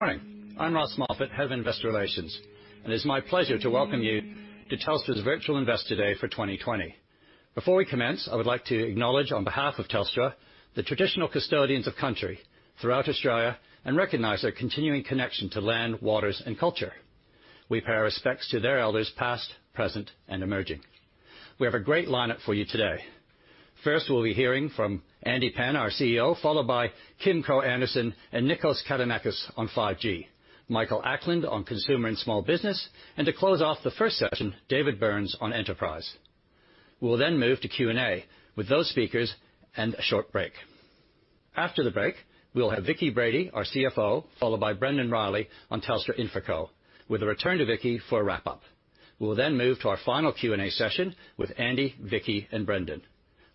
Morning. I'm Ross Moffat, Head of Investor Relations, and it is my pleasure to welcome you to Telstra's Virtual Investor Day for 2020. Before we commence, I would like to acknowledge, on behalf of Telstra, the traditional custodians of country throughout Australia and recognize our continuing connection to land, waters, and culture. We pay our respects to their elders past, present, and emerging. We have a great line-up for you today. First, we'll be hearing from Andy Penn, our CEO, followed by Kim Krogh Andersen and Nikos Katinakis on 5G, Michael Ackland on consumer and small business, and to close off the first session, David Burns on enterprise. We'll then move to Q&A with those speakers and a short break. After the break, we'll have Vicki Brady, our CFO, followed by Brendon Riley on Telstra InfraCo, with a return to Vicki for a wrap-up. We'll then move to our final Q&A session with Andy, Vicki, and Brendon.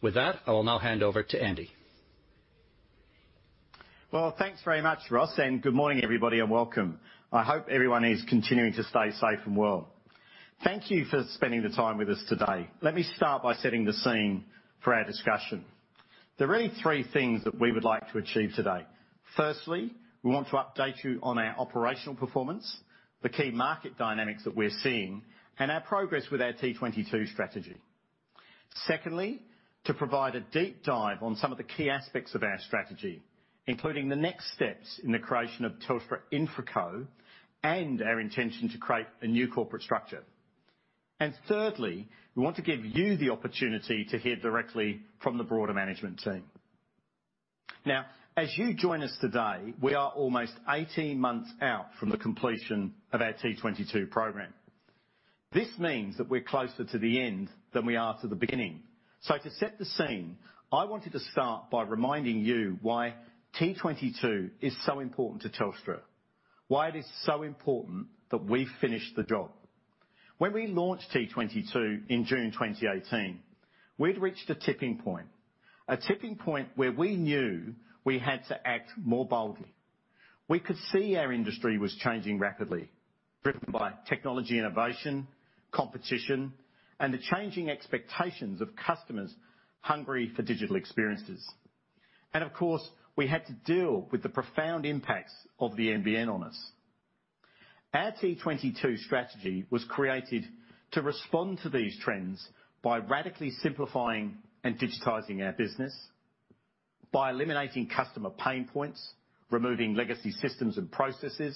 With that, I will now hand over to Andy. Well, thanks very much, Ross, and good morning, everybody, and welcome. I hope everyone is continuing to stay safe and well. Thank you for spending the time with us today. Let me start by setting the scene for our discussion. There are really three things that we would like to achieve today. Firstly, we want to update you on our operational performance, the key market dynamics that we're seeing, and our progress with our T22 strategy. Secondly, to provide a deep dive on some of the key aspects of our strategy, including the next steps in the creation of Telstra InfraCo and our intention to create a new corporate structure. And thirdly, we want to give you the opportunity to hear directly from the broader management team. Now, as you join us today, we are almost 18 months out from the completion of our T22 program. This means that we're closer to the end than we are to the beginning. So, to set the scene, I wanted to start by reminding you why T22 is so important to Telstra, why it is so important that we finish the job. When we launched T22 in June 2018, we'd reached a tipping point, a tipping point where we knew we had to act more boldly. We could see our industry was changing rapidly, driven by technology innovation, competition, and the changing expectations of customers hungry for digital experiences. And of course, we had to deal with the profound impacts of the NBN on us. Our T22 strategy was created to respond to these trends by radically simplifying and digitizing our business, by eliminating customer pain points, removing legacy systems and processes,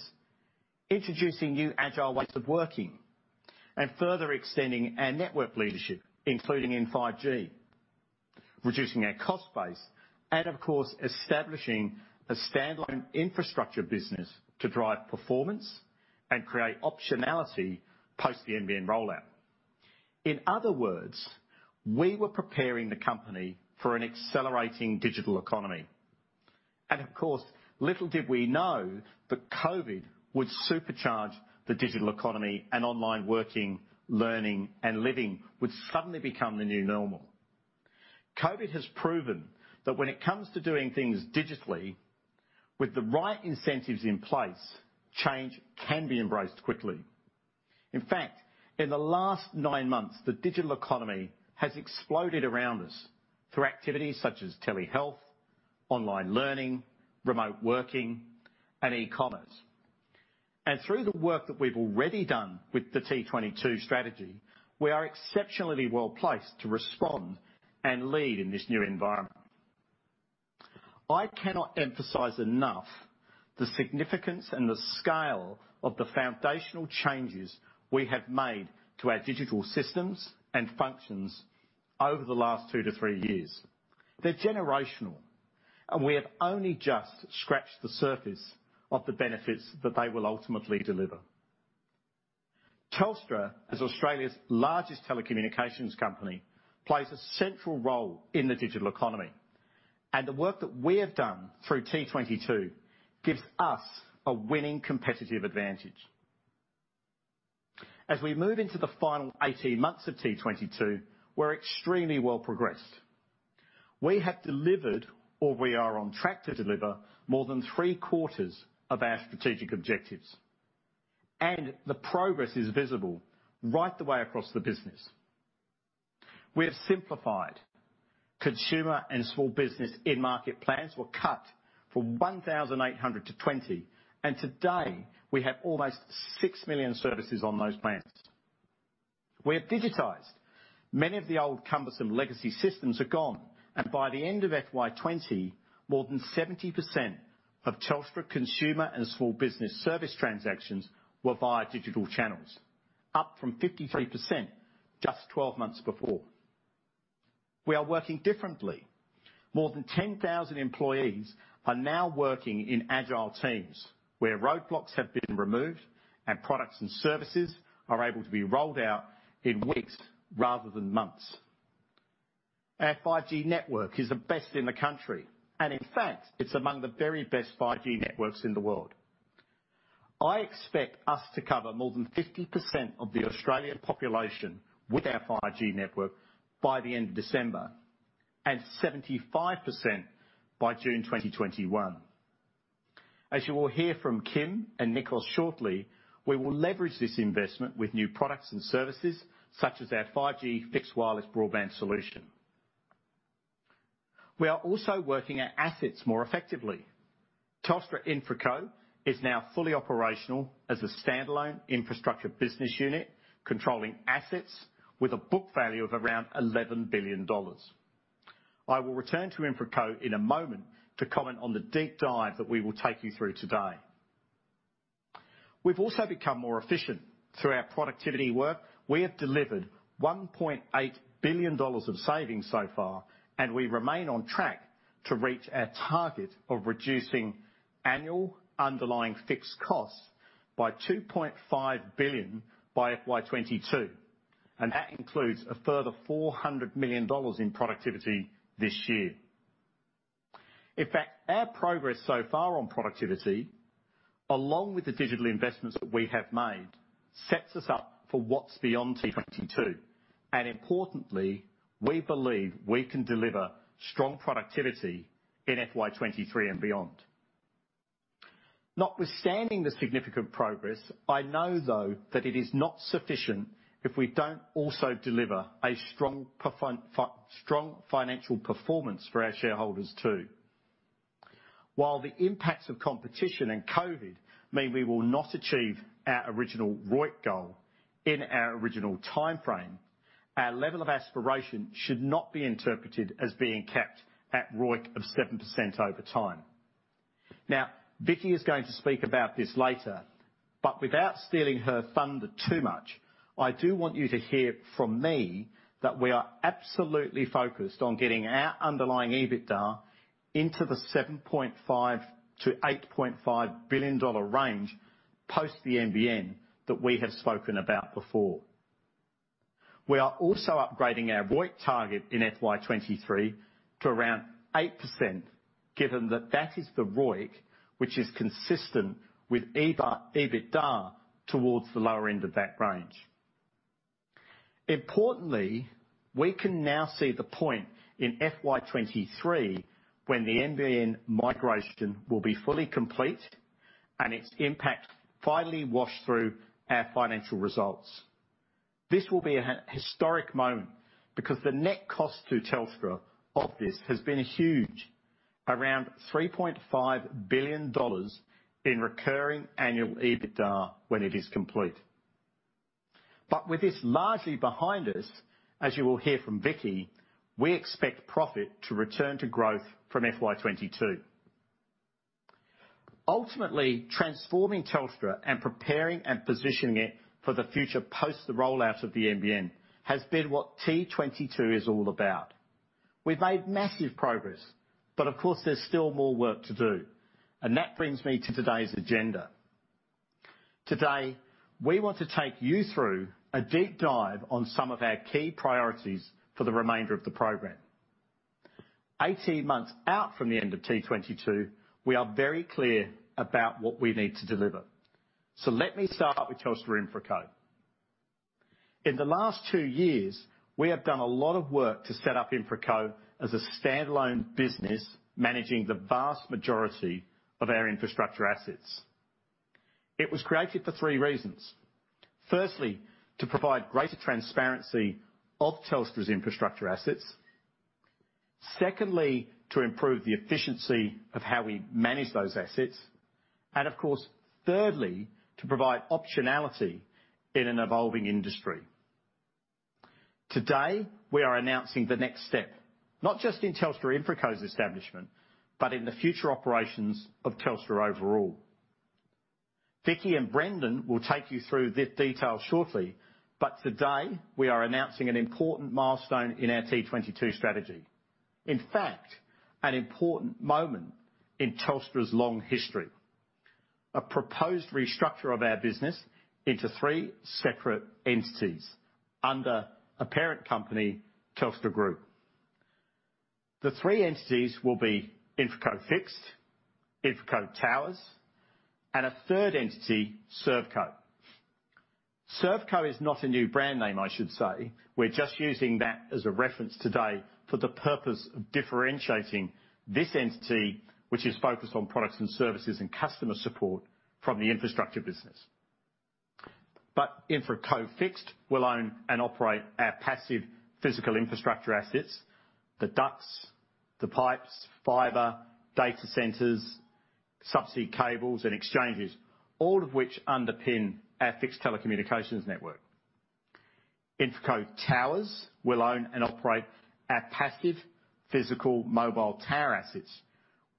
introducing new agile ways of working, and further extending our network leadership, including in 5G, reducing our cost base, and of course, establishing a standalone infrastructure business to drive performance and create optionality post the NBN rollout. In other words, we were preparing the company for an accelerating digital economy. Of course, little did we know that COVID would supercharge the digital economy and online working, learning, and living would suddenly become the new normal. COVID has proven that when it comes to doing things digitally, with the right incentives in place, change can be embraced quickly. In fact, in the last nine months, the digital economy has exploded around us through activities such as telehealth, online learning, remote working, and e-commerce. Through the work that we've already done with the T22 strategy, we are exceptionally well placed to respond and lead in this new environment. I cannot emphasize enough the significance and the scale of the foundational changes we have made to our digital systems and functions over the last 2-3 years. They're generational, and we have only just scratched the surface of the benefits that they will ultimately deliver. Telstra, as Australia's largest telecommunications company, plays a central role in the digital economy, and the work that we have done through T22 gives us a winning competitive advantage. As we move into the final 18 months of T22, we're extremely well progressed. We have delivered, or we are on track to deliver, more than three-quarters of our strategic objectives, and the progress is visible right the way across the business. We have simplified consumer and small business in-market plans, were cut from 1,800 to 20, and today we have almost 6 million services on those plans. We have digitized. Many of the old cumbersome legacy systems are gone, and by the end of FY2020, more than 70% of Telstra consumer and small business service transactions were via digital channels, up from 53% just 12 months before. We are working differently. More than 10,000 employees are now working in agile teams where roadblocks have been removed and products and services are able to be rolled out in weeks rather than months. Our 5G network is the best in the country, and in fact, it's among the very best 5G networks in the world. I expect us to cover more than 50% of the Australian population with our 5G network by the end of December and 75% by June 2021. As you will hear from Kim and Nikos shortly, we will leverage this investment with new products and services such as our 5G fixed wireless broadband solution. We are also working our assets more effectively. Telstra InfraCo is now fully operational as a standalone infrastructure business unit controlling assets with a book value of around 11 billion dollars. I will return to InfraCo in a moment to comment on the deep dive that we will take you through today. We've also become more efficient through our productivity work. We have delivered 1.8 billion dollars of savings so far, and we remain on track to reach our target of reducing annual underlying fixed costs by 2.5 billion by FY2022, and that includes a further 400 million dollars in productivity this year. In fact, our progress so far on productivity, along with the digital investments that we have made, sets us up for what's beyond T22. Importantly, we believe we can deliver strong productivity in FY2023 and beyond. Notwithstanding the significant progress, I know, though, that it is not sufficient if we don't also deliver a strong financial performance for our shareholders too. While the impacts of competition and COVID mean we will not achieve our original ROIC goal in our original timeframe, our level of aspiration should not be interpreted as being capped at ROIC of 7% over time. Now, Vicki is going to speak about this later, but without stealing her thunder too much, I do want you to hear from me that we are absolutely focused on getting our underlying EBITDA into the $7.5-$8.5 billion range post the NBN that we have spoken about before. We are also upgrading our ROIC target in FY2023 to around 8%, given that that is the ROIC which is consistent with EBITDA towards the lower end of that range. Importantly, we can now see the point in FY2023 when the NBN migration will be fully complete and its impact finally wash through our financial results. This will be a historic moment because the net cost to Telstra of this has been huge, around 3.5 billion dollars in recurring annual EBITDA when it is complete. But with this largely behind us, as you will hear from Vicki, we expect profit to return to growth from FY2022. Ultimately, transforming Telstra and preparing and positioning it for the future post the rollout of the NBN has been what T22 is all about. We've made massive progress, but of course, there's still more work to do, and that brings me to today's agenda. Today, we want to take you through a deep dive on some of our key priorities for the remainder of the program. 18 months out from the end of T22, we are very clear about what we need to deliver. So let me start with Telstra InfraCo. In the last 2 years, we have done a lot of work to set up InfraCo as a standalone business managing the vast majority of our infrastructure assets. It was created for 3 reasons. Firstly, to provide greater transparency of Telstra's infrastructure assets. Secondly, to improve the efficiency of how we manage those assets. Of course, thirdly, to provide optionality in an evolving industry. Today, we are announcing the next step, not just in Telstra InfraCo's establishment, but in the future operations of Telstra overall. Vicki and Brendon will take you through this detail shortly, but today we are announcing an important milestone in our T22 strategy. In fact, an important moment in Telstra's long history, a proposed restructure of our business into three separate entities under a parent company, Telstra Group. The three entities will be InfraCo Fixed, InfraCo Towers, and a third entity, ServeCo. ServeCo is not a new brand name, I should say. We're just using that as a reference today for the purpose of differentiating this entity, which is focused on products and services and customer support from the infrastructure business. But InfraCo Fixed will own and operate our passive physical infrastructure assets, the ducts, the pipes, fiber, data centers, subsea cables, and exchanges, all of which underpin our fixed telecommunications network. InfraCo Towers will own and operate our passive physical mobile tower assets,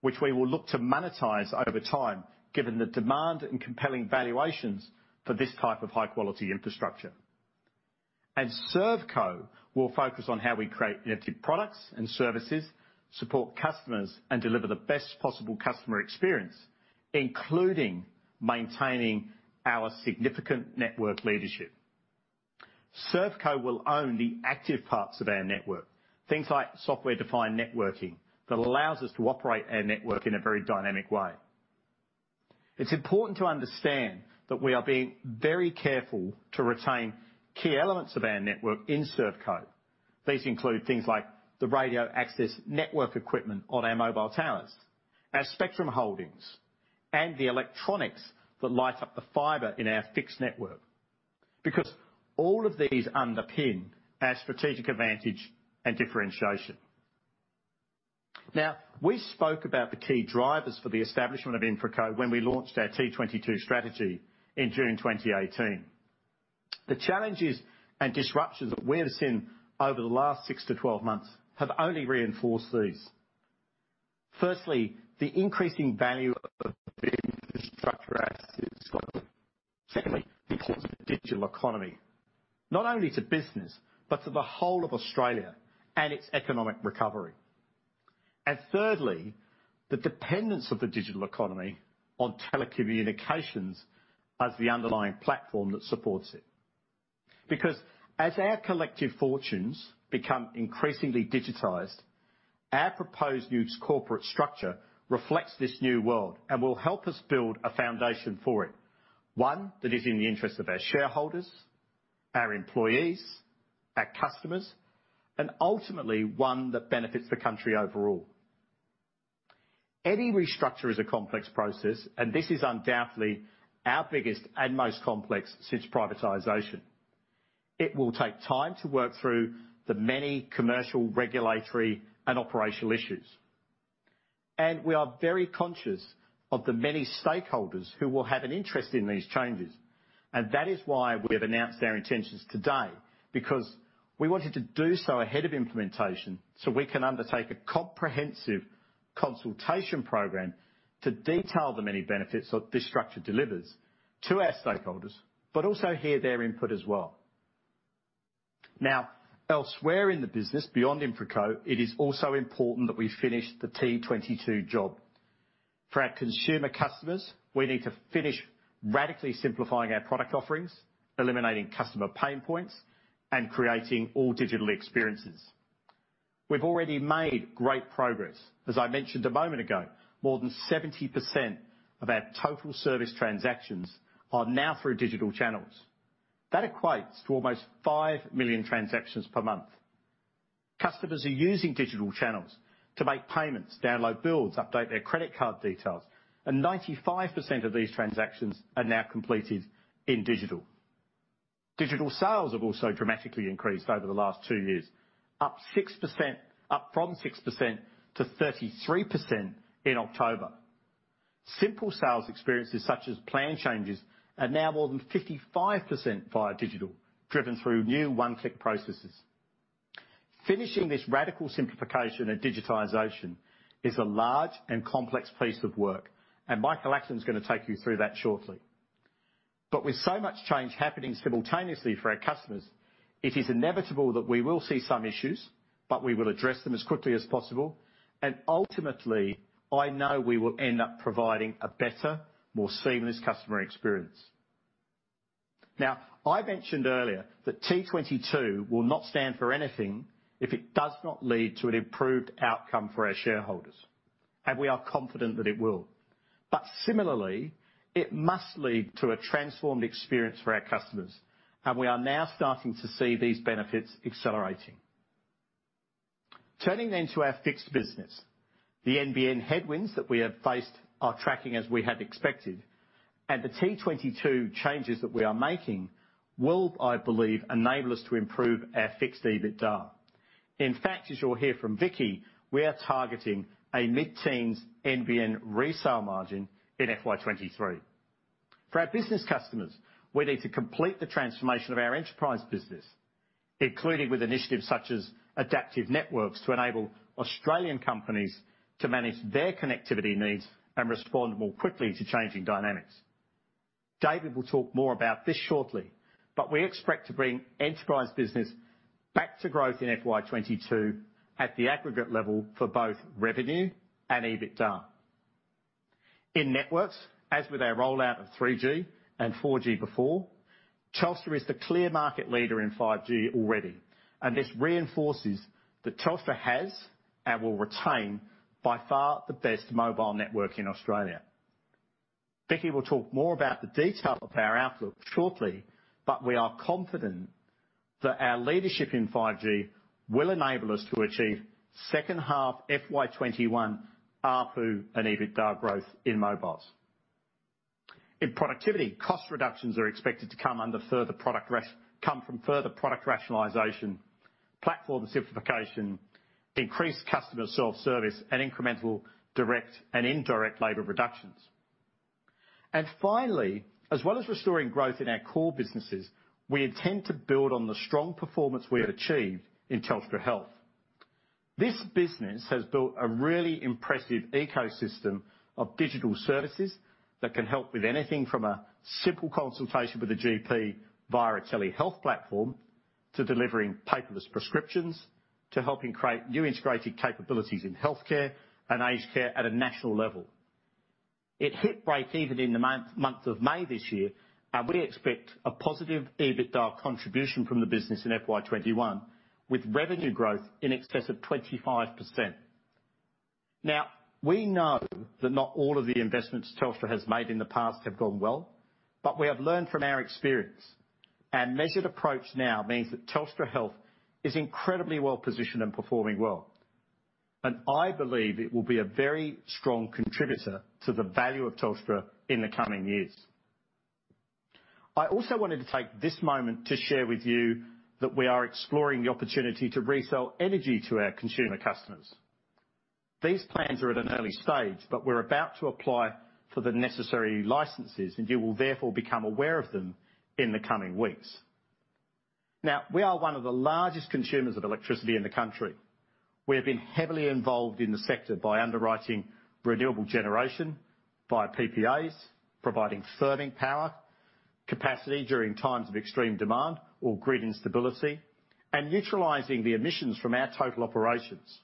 which we will look to monetize over time given the demand and compelling valuations for this type of high-quality infrastructure. ServeCo will focus on how we create products and services, support customers, and deliver the best possible customer experience, including maintaining our significant network leadership. ServeCo will own the active parts of our network, things like software-defined networking that allows us to operate our network in a very dynamic way. It's important to understand that we are being very careful to retain key elements of our network in ServeCo. These include things like the radio access network equipment on our mobile towers, our spectrum holdings, and the electronics that light up the fiber in our fixed network because all of these underpin our strategic advantage and differentiation. Now, we spoke about the key drivers for the establishment of InfraCo when we launched our T22 strategy in June 2018. The challenges and disruptions that we have seen over the last 6-12 months have only reinforced these. Firstly, the increasing value of infrastructure assets. Secondly, because of the digital economy, not only to business, but to the whole of Australia and its economic recovery. And thirdly, the dependence of the digital economy on telecommunications as the underlying platform that supports it. Because as our collective fortunes become increasingly digitized, our proposed new corporate structure reflects this new world and will help us build a foundation for it, one that is in the interest of our shareholders, our employees, our customers, and ultimately one that benefits the country overall. Any restructure is a complex process, and this is undoubtedly our biggest and most complex since privatization. It will take time to work through the many commercial, regulatory, and operational issues. We are very conscious of the many stakeholders who will have an interest in these changes, and that is why we have announced our intentions today because we wanted to do so ahead of implementation so we can undertake a comprehensive consultation program to detail the many benefits that this structure delivers to our stakeholders, but also hear their input as well. Now, elsewhere in the business beyond InfraCo, it is also important that we finish the T22 job. For our consumer customers, we need to finish radically simplifying our product offerings, eliminating customer pain points, and creating all digital experiences. We've already made great progress. As I mentioned a moment ago, more than 70% of our total service transactions are now through digital channels. That equates to almost 5 million transactions per month. Customers are using digital channels to make payments, download builds, update their credit card details, and 95% of these transactions are now completed in digital. Digital sales have also dramatically increased over the last two years, up from 6%-33% in October. Simple sales experiences such as plan changes are now more than 55% via digital, driven through new one-click processes. Finishing this radical simplification and digitization is a large and complex piece of work, and Michael Ackland's going to take you through that shortly. With so much change happening simultaneously for our customers, it is inevitable that we will see some issues, but we will address them as quickly as possible. Ultimately, I know we will end up providing a better, more seamless customer experience. Now, I mentioned earlier that T22 will not stand for anything if it does not lead to an improved outcome for our shareholders, and we are confident that it will. But similarly, it must lead to a transformed experience for our customers, and we are now starting to see these benefits accelerating. Turning then to our fixed business, the NBN headwinds that we have faced are tracking as we had expected, and the T22 changes that we are making will, I believe, enable us to improve our fixed EBITDA. In fact, as you'll hear from Vicki, we are targeting a mid-teens NBN resale margin in FY2023. For our business customers, we need to complete the transformation of our enterprise business, including with initiatives such as adaptive networks to enable Australian companies to manage their connectivity needs and respond more quickly to changing dynamics. David will talk more about this shortly, but we expect to bring enterprise business back to growth in FY2022 at the aggregate level for both revenue and EBITDA. In networks, as with our rollout of 3G and 4G before, Telstra is the clear market leader in 5G already, and this reinforces that Telstra has and will retain by far the best mobile network in Australia. Vicki will talk more about the detail of our outlook shortly, but we are confident that our leadership in 5G will enable us to achieve second half FY2021 ARPU and EBITDA growth in mobiles. In productivity, cost reductions are expected to come from further product rationalization, platform simplification, increased customer self-service, and incremental direct and indirect labor reductions. Finally, as well as restoring growth in our core businesses, we intend to build on the strong performance we have achieved in Telstra Health. This business has built a really impressive ecosystem of digital services that can help with anything from a simple consultation with a GP via a telehealth platform to delivering paperless prescriptions to helping create new integrated capabilities in healthcare and aged care at a national level. It hit break even in the month of May this year, and we expect a positive EBITDA contribution from the business in FY2021 with revenue growth in excess of 25%. Now, we know that not all of the investments Telstra has made in the past have gone well, but we have learned from our experience. Our measured approach now means that Telstra Health is incredibly well positioned and performing well, and I believe it will be a very strong contributor to the value of Telstra in the coming years. I also wanted to take this moment to share with you that we are exploring the opportunity to resell energy to our consumer customers. These plans are at an early stage, but we're about to apply for the necessary licenses, and you will therefore become aware of them in the coming weeks. Now, we are one of the largest consumers of electricity in the country. We have been heavily involved in the sector by underwriting renewable generation by PPAs, providing firming power capacity during times of extreme demand or grid instability, and neutralizing the emissions from our total operations.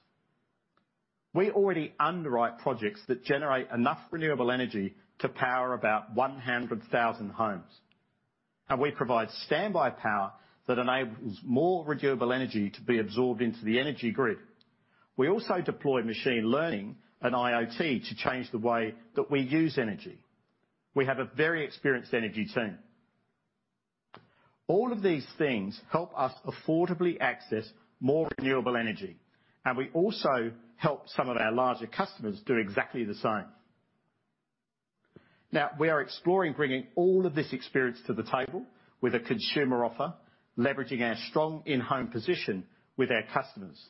We already underwrite projects that generate enough renewable energy to power about 100,000 homes, and we provide standby power that enables more renewable energy to be absorbed into the energy grid. We also deploy machine learning and IoT to change the way that we use energy. We have a very experienced energy team. All of these things help us affordably access more renewable energy, and we also help some of our larger customers do exactly the same. Now, we are exploring bringing all of this experience to the table with a consumer offer, leveraging our strong in-home position with our customers,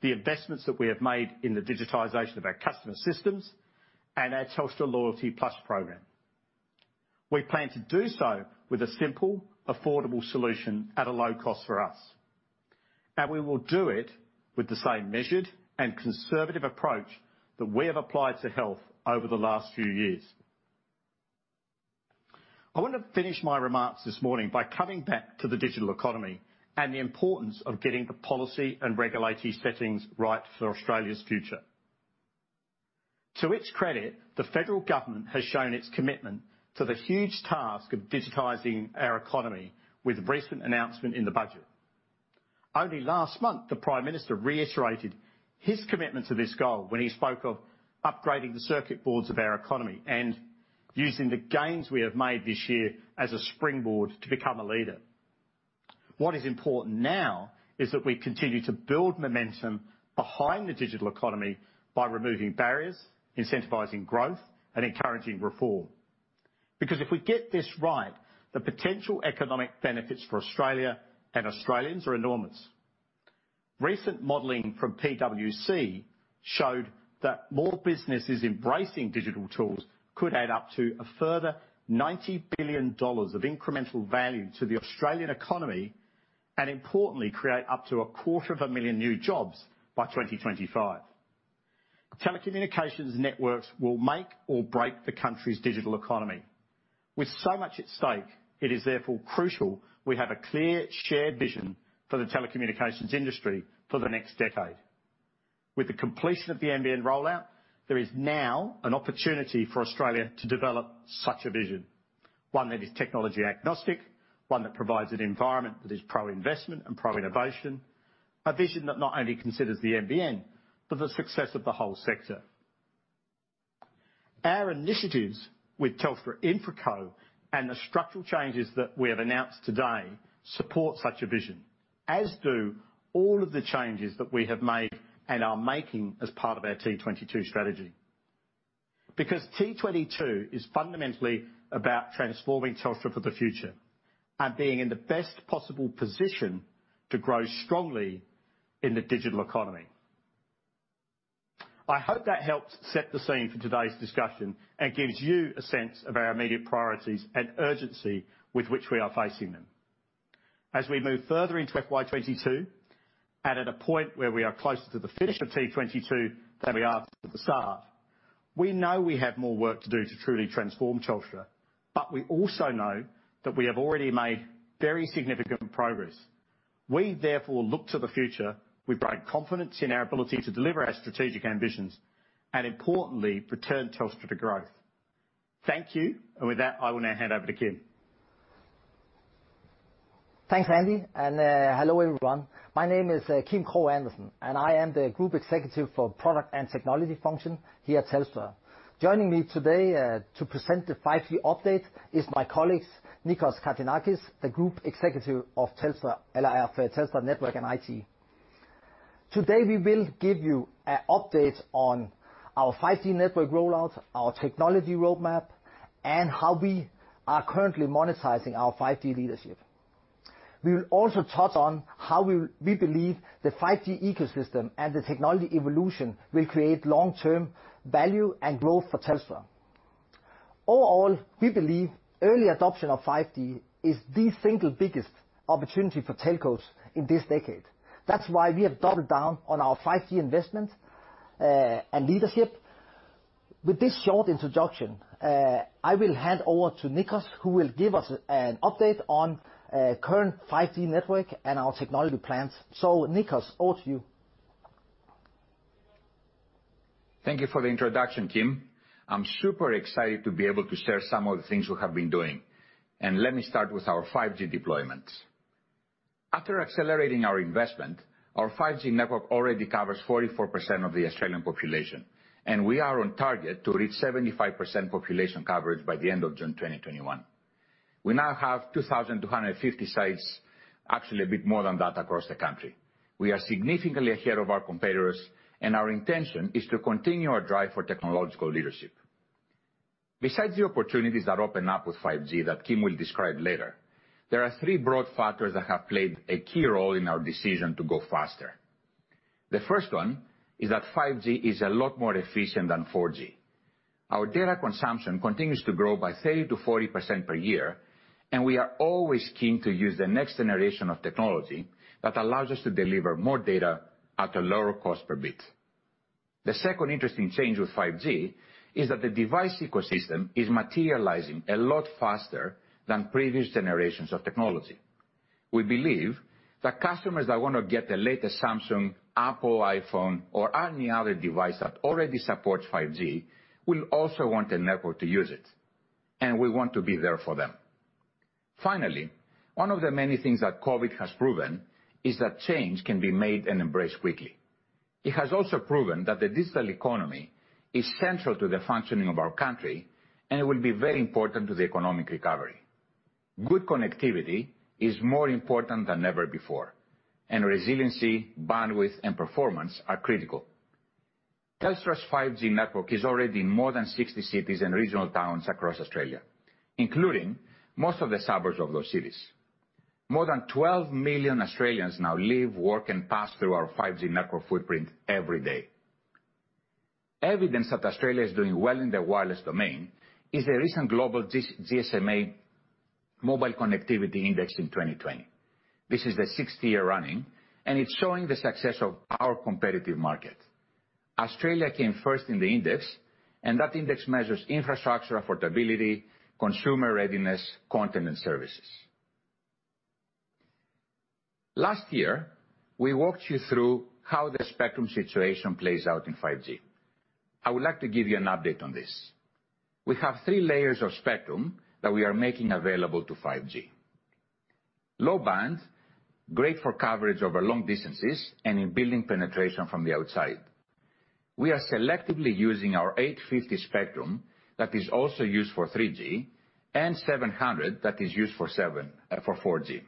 the investments that we have made in the digitization of our customer systems, and our Telstra Loyalty Plus program. We plan to do so with a simple, affordable solution at a low cost for us, and we will do it with the same measured and conservative approach that we have applied to health over the last few years. I want to finish my remarks this morning by coming back to the digital economy and the importance of getting the policy and regulatory settings right for Australia's future. To its credit, the federal government has shown its commitment to the huge task of digitizing our economy with recent announcement in the budget. Only last month, the Prime Minister reiterated his commitment to this goal when he spoke of upgrading the circuit boards of our economy and using the gains we have made this year as a springboard to become a leader. What is important now is that we continue to build momentum behind the digital economy by removing barriers, incentivizing growth, and encouraging reform. Because if we get this right, the potential economic benefits for Australia and Australians are enormous. Recent modeling from PwC showed that more businesses embracing digital tools could add up to a further 90 billion dollars of incremental value to the Australian economy and, importantly, create up to 250,000 new jobs by 2025. Telecommunications networks will make or break the country's digital economy. With so much at stake, it is therefore crucial we have a clear shared vision for the telecommunications industry for the next decade. With the completion of the NBN rollout, there is now an opportunity for Australia to develop such a vision, one that is technology agnostic, one that provides an environment that is pro-investment and pro-innovation, a vision that not only considers the NBN, but the success of the whole sector. Our initiatives with Telstra InfraCo and the structural changes that we have announced today support such a vision, as do all of the changes that we have made and are making as part of our T22 strategy. Because T22 is fundamentally about transforming Telstra for the future and being in the best possible position to grow strongly in the digital economy. I hope that helps set the scene for today's discussion and gives you a sense of our immediate priorities and urgency with which we are facing them. As we move further into FY2022, at a point where we are closer to the finish of T22 than we are to the start, we know we have more work to do to truly transform Telstra, but we also know that we have already made very significant progress. We therefore look to the future with great confidence in our ability to deliver our strategic ambitions and, importantly, return Telstra to growth. Thank you, and with that, I will now hand over to Kim. Thanks, Andy, and hello everyone. My name is Kim Krogh Andersen, and I am the Group Executive for Product and Technology Function here at Telstra. Joining me today to present the 5G update is my colleague Nikos Katinakis, the Group Executive, Networks & IT at Telstra. Today, we will give you an update on our 5G network rollout, our technology roadmap, and how we are currently monetizing our 5G leadership. We will also touch on how we believe the 5G ecosystem and the technology evolution will create long-term value and growth for Telstra. Overall, we believe early adoption of 5G is the single biggest opportunity for telcos in this decade. That's why we have doubled down on our 5G investment and leadership. With this short introduction, I will hand over to Nikos, who will give us an update on current 5G network and our technology plans. So, Nikos, over to you. Thank you for the introduction, Kim. I'm super excited to be able to share some of the things we have been doing, and let me start with our 5G deployments. After accelerating our investment, our 5G network already covers 44% of the Australian population, and we are on target to reach 75% population coverage by the end of June 2021. We now have 2,250 sites, actually a bit more than that across the country. We are significantly ahead of our competitors, and our intention is to continue our drive for technological leadership. Besides the opportunities that open up with 5G that Kim will describe later, there are three broad factors that have played a key role in our decision to go faster. The first one is that 5G is a lot more efficient than 4G. Our data consumption continues to grow by 30%-40% per year, and we are always keen to use the next generation of technology that allows us to deliver more data at a lower cost per bit. The second interesting change with 5G is that the device ecosystem is materializing a lot faster than previous generations of technology. We believe that customers that want to get the latest Samsung, Apple, iPhone, or any other device that already supports 5G will also want a network to use it, and we want to be there for them. Finally, one of the many things that COVID has proven is that change can be made and embraced quickly. It has also proven that the digital economy is central to the functioning of our country, and it will be very important to the economic recovery. Good connectivity is more important than ever before, and resiliency, bandwidth, and performance are critical. Telstra's 5G network is already in more than 60 cities and regional towns across Australia, including most of the suburbs of those cities. More than 12 million Australians now live, work, and pass through our 5G network footprint every day. Evidence that Australia is doing well in the wireless domain is the recent global GSMA Mobile Connectivity Index in 2020. This is the sixth year running, and it's showing the success of our competitive market. Australia came first in the index, and that index measures infrastructure affordability, consumer readiness, content, and services. Last year, we walked you through how the spectrum situation plays out in 5G. I would like to give you an update on this. We have three layers of spectrum that we are making available to 5G: low band, great for coverage over long distances and in-building penetration from the outside. We are selectively using our 850 spectrum that is also used for 3G and 700 that is used for 4G.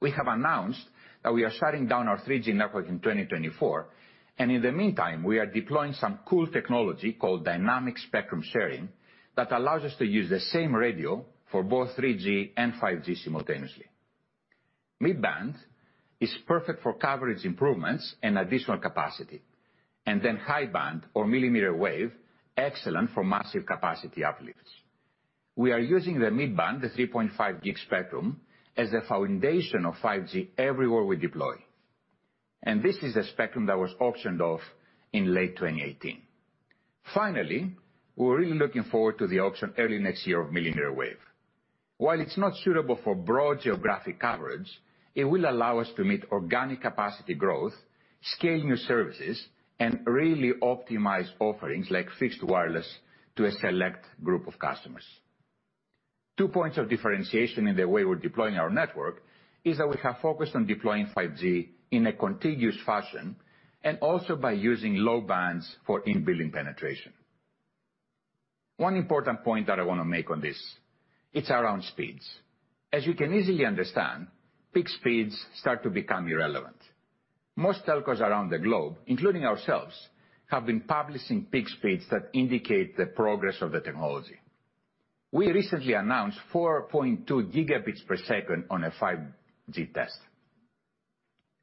We have announced that we are shutting down our 3G network in 2024, and in the meantime, we are deploying some cool technology called dynamic spectrum sharing that allows us to use the same radio for both 3G and 5G simultaneously. Mid band is perfect for coverage improvements and additional capacity, and then high band or millimeter wave, excellent for massive capacity uplifts. We are using the mid band, the 3.5 gig spectrum, as the foundation of 5G everywhere we deploy, and this is the spectrum that was auctioned off in late 2018. Finally, we're really looking forward to the option early next year of millimeter wave. While it's not suitable for broad geographic coverage, it will allow us to meet organic capacity growth, scale new services, and really optimize offerings like fixed wireless to a select group of customers. Two points of differentiation in the way we're deploying our network is that we have focused on deploying 5G in a contiguous fashion and also by using low bands for in-building penetration. One important point that I want to make on this: it's around speeds. As you can easily understand, peak speeds start to become irrelevant. Most telcos around the globe, including ourselves, have been publishing peak speeds that indicate the progress of the technology. We recently announced 4.2 Gbps on a 5G test.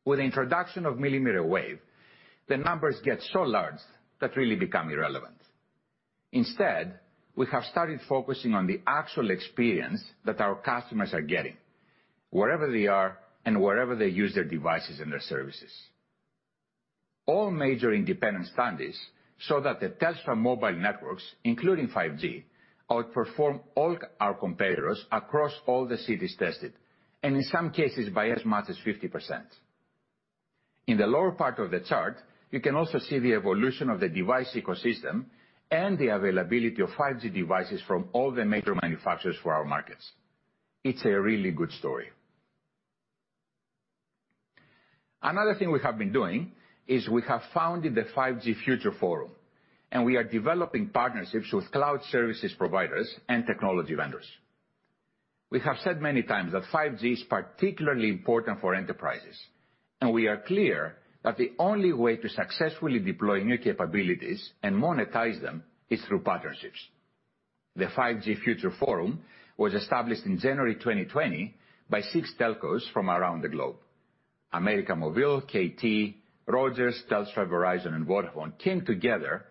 With the introduction of millimeter wave, the numbers get so large that they really become irrelevant. Instead, we have started focusing on the actual experience that our customers are getting, wherever they are and wherever they use their devices and their services. All major independent studies show that the Telstra mobile networks, including 5G, outperform all our competitors across all the cities tested, and in some cases, by as much as 50%. In the lower part of the chart, you can also see the evolution of the device ecosystem and the availability of 5G devices from all the major manufacturers for our markets. It's a really good story. Another thing we have been doing is we have founded the 5G Future Forum, and we are developing partnerships with cloud services providers and technology vendors. We have said many times that 5G is particularly important for enterprises, and we are clear that the only way to successfully deploy new capabilities and monetize them is through partnerships. The 5G Future Forum was established in January 2020 by six telcos from around the globe: America Movil, KT, Rogers, Telstra, Verizon, and Vodafone came together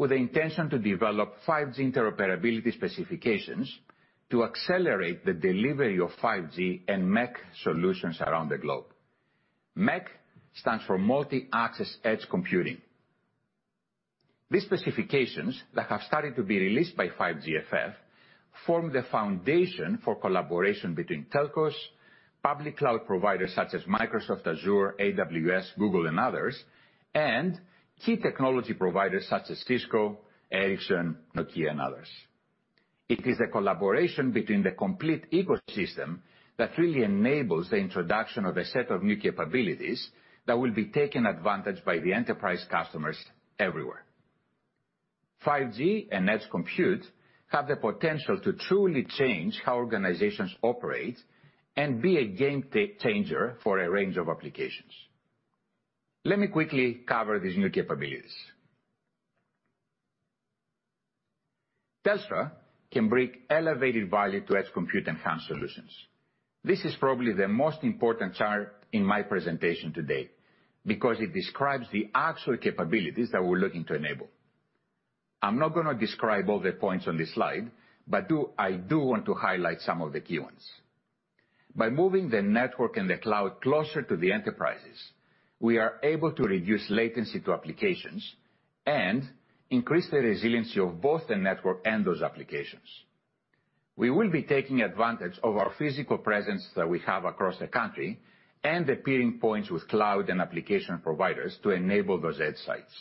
with the intention to develop 5G interoperability specifications to accelerate the delivery of 5G and MEC solutions around the globe. MEC stands for Multi-Access Edge Computing. These specifications that have started to be released by 5GFF form the foundation for collaboration between telcos, public cloud providers such as Microsoft, Azure, AWS, Google, and others, and key technology providers such as Cisco, Ericsson, Nokia, and others. It is the collaboration between the complete ecosystem that really enables the introduction of a set of new capabilities that will be taken advantage of by the enterprise customers everywhere. 5G and edge compute have the potential to truly change how organizations operate and be a game changer for a range of applications. Let me quickly cover these new capabilities. Telstra can bring elevated value to edge compute enhanced solutions. This is probably the most important chart in my presentation today because it describes the actual capabilities that we're looking to enable. I'm not going to describe all the points on this slide, but I do want to highlight some of the key ones. By moving the network and the cloud closer to the enterprises, we are able to reduce latency to applications and increase the resiliency of both the network and those applications. We will be taking advantage of our physical presence that we have across the country and the peering points with cloud and application providers to enable those edge sites.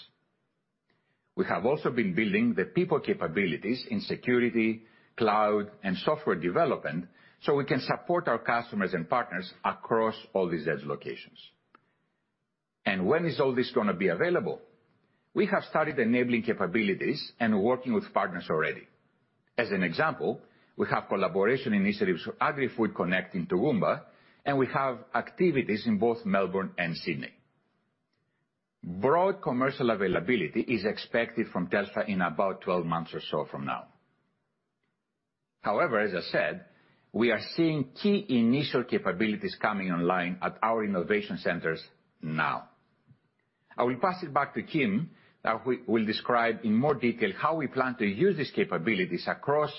We have also been building the people capabilities in security, cloud, and software development so we can support our customers and partners across all these edge locations. When is all this going to be available? We have started enabling capabilities and working with partners already. As an example, we have collaboration initiatives for AgriFood Connect in Toowoomba, and we have activities in both Melbourne and Sydney. Broad commercial availability is expected from Telstra in about 12 months or so from now. However, as I said, we are seeing key initial capabilities coming online at our innovation centers now. I will pass it back to Kim that will describe in more detail how we plan to use these capabilities across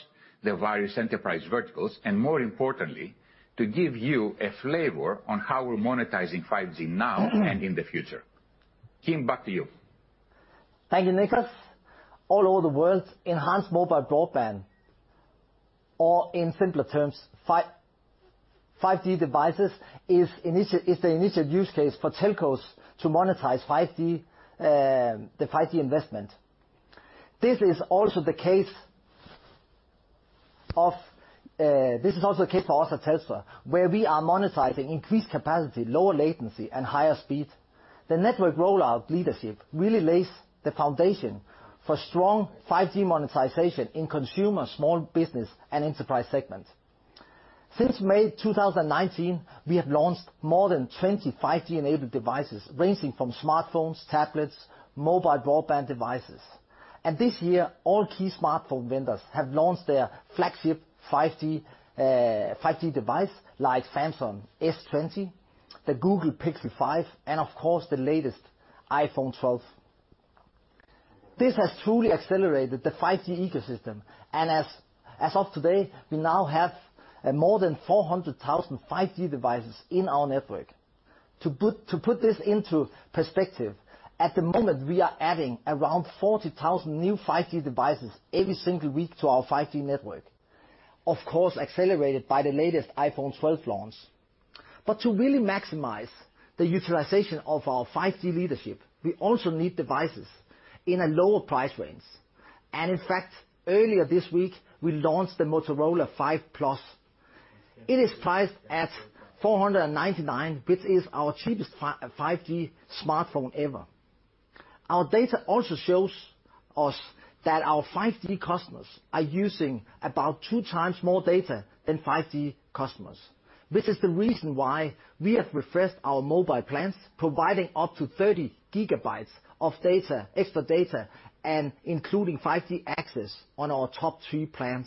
the various enterprise verticals and, more importantly, to give you a flavor on how we're monetizing 5G now and in the future. Kim, back to you. Thank you, Nikos. All over the world, enhanced mobile broadband, or in simpler terms, 5G devices is the initial use case for telcos to monetize the 5G investment. This is also the case for us at Telstra, where we are monetizing increased capacity, lower latency, and higher speed. The network rollout leadership really lays the foundation for strong 5G monetization in consumer, small business, and enterprise segments. Since May 2019, we have launched more than 20 5G-enabled devices ranging from smartphones, tablets, mobile broadband devices. This year, all key smartphone vendors have launched their flagship 5G device like Samsung S20, the Google Pixel 5, and of course, the latest iPhone 12. This has truly accelerated the 5G ecosystem, and as of today, we now have more than 400,000 5G devices in our network. To put this into perspective, at the moment, we are adding around 40,000 new 5G devices every single week to our 5G network, of course, accelerated by the latest iPhone 12 launch. But to really maximize the utilization of our 5G leadership, we also need devices in a lower price range. And in fact, earlier this week, we launched the Motorola 5G Plus. It is priced at 499, which is our cheapest 5G smartphone ever. Our data also shows us that our 5G customers are using about two times more data than 5G customers, which is the reason why we have refreshed our mobile plans, providing up to 30 GB of extra data and including 5G access on our top three plans.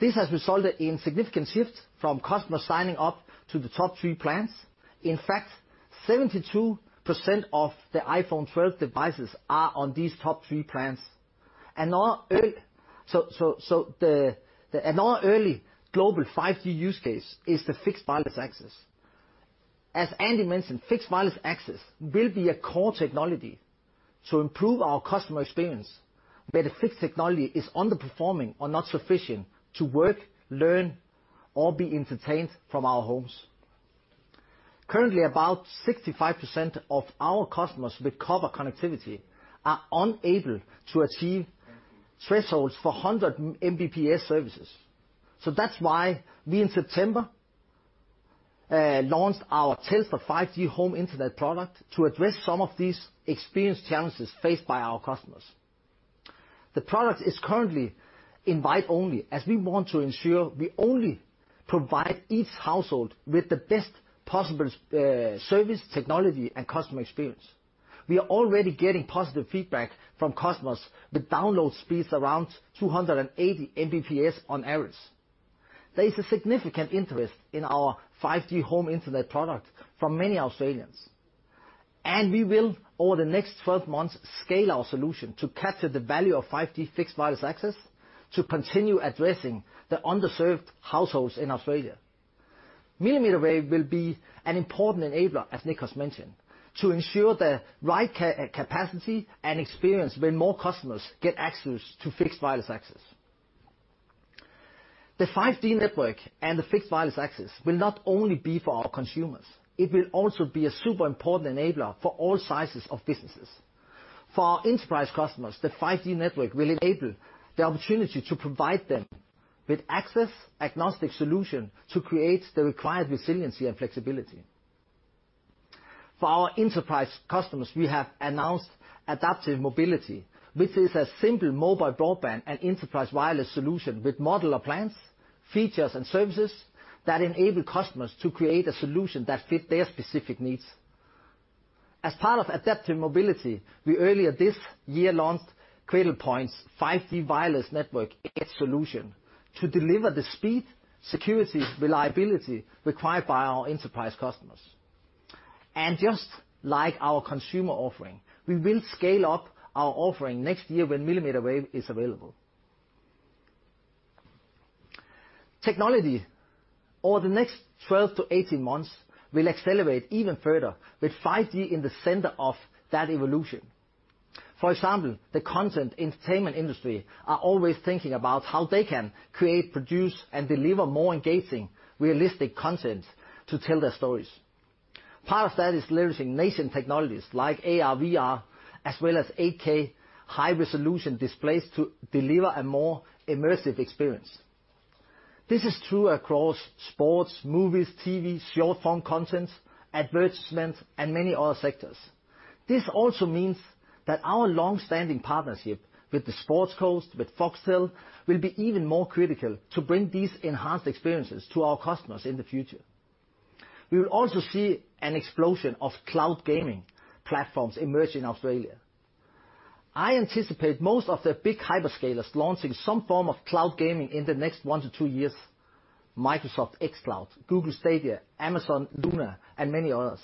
This has resulted in a significant shift from customers signing up to the top three plans. In fact, 72% of the iPhone 12 devices are on these top three plans. So the global 5G use case is the fixed wireless access. As Andy mentioned, fixed wireless access will be a core technology to improve our customer experience, but the fixed technology is underperforming or not sufficient to work, learn, or be entertained from our homes. Currently, about 65% of our customers with covered connectivity are unable to achieve thresholds for 100 Mbps services. So that's why we, in September, launched our Telstra 5G Home Internet product to address some of these experience challenges faced by our customers. The product is currently invite-only as we want to ensure we only provide each household with the best possible service, technology, and customer experience. We are already getting positive feedback from customers with download speeds around 280 Mbps on average. There is a significant interest in our 5G home internet product from many Australians. We will, over the next 12 months, scale our solution to capture the value of 5G fixed wireless access to continue addressing the underserved households in Australia. Millimeter wave will be an important enabler, as Nikos mentioned, to ensure the right capacity and experience when more customers get access to fixed wireless access. The 5G network and the fixed wireless access will not only be for our consumers. It will also be a super important enabler for all sizes of businesses. For our enterprise customers, the 5G network will enable the opportunity to provide them with access-agnostic solutions to create the required resiliency and flexibility. For our enterprise customers, we have announced adaptive mobility, which is a simple mobile broadband and enterprise wireless solution with modular plans, features, and services that enable customers to create a solution that fits their specific needs. As part of adaptive mobility, we earlier this year launched Cradlepoint 5G Wireless Network Edge Solution to deliver the speed, security, and reliability required by our enterprise customers. Just like our consumer offering, we will scale up our offering next year when millimeter wave is available. Technology, over the next 12-18 months, will accelerate even further with 5G in the center of that evolution. For example, the content entertainment industry is always thinking about how they can create, produce, and deliver more engaging, realistic content to tell their stories. Part of that is leveraging nascent technologies like AR, VR, as well as 8K high-resolution displays to deliver a more immersive experience. This is true across sports, movies, TV, short-form content, advertisement, and many other sectors. This also means that our long-standing partnership with Fox Sports, with Foxtel, will be even more critical to bring these enhanced experiences to our customers in the future. We will also see an explosion of cloud gaming platforms emerging in Australia. I anticipate most of the big hyperscalers launching some form of cloud gaming in the next 1-2 years: Microsoft xCloud, Google Stadia, Amazon Luna, and many others.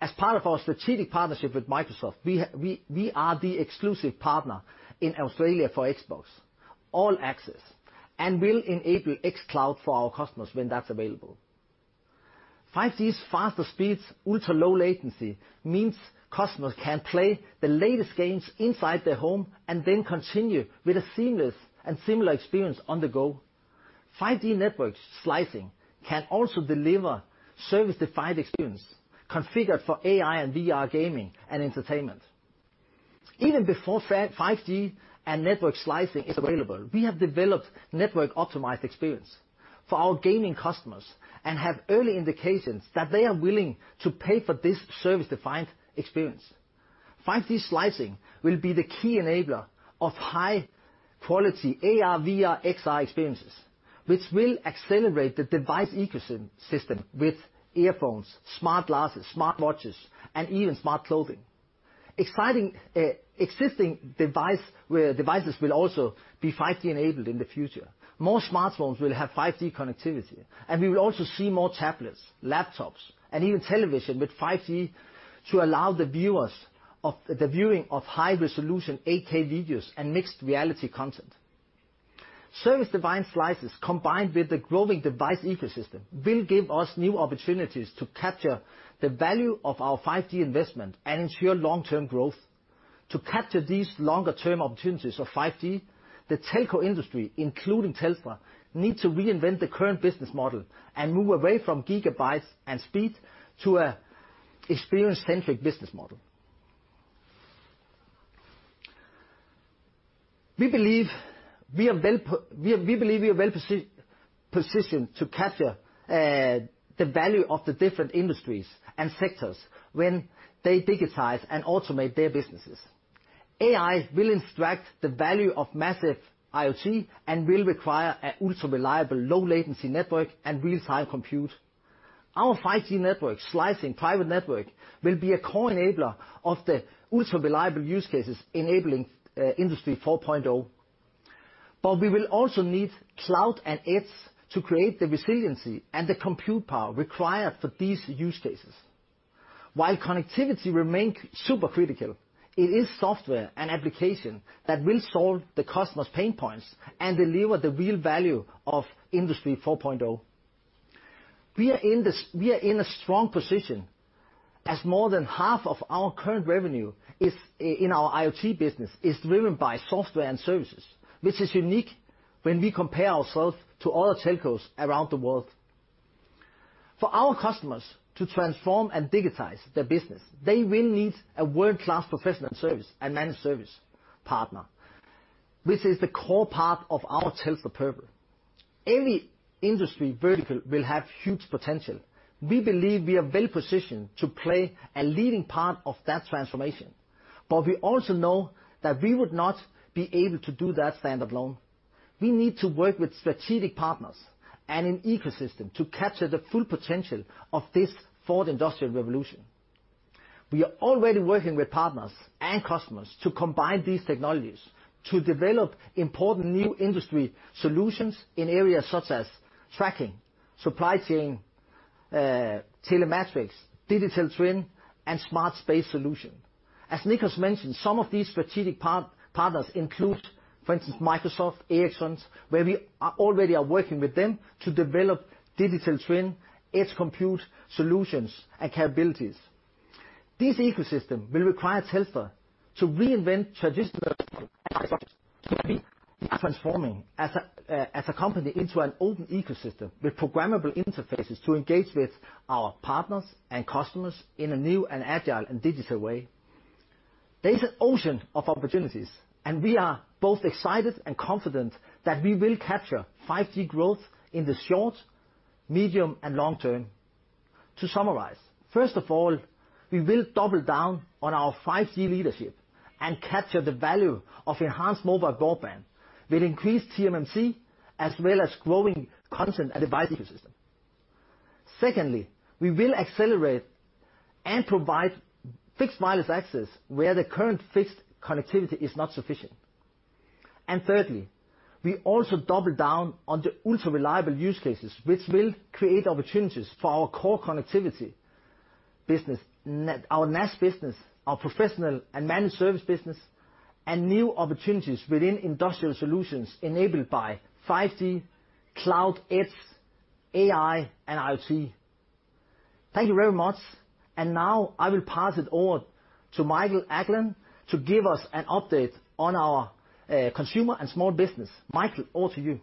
As part of our strategic partnership with Microsoft, we are the exclusive partner in Australia for Xbox All Access, and will enable xCloud for our customers when that's available. 5G's faster speeds, ultra-low latency means customers can play the latest games inside their home and then continue with a seamless and similar experience on the go. 5G network slicing can also deliver service-defined experience configured for AI and VR gaming and entertainment. Even before 5G and network slicing is available, we have developed network-optimized experience for our gaming customers and have early indications that they are willing to pay for this service-defined experience. 5G slicing will be the key enabler of high-quality AR, VR, XR experiences, which will accelerate the device ecosystem with earphones, smart glasses, smart watches, and even smart clothing. Existing devices will also be 5G-enabled in the future. More smartphones will have 5G connectivity, and we will also see more tablets, laptops, and even televisions with 5G to allow the viewers of the viewing of high-resolution 8K videos and mixed reality content. Service-defined slices, combined with the growing device ecosystem, will give us new opportunities to capture the value of our 5G investment and ensure long-term growth. To capture these longer-term opportunities of 5G, the telco industry, including Telstra, needs to reinvent the current business model and move away from gigabytes and speed to an experience-centric business model. We believe we are well positioned to capture the value of the different industries and sectors when they digitize and automate their businesses. AI will extract the value of massive IoT and will require an ultra-reliable, low-latency network and real-time compute. Our 5G network slicing private network will be a core enabler of the ultra-reliable use cases enabling Industry 4.0. But we will also need cloud and edge to create the resiliency and the compute power required for these use cases. While connectivity remains super critical, it is software and applications that will solve the customers' pain points and deliver the real value of Industry 4.0. We are in a strong position as more than half of our current revenue in our IoT business is driven by software and services, which is unique when we compare ourselves to other telcos around the world. For our customers to transform and digitize their business, they will need a world-class professional service and managed service partner, which is the core part of our Telstra purpose. Every industry vertical will have huge potential. We believe we are well positioned to play a leading part of that transformation. But we also know that we would not be able to do that stand alone. We need to work with strategic partners and an ecosystem to capture the full potential of this fourth industrial revolution. We are already working with partners and customers to combine these technologies to develop important new industry solutions in areas such as tracking, supply chain, telematics, digital twin, and smart space solutions. As Nikos mentioned, some of these strategic partners include, for instance, Microsoft, Ericsson, where we already are working with them to develop digital twin, edge compute solutions, and capabilities. This ecosystem will require Telstra to reinvent traditional transforming as a company into an open ecosystem with programmable interfaces to engage with our partners and customers in a new and agile and digital way. There is an ocean of opportunities, and we are both excited and confident that we will capture 5G growth in the short, medium, and long term. To summarize, first of all, we will double down on our 5G leadership and capture the value of enhanced mobile broadband with increased TMMC as well as growing content and device ecosystem. Secondly, we will accelerate and provide fixed wireless access where the current fixed connectivity is not sufficient. Thirdly, we also double down on the ultra-reliable use cases, which will create opportunities for our core connectivity business, our NAS business, our professional and managed service business, and new opportunities within industrial solutions enabled by 5G, cloud, edge, AI, and IoT. Thank you very much. Now I will pass it over to Michael Ackland to give us an update on our consumer and small business. Michael, over to you.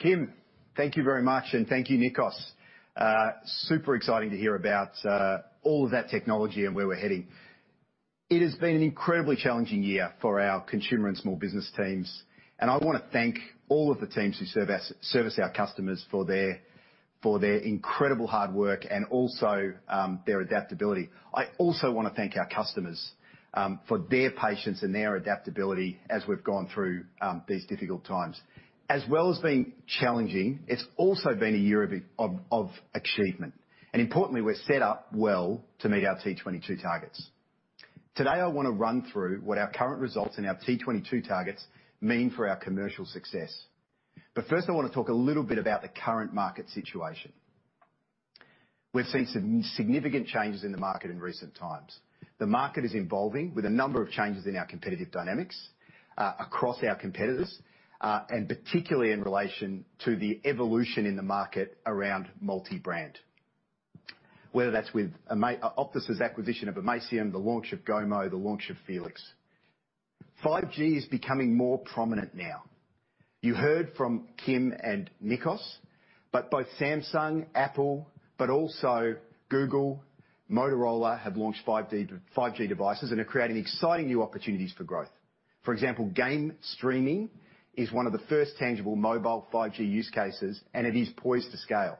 Kim, thank you very much, and thank you, Nikos. Super exciting to hear about all of that technology and where we're heading. It has been an incredibly challenging year for our consumer and small business teams. I want to thank all of the teams who service our customers for their incredible hard work and also their adaptability. I also want to thank our customers for their patience and their adaptability as we've gone through these difficult times. As well as being challenging, it's also been a year of achievement. Importantly, we're set up well to meet our T22 targets. Today, I want to run through what our current results and our T22 targets mean for our commercial success. First, I want to talk a little bit about the current market situation. We've seen some significant changes in the market in recent times. The market is evolving with a number of changes in our competitive dynamics across our competitors, and particularly in relation to the evolution in the market around multi-brand, whether that's with Optus's acquisition of Amaysim, the launch of Gomo, the launch of felix. 5G is becoming more prominent now. You heard from Kim and Nikos, but both Samsung, Apple, but also Google, Motorola have launched 5G devices and are creating exciting new opportunities for growth. For example, game streaming is one of the first tangible mobile 5G use cases, and it is poised to scale.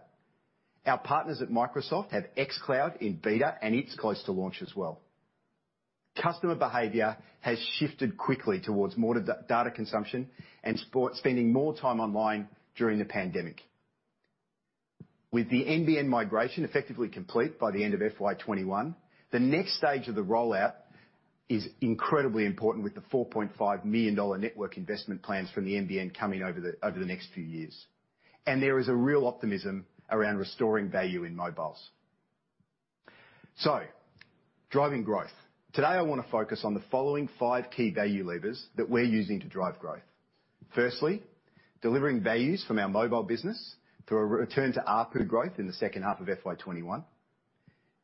Our partners at Microsoft have xCloud in beta, and it's close to launch as well. Customer behavior has shifted quickly towards more data consumption and spending more time online during the pandemic. With the NBN migration effectively complete by the end of FY2021, the next stage of the rollout is incredibly important with the 4.5 million dollar network investment plans from the NBN coming over the next few years. There is a real optimism around restoring value in mobiles. Driving growth. Today, I want to focus on the following five key value levers that we're using to drive growth. Firstly, delivering values from our mobile business through a return to ARPU growth in the second half of FY2021,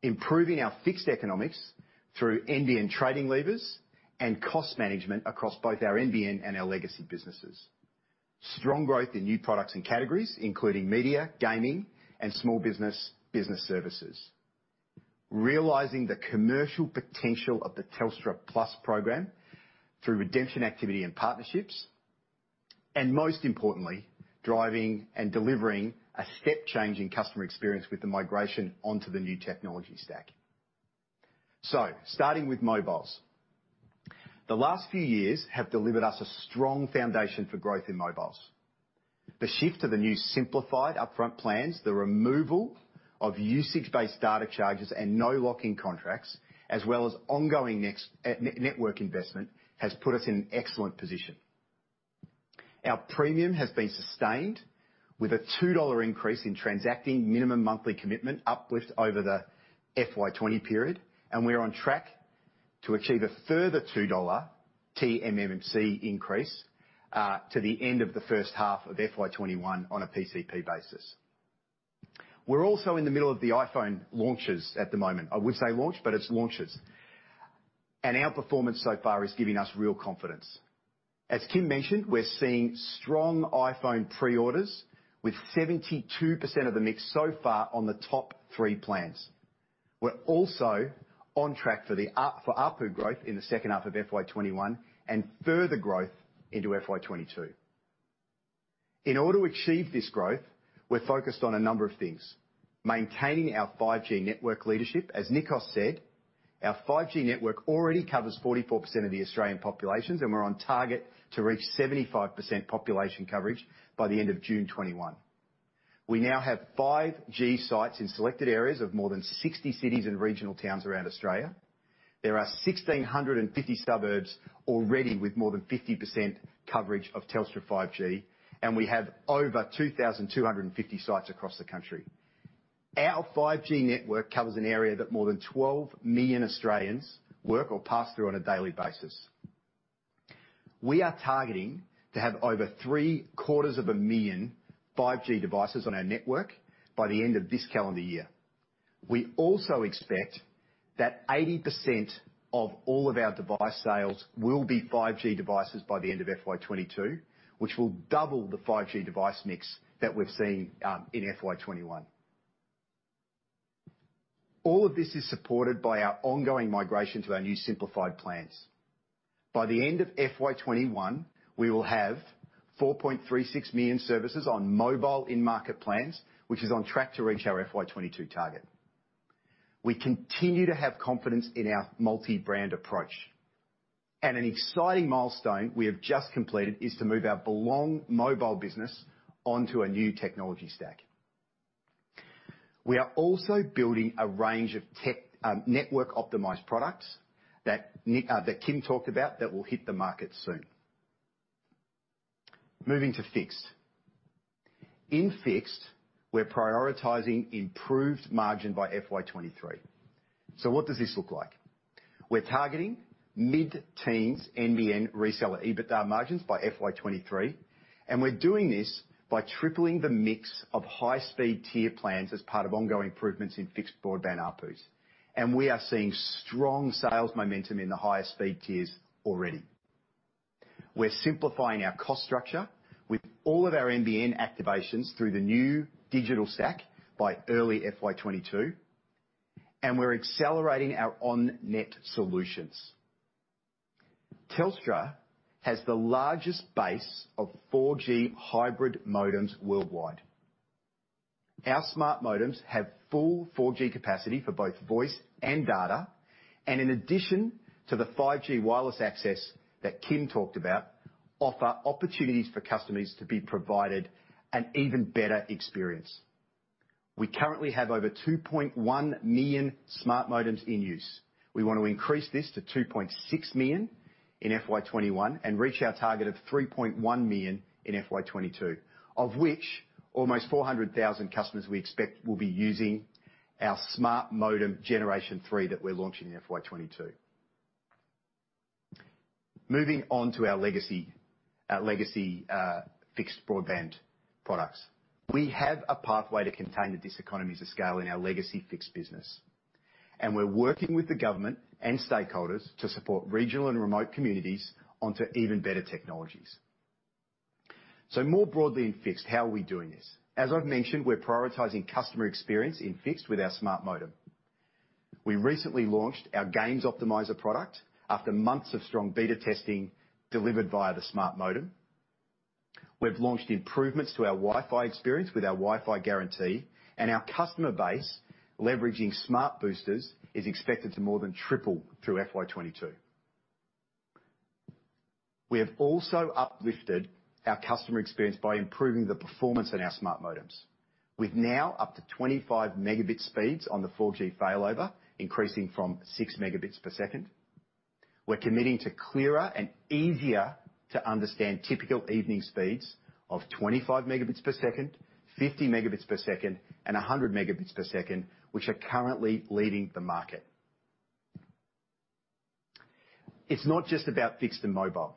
improving our fixed economics through NBN trading levers, and cost management across both our NBN and our legacy businesses. Strong growth in new products and categories, including media, gaming, and small business services. Realizing the commercial potential of the Telstra Plus program through redemption activity and partnerships. Most importantly, driving and delivering a step-changing customer experience with the migration onto the new technology stack. Starting with mobiles. The last few years have delivered us a strong foundation for growth in mobiles. The shift to the new simplified upfront plans, the removal of usage-based data charges and no lock-in contracts, as well as ongoing network investment, has put us in an excellent position. Our premium has been sustained with a $2 increase in transacting minimum monthly commitment uplift over the FY2020 period, and we're on track to achieve a further $2 TMMC increase to the end of the first half of FY2021 on a PCP basis. We're also in the middle of the iPhone launches at the moment. I would say launch, but it's launches. And our performance so far is giving us real confidence. As Kim mentioned, we're seeing strong iPhone pre-orders with 72% of the mix so far on the top three plans. We're also on track for ARPU growth in the second half of FY 2021 and further growth into FY 2022. In order to achieve this growth, we're focused on a number of things: maintaining our 5G network leadership. As Nikos said, our 5G network already covers 44% of the Australian population, and we're on target to reach 75% population coverage by the end of June 2021. We now have 5G sites in selected areas of more than 60 cities and regional towns around Australia. There are 1,650 suburbs already with more than 50% coverage of Telstra 5G, and we have over 2,250 sites across the country. Our 5G network covers an area that more than 12 million Australians work or pass through on a daily basis. We are targeting to have over 750,000 5G devices on our network by the end of this calendar year. We also expect that 80% of all of our device sales will be 5G devices by the end of FY2022, which will double the 5G device mix that we've seen in FY2021. All of this is supported by our ongoing migration to our new simplified plans. By the end of FY2021, we will have 4.36 million services on mobile in-market plans, which is on track to reach our FY2022 target. We continue to have confidence in our multi-brand approach. An exciting milestone we have just completed is to move our Belong mobile business onto a new technology stack. We are also building a range of network-optimized products that Kim talked about that will hit the market soon. Moving to fixed. In fixed, we're prioritizing improved margin by FY2023. So what does this look like? We're targeting mid-teens NBN reseller EBITDA margins by FY2023, and we're doing this by tripling the mix of high-speed tier plans as part of ongoing improvements in fixed broadband ARPUs. We are seeing strong sales momentum in the highest speed tiers already. We're simplifying our cost structure with all of our NBN activations through the new digital stack by early FY2022, and we're accelerating our on-net solutions. Telstra has the largest base of 4G hybrid modems worldwide. Our Smart Modems have full 4G capacity for both voice and data, and in addition to the 5G wireless access that Kim talked about, offer opportunities for customers to be provided an even better experience. We currently have over 2.1 million Smart Modems in use. We want to increase this to 2.6 million in FY2021 and reach our target of 3.1 million in FY2022, of which almost 400,000 customers we expect will be using our smart modem generation three that we're launching in FY2022. Moving on to our legacy fixed broadband products. We have a pathway to contain the diseconomies of scale in our legacy fixed business. We're working with the government and stakeholders to support regional and remote communities onto even better technologies. So more broadly in fixed, how are we doing this? As I've mentioned, we're prioritizing customer experience in fixed with our smart modem. We recently launched our Game Optimiser product after months of strong beta testing delivered via the smart modem. We've launched improvements to our Wi-Fi experience with our Wi-Fi Guarantee, and our customer base leveraging Smart Boosters is expected to more than triple through FY2022. We have also uplifted our customer experience by improving the performance on our Smart Modems, with now up to 25 Mbps on the 4G failover, increasing from 6 Mbps. We're committing to clearer and easier-to-understand typical evening speeds of 25 Mbps, 50 Mbps, and 100 Mbps, which are currently leading the market. It's not just about fixed and mobile.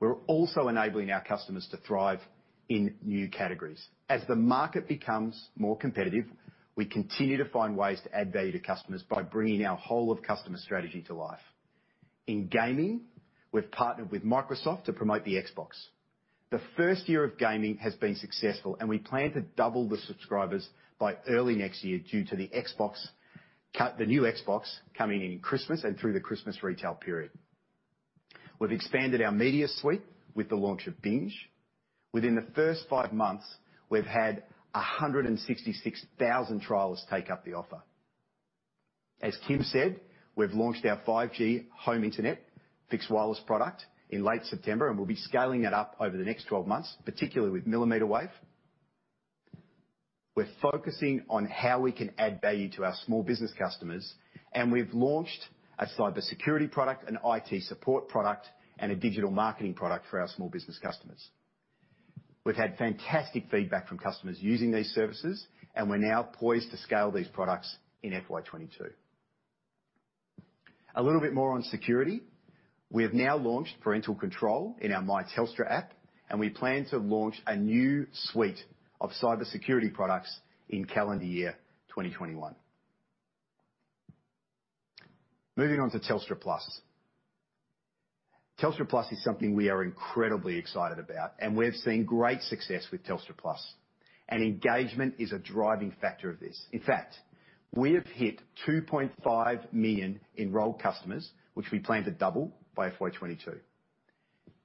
We're also enabling our customers to thrive in new categories. As the market becomes more competitive, we continue to find ways to add value to customers by bringing our whole-of-customer strategy to life. In gaming, we've partnered with Microsoft to promote the Xbox. The first year of gaming has been successful, and we plan to double the subscribers by early next year due to the new Xbox coming in Christmas and through the Christmas retail period. We've expanded our media suite with the launch of Binge. Within the first five months, we've had 166,000 trials take up the offer. As Kim said, we've launched our 5G home internet fixed wireless product in late September, and we'll be scaling that up over the next 12 months, particularly with millimeter wave. We're focusing on how we can add value to our small business customers, and we've launched a cybersecurity product, an IT support product, and a digital marketing product for our small business customers. We've had fantastic feedback from customers using these services, and we're now poised to scale these products in FY2022. A little bit more on security. We have now launched parental control in our My Telstra app, and we plan to launch a new suite of cybersecurity products in calendar year 2021. Moving on to Telstra Plus. Telstra Plus is something we are incredibly excited about, and we've seen great success with Telstra Plus. Engagement is a driving factor of this. In fact, we have hit 2.5 million enrolled customers, which we plan to double by FY2022.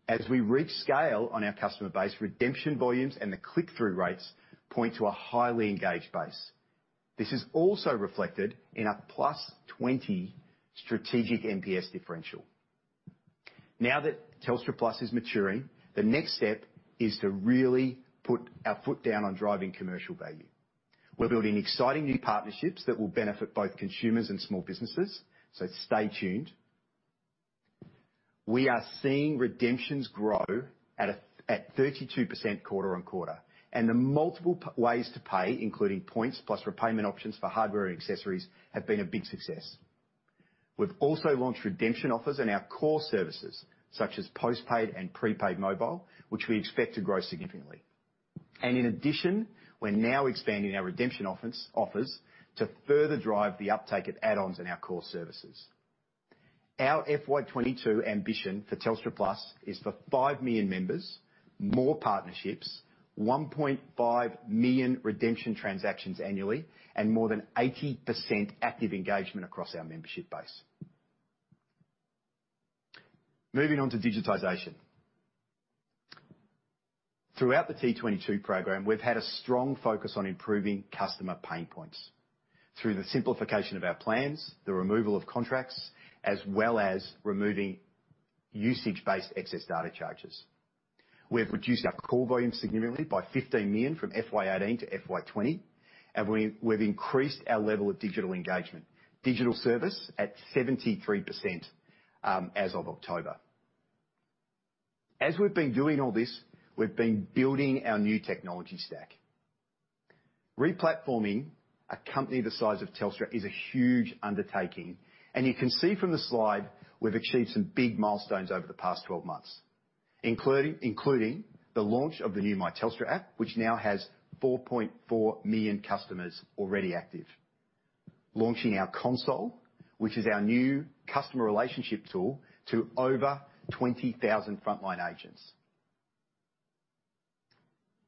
As we reach scale on our customer base, redemption volumes and the click-through rates point to a highly engaged base. This is also reflected in a +20 strategic NPS differential. Now that Telstra Plus is maturing, the next step is to really put our foot down on driving commercial value. We're building exciting new partnerships that will benefit both consumers and small businesses, so stay tuned. We are seeing redemptions grow at 32% quarter-on-quarter, and the multiple ways to pay, including Points + repayment options for hardware and accessories, have been a big success. We've also launched redemption offers in our core services, such as postpaid and prepaid mobile, which we expect to grow significantly. In addition, we're now expanding our redemption offers to further drive the uptake of add-ons in our core services. Our FY2022 ambition for Telstra Plus is for 5 million members, more partnerships, 1.5 million redemption transactions annually, and more than 80% active engagement across our membership base. Moving on to digitization. Throughout the T22 program, we've had a strong focus on improving customer pain points through the simplification of our plans, the removal of contracts, as well as removing usage-based excess data charges. We've reduced our call volume significantly by 15 million from FY2018-FY2020, and we've increased our level of digital engagement, digital service at 73% as of October. As we've been doing all this, we've been building our new technology stack. Replatforming a company the size of Telstra is a huge undertaking, and you can see from the slide we've achieved some big milestones over the past 12 months, including the launch of the new My Telstra app, which now has 4.4 million customers already active. Launching our console, which is our new customer relationship tool, to over 20,000 frontline agents.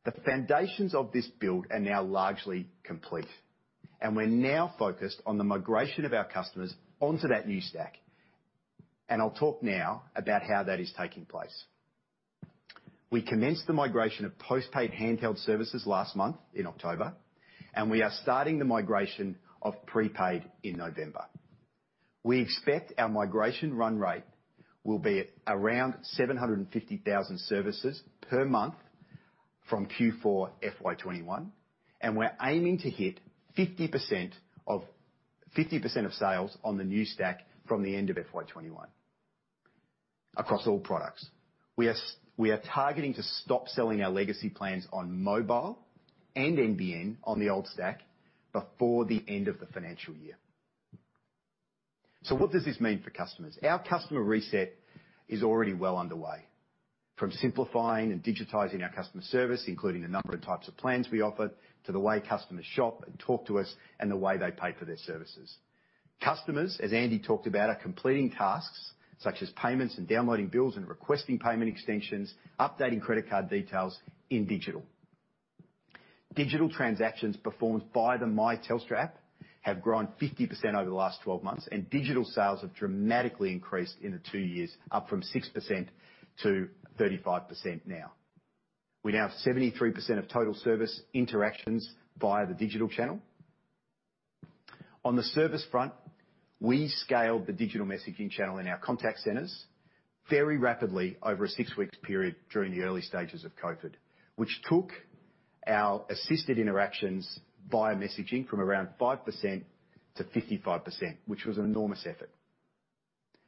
The foundations of this build are now largely complete, and we're now focused on the migration of our customers onto that new stack. And I'll talk now about how that is taking place. We commenced the migration of postpaid handheld services last month in October, and we are starting the migration of prepaid in November. We expect our migration run rate will be around 750,000 services per month from Q4 FY 2021, and we're aiming to hit 50% of sales on the new stack from the end of FY 2021 across all products. We are targeting to stop selling our legacy plans on mobile and NBN on the old stack before the end of the financial year. So what does this mean for customers? Our customer reset is already well underway, from simplifying and digitizing our customer service, including the number of types of plans we offer, to the way customers shop and talk to us, and the way they pay for their services. Customers, as Andy talked about, are completing tasks such as payments and downloading bills and requesting payment extensions, updating credit card details in digital. Digital transactions performed by the My Telstra app have grown 50% over the last 12 months, and digital sales have dramatically increased in the two years, up from 6% to 35% now. We now have 73% of total service interactions via the digital channel. On the service front, we scaled the digital messaging channel in our contact centers very rapidly over a six-week period during the early stages of COVID, which took our assisted interactions via messaging from around 5% to 55%, which was an enormous effort.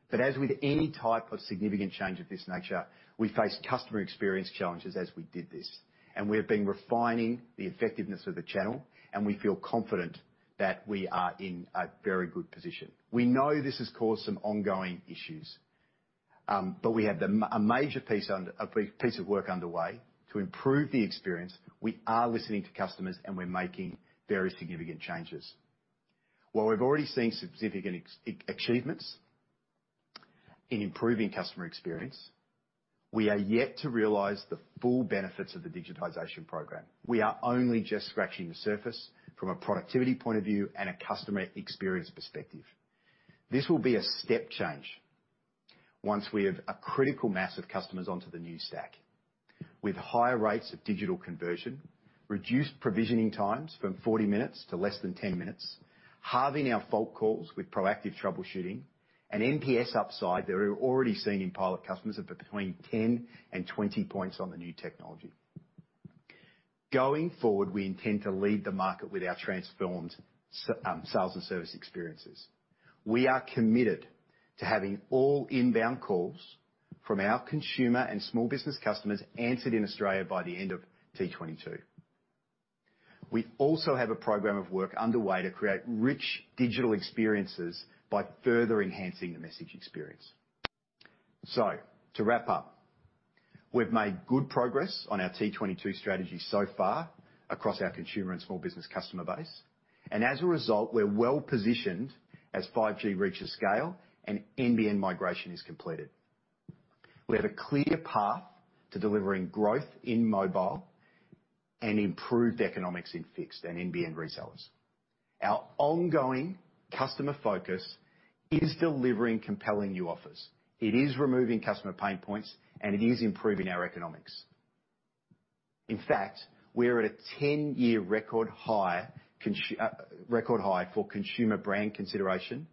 But as with any type of significant change of this nature, we face customer experience challenges as we did this, and we have been refining the effectiveness of the channel, and we feel confident that we are in a very good position. We know this has caused some ongoing issues, but we have a major piece of work underway to improve the experience. We are listening to customers, and we're making very significant changes. While we've already seen significant achievements in improving customer experience, we are yet to realize the full benefits of the digitization program. We are only just scratching the surface from a productivity point of view and a customer experience perspective. This will be a step change once we have a critical mass of customers onto the new stack, with higher rates of digital conversion, reduced provisioning times from 40 minutes to less than 10 minutes, halving our fault calls with proactive troubleshooting, and MPS upside that we've already seen in pilot customers of between 10 and 20 points on the new technology. Going forward, we intend to lead the market with our transformed sales and service experiences. We are committed to having all inbound calls from our consumer and small business customers answered in Australia by the end of T22. We also have a program of work underway to create rich digital experiences by further enhancing the message experience. So to wrap up, we've made good progress on our T22 strategy so far across our consumer and small business customer base. As a result, we're well positioned as 5G reaches scale and NBN migration is completed. We have a clear path to delivering growth in mobile and improved economics in fixed and NBN resellers. Our ongoing customer focus is delivering compelling new offers. It is removing customer pain points, and it is improving our economics. In fact, we're at a 10-year record high for consumer brand consideration,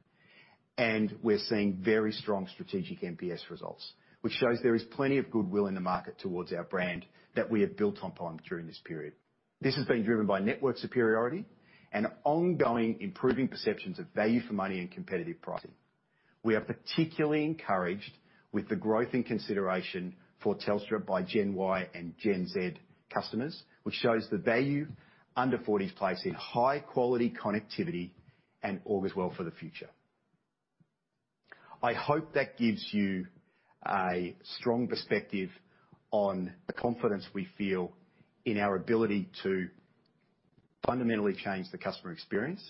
and we're seeing very strong strategic MPS results, which shows there is plenty of goodwill in the market towards our brand that we have built upon during this period. This has been driven by network superiority and ongoing improving perceptions of value for money and competitive pricing. We are particularly encouraged with the growth in consideration for Telstra by Gen Y and Gen Z customers, which shows the value under 40s place in high-quality connectivity and our edge as well for the future. I hope that gives you a strong perspective on the confidence we feel in our ability to fundamentally change the customer experience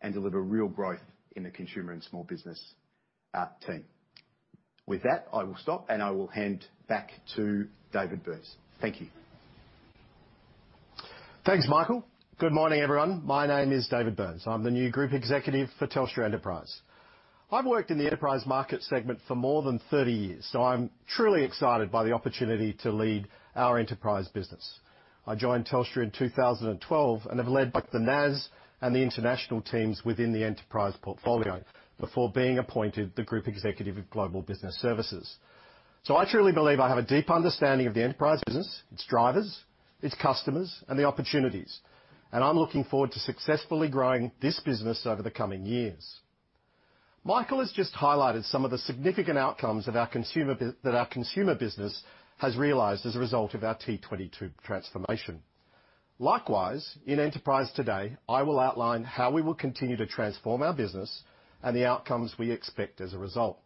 and deliver real growth in the consumer and small business team. With that, I will stop, and I will hand back to David Burns. Thank you. Thanks, Michael. Good morning, everyone. My name is David Burns. I'm the new Group Executive for Telstra Enterprise. I've worked in the enterprise market segment for more than 30 years, so I'm truly excited by the opportunity to lead our enterprise business. I joined Telstra in 2012 and have led both the NAS and the international teams within the enterprise portfolio before being appointed the Group Executive of global business services. So I truly believe I have a deep understanding of the enterprise business, its drivers, its customers, and the opportunities, and I'm looking forward to successfully growing this business over the coming years. Michael has just highlighted some of the significant outcomes that our consumer business has realized as a result of our T22 transformation. Likewise, in Enterprise today, I will outline how we will continue to transform our business and the outcomes we expect as a result.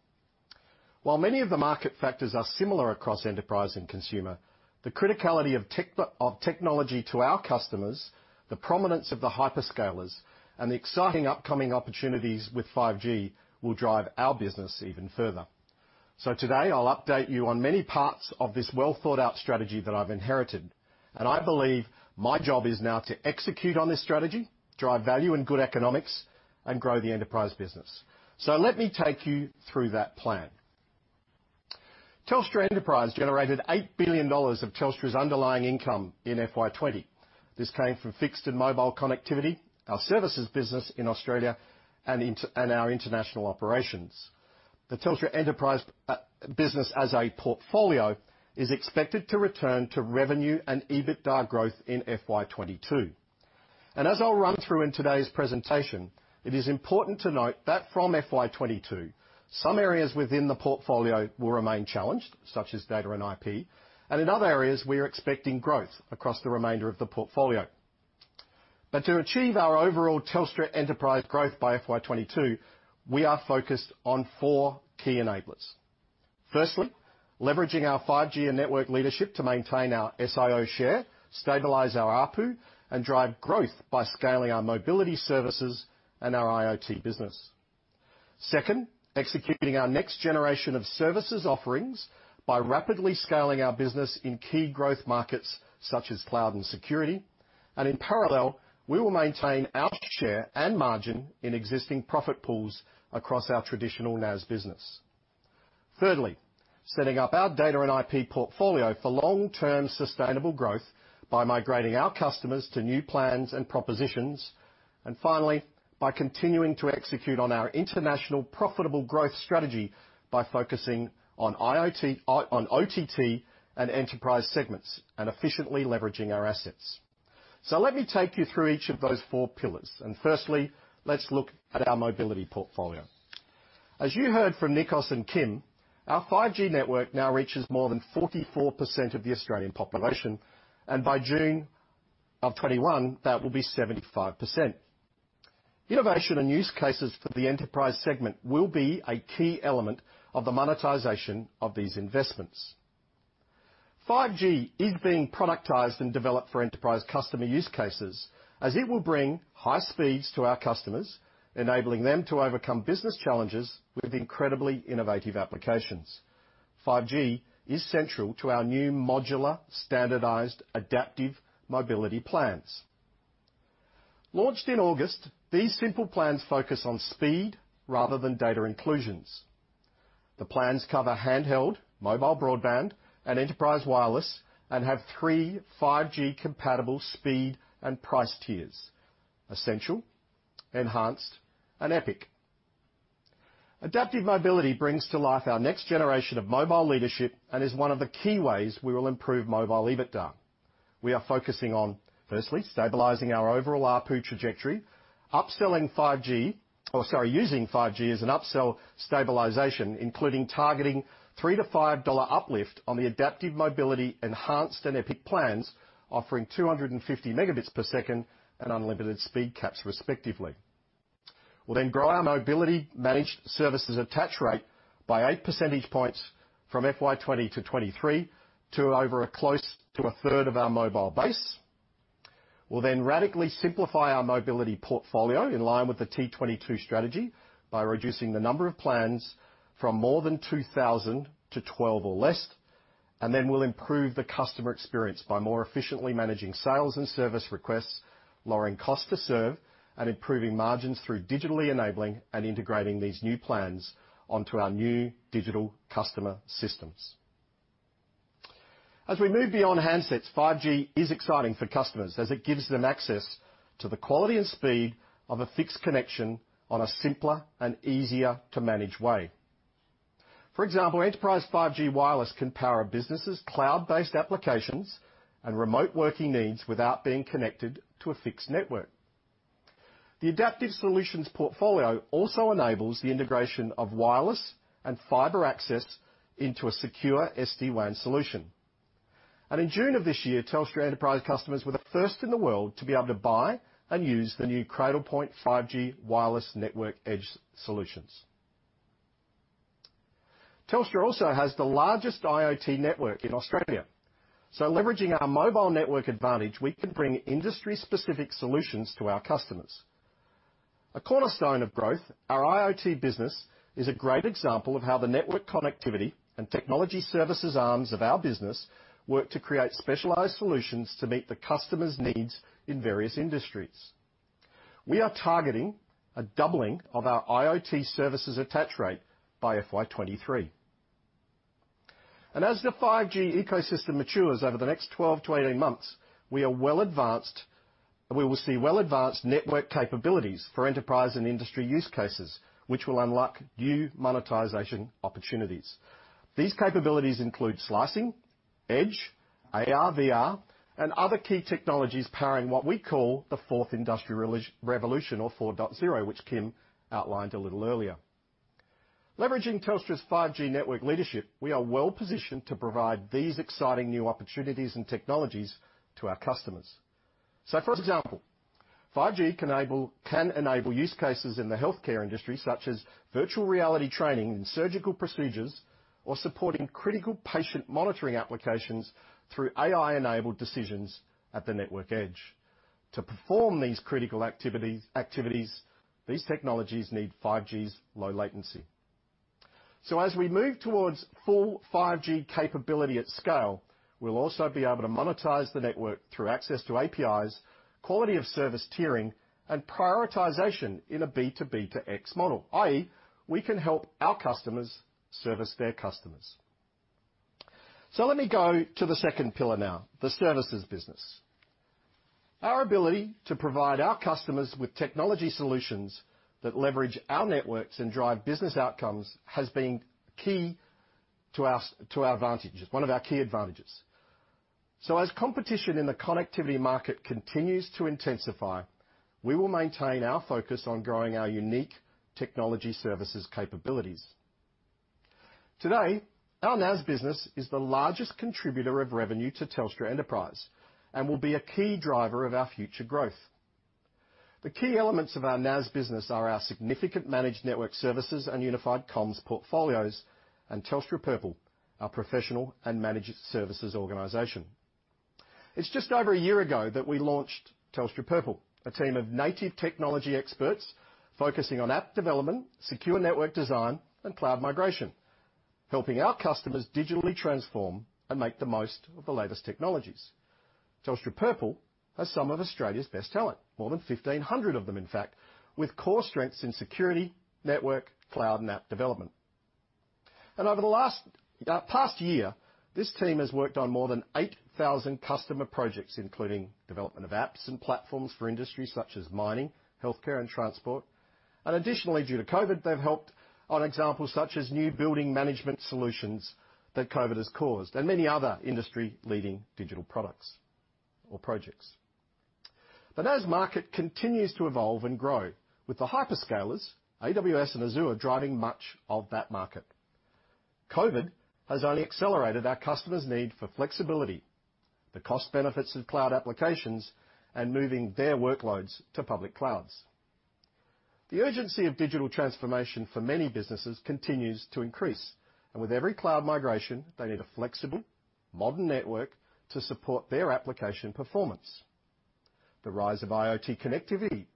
While many of the market factors are similar across enterprise and consumer, the criticality of technology to our customers, the prominence of the hyperscalers, and the exciting upcoming opportunities with 5G will drive our business even further. So today, I'll update you on many parts of this well-thought-out strategy that I've inherited, and I believe my job is now to execute on this strategy, drive value and good economics, and grow the enterprise business. So let me take you through that plan. Telstra Enterprise generated 8 billion dollars of Telstra's underlying income in FY 2020. This came from fixed and mobile connectivity, our services business in Australia, and our international operations. The Telstra Enterprise business as a portfolio is expected to return to revenue and EBITDA growth in FY 2022. And as I'll run through in today's presentation, it is important to note that from FY2022, some areas within the portfolio will remain challenged, such as data and IP, and in other areas, we are expecting growth across the remainder of the portfolio. But to achieve our overall Telstra Enterprise growth by FY2022, we are focused on four key enablers. Firstly, leveraging our 5G and network leadership to maintain our SIO share, stabilize our ARPU, and drive growth by scaling our mobility services and our IoT business. Second, executing our next generation of services offerings by rapidly scaling our business in key growth markets such as cloud and security. And in parallel, we will maintain our share and margin in existing profit pools across our traditional NAS business. Thirdly, setting up our data and IP portfolio for long-term sustainable growth by migrating our customers to new plans and propositions. Finally, by continuing to execute on our international profitable growth strategy by focusing on OTT and enterprise segments and efficiently leveraging our assets. So let me take you through each of those four pillars. Firstly, let's look at our mobility portfolio. As you heard from Nikos and Kim, our 5G network now reaches more than 44% of the Australian population, and by June of 2021, that will be 75%. Innovation and use cases for the enterprise segment will be a key element of the monetization of these investments. 5G is being productized and developed for enterprise customer use cases as it will bring high speeds to our customers, enabling them to overcome business challenges with incredibly innovative applications. 5G is central to our new modular, standardized, adaptive mobility plans. Launched in August, these simple plans focus on speed rather than data inclusions. The plans cover handheld, mobile broadband, and enterprise wireless and have three 5G-compatible speed and price tiers: Essential, Enhanced, and Epic. Adaptive mobility brings to life our next generation of mobile leadership and is one of the key ways we will improve mobile EBITDA. We are focusing on, firstly, stabilizing our overall ARPU trajectory, upselling 5G, or sorry, using 5G as an upsell stabilization, including targeting 3-5 dollar uplift on the adaptive mobility, enhanced, and Epic plans offering 250 Mbps and unlimited speed caps, respectively. We'll then grow our mobility managed services attach rate by 8 percentage points from FY2020 to 2023 to over close to a third of our mobile base. We'll then radically simplify our mobility portfolio in line with the T22 strategy by reducing the number of plans from more than 2,000 to 12 or less, and then we'll improve the customer experience by more efficiently managing sales and service requests, lowering cost to serve, and improving margins through digitally enabling and integrating these new plans onto our new digital customer systems. As we move beyond handsets, 5G is exciting for customers as it gives them access to the quality and speed of a fixed connection on a simpler and easier-to-manage way. For example, enterprise 5G wireless can power businesses, cloud-based applications, and remote working needs without being connected to a fixed network. The adaptive solutions portfolio also enables the integration of wireless and fiber access into a secure SD-WAN solution. In June of this year, Telstra Enterprise customers were the first in the world to be able to buy and use the new Cradlepoint 5G Wireless Network Edge solutions. Telstra also has the largest IoT network in Australia. Leveraging our mobile network advantage, we can bring industry-specific solutions to our customers. A cornerstone of growth, our IoT business is a great example of how the network connectivity and technology services arms of our business work to create specialized solutions to meet the customer's needs in various industries. We are targeting a doubling of our IoT services attach rate by FY2023. As the 5G ecosystem matures over the next 12-18 months, we will see well-advanced network capabilities for enterprise and industry use cases, which will unlock new monetization opportunities. These capabilities include slicing, edge, AR, VR, and other key technologies powering what we call the fourth industrial revolution or 4.0, which Kim outlined a little earlier. Leveraging Telstra's 5G network leadership, we are well-positioned to provide these exciting new opportunities and technologies to our customers. So for example, 5G can enable use cases in the healthcare industry, such as virtual reality training in surgical procedures or supporting critical patient monitoring applications through AI-enabled decisions at the network edge. To perform these critical activities, these technologies need 5G's low latency. So as we move towards full 5G capability at scale, we'll also be able to monetize the network through access to APIs, quality of service tiering, and prioritization in a B2B2X model, i.e., we can help our customers service their customers. So let me go to the second pillar now, the services business. Our ability to provide our customers with technology solutions that leverage our networks and drive business outcomes has been key to our advantages, one of our key advantages. As competition in the connectivity market continues to intensify, we will maintain our focus on growing our unique technology services capabilities. Today, our NAS business is the largest contributor of revenue to Telstra Enterprise and will be a key driver of our future growth. The key elements of our NAS business are our significant managed network services and unified comms portfolios and Telstra Purple, our professional and managed services organization. It's just over a year ago that we launched Telstra Purple, a team of native technology experts focusing on app development, secure network design, and cloud migration, helping our customers digitally transform and make the most of the latest technologies. Telstra Purple has some of Australia's best talent, more than 1,500 of them, in fact, with core strengths in security, network, cloud, and app development. Over the past year, this team has worked on more than 8,000 customer projects, including development of apps and platforms for industries such as mining, healthcare, and transport. Additionally, due to COVID, they've helped on examples such as new building management solutions that COVID has caused and many other industry-leading digital products or projects. The NAS market continues to evolve and grow, with the hyperscalers, AWS and Azure, driving much of that market. COVID has only accelerated our customers' need for flexibility, the cost benefits of cloud applications, and moving their workloads to public clouds. The urgency of digital transformation for many businesses continues to increase, and with every cloud migration, they need a flexible, modern network to support their application performance. The rise of IoT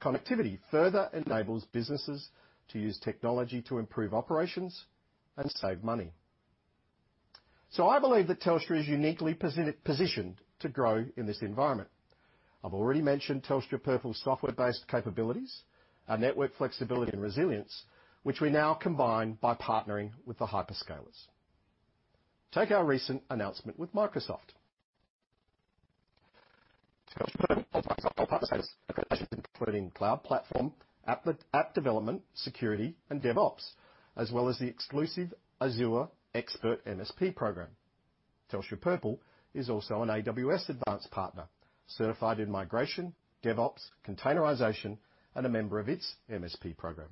connectivity further enables businesses to use technology to improve operations and save money. I believe that Telstra is uniquely positioned to grow in this environment. I've already mentioned Telstra Purple's software-based capabilities, our network flexibility and resilience, which we now combine by partnering with the hyperscalers. Take our recent announcement with Microsoft. Telstra Purple's Microsoft partner services include cloud platform, app development, security, and DevOps, as well as the exclusive Azure Expert MSP program. Telstra Purple is also an AWS Advanced Partner, certified in migration, DevOps, containerization, and a member of its MSP program.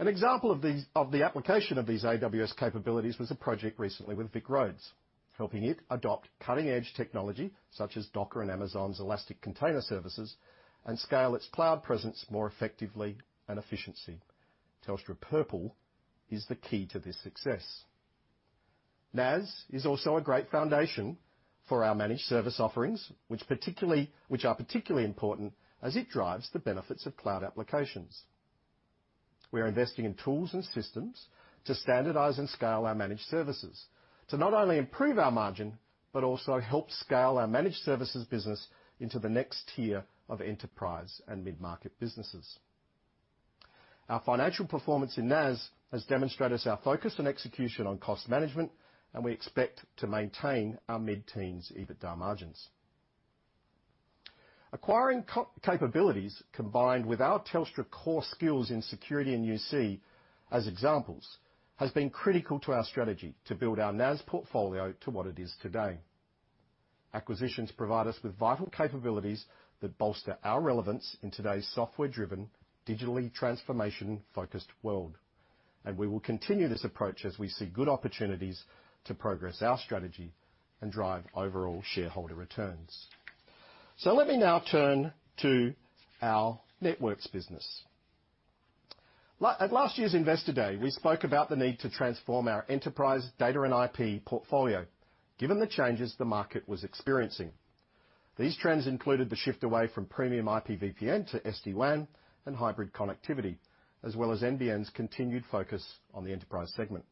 An example of the application of these AWS capabilities was a project recently with VicRoads, helping it adopt cutting-edge technology such as Docker and Amazon's Elastic Container Services and scale its cloud presence more effectively and efficiently. Telstra Purple is the key to this success. NAS is also a great foundation for our managed service offerings, which are particularly important as it drives the benefits of cloud applications. We are investing in tools and systems to standardize and scale our managed services to not only improve our margin but also help scale our managed services business into the next tier of enterprise and mid-market businesses. Our financial performance in NAS has demonstrated our focus and execution on cost management, and we expect to maintain our mid-teens EBITDA margins. Acquiring capabilities combined with our Telstra core skills in security and UC as examples has been critical to our strategy to build our NAS portfolio to what it is today. Acquisitions provide us with vital capabilities that bolster our relevance in today's software-driven, digital transformation-focused world, and we will continue this approach as we see good opportunities to progress our strategy and drive overall shareholder returns. So let me now turn to our networks business. At last year's Investor Day, we spoke about the need to transform our enterprise data and IP portfolio given the changes the market was experiencing. These trends included the shift away from premium IPVPN to SD-WAN and hybrid connectivity, as well as NBN's continued focus on the enterprise segment.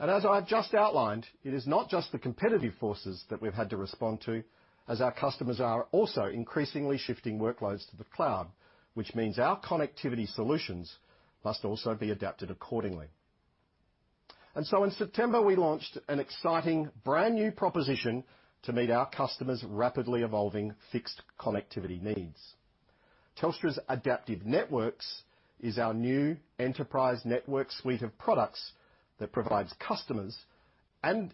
As I've just outlined, it is not just the competitive forces that we've had to respond to, as our customers are also increasingly shifting workloads to the cloud, which means our connectivity solutions must also be adapted accordingly. So in September, we launched an exciting brand new proposition to meet our customers' rapidly evolving fixed connectivity needs. Telstra's Adaptive Networks is our new enterprise network suite of products that provides customers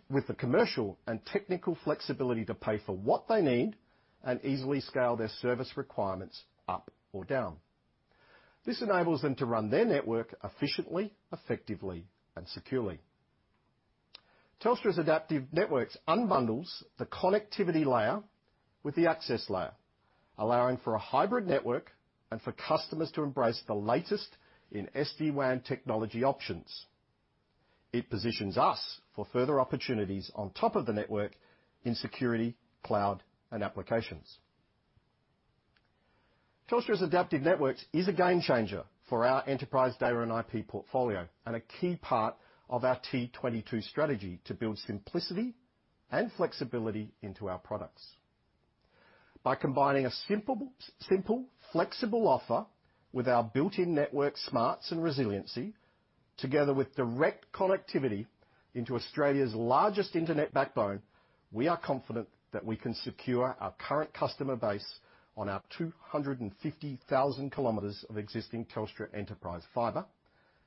with the commercial and technical flexibility to pay for what they need and easily scale their service requirements up or down. This enables them to run their network efficiently, effectively, and securely. Telstra's Adaptive Networks unbundles the connectivity layer with the access layer, allowing for a hybrid network and for customers to embrace the latest in SD-WAN technology options. It positions us for further opportunities on top of the network in security, cloud, and applications. Telstra's Adaptive Networks is a game changer for our enterprise data and IP portfolio and a key part of our T22 strategy to build simplicity and flexibility into our products. By combining a simple, flexible offer with our built-in network smarts and resiliency, together with direct connectivity into Australia's largest internet backbone, we are confident that we can secure our current customer base on our 250,000 km of existing Telstra enterprise fiber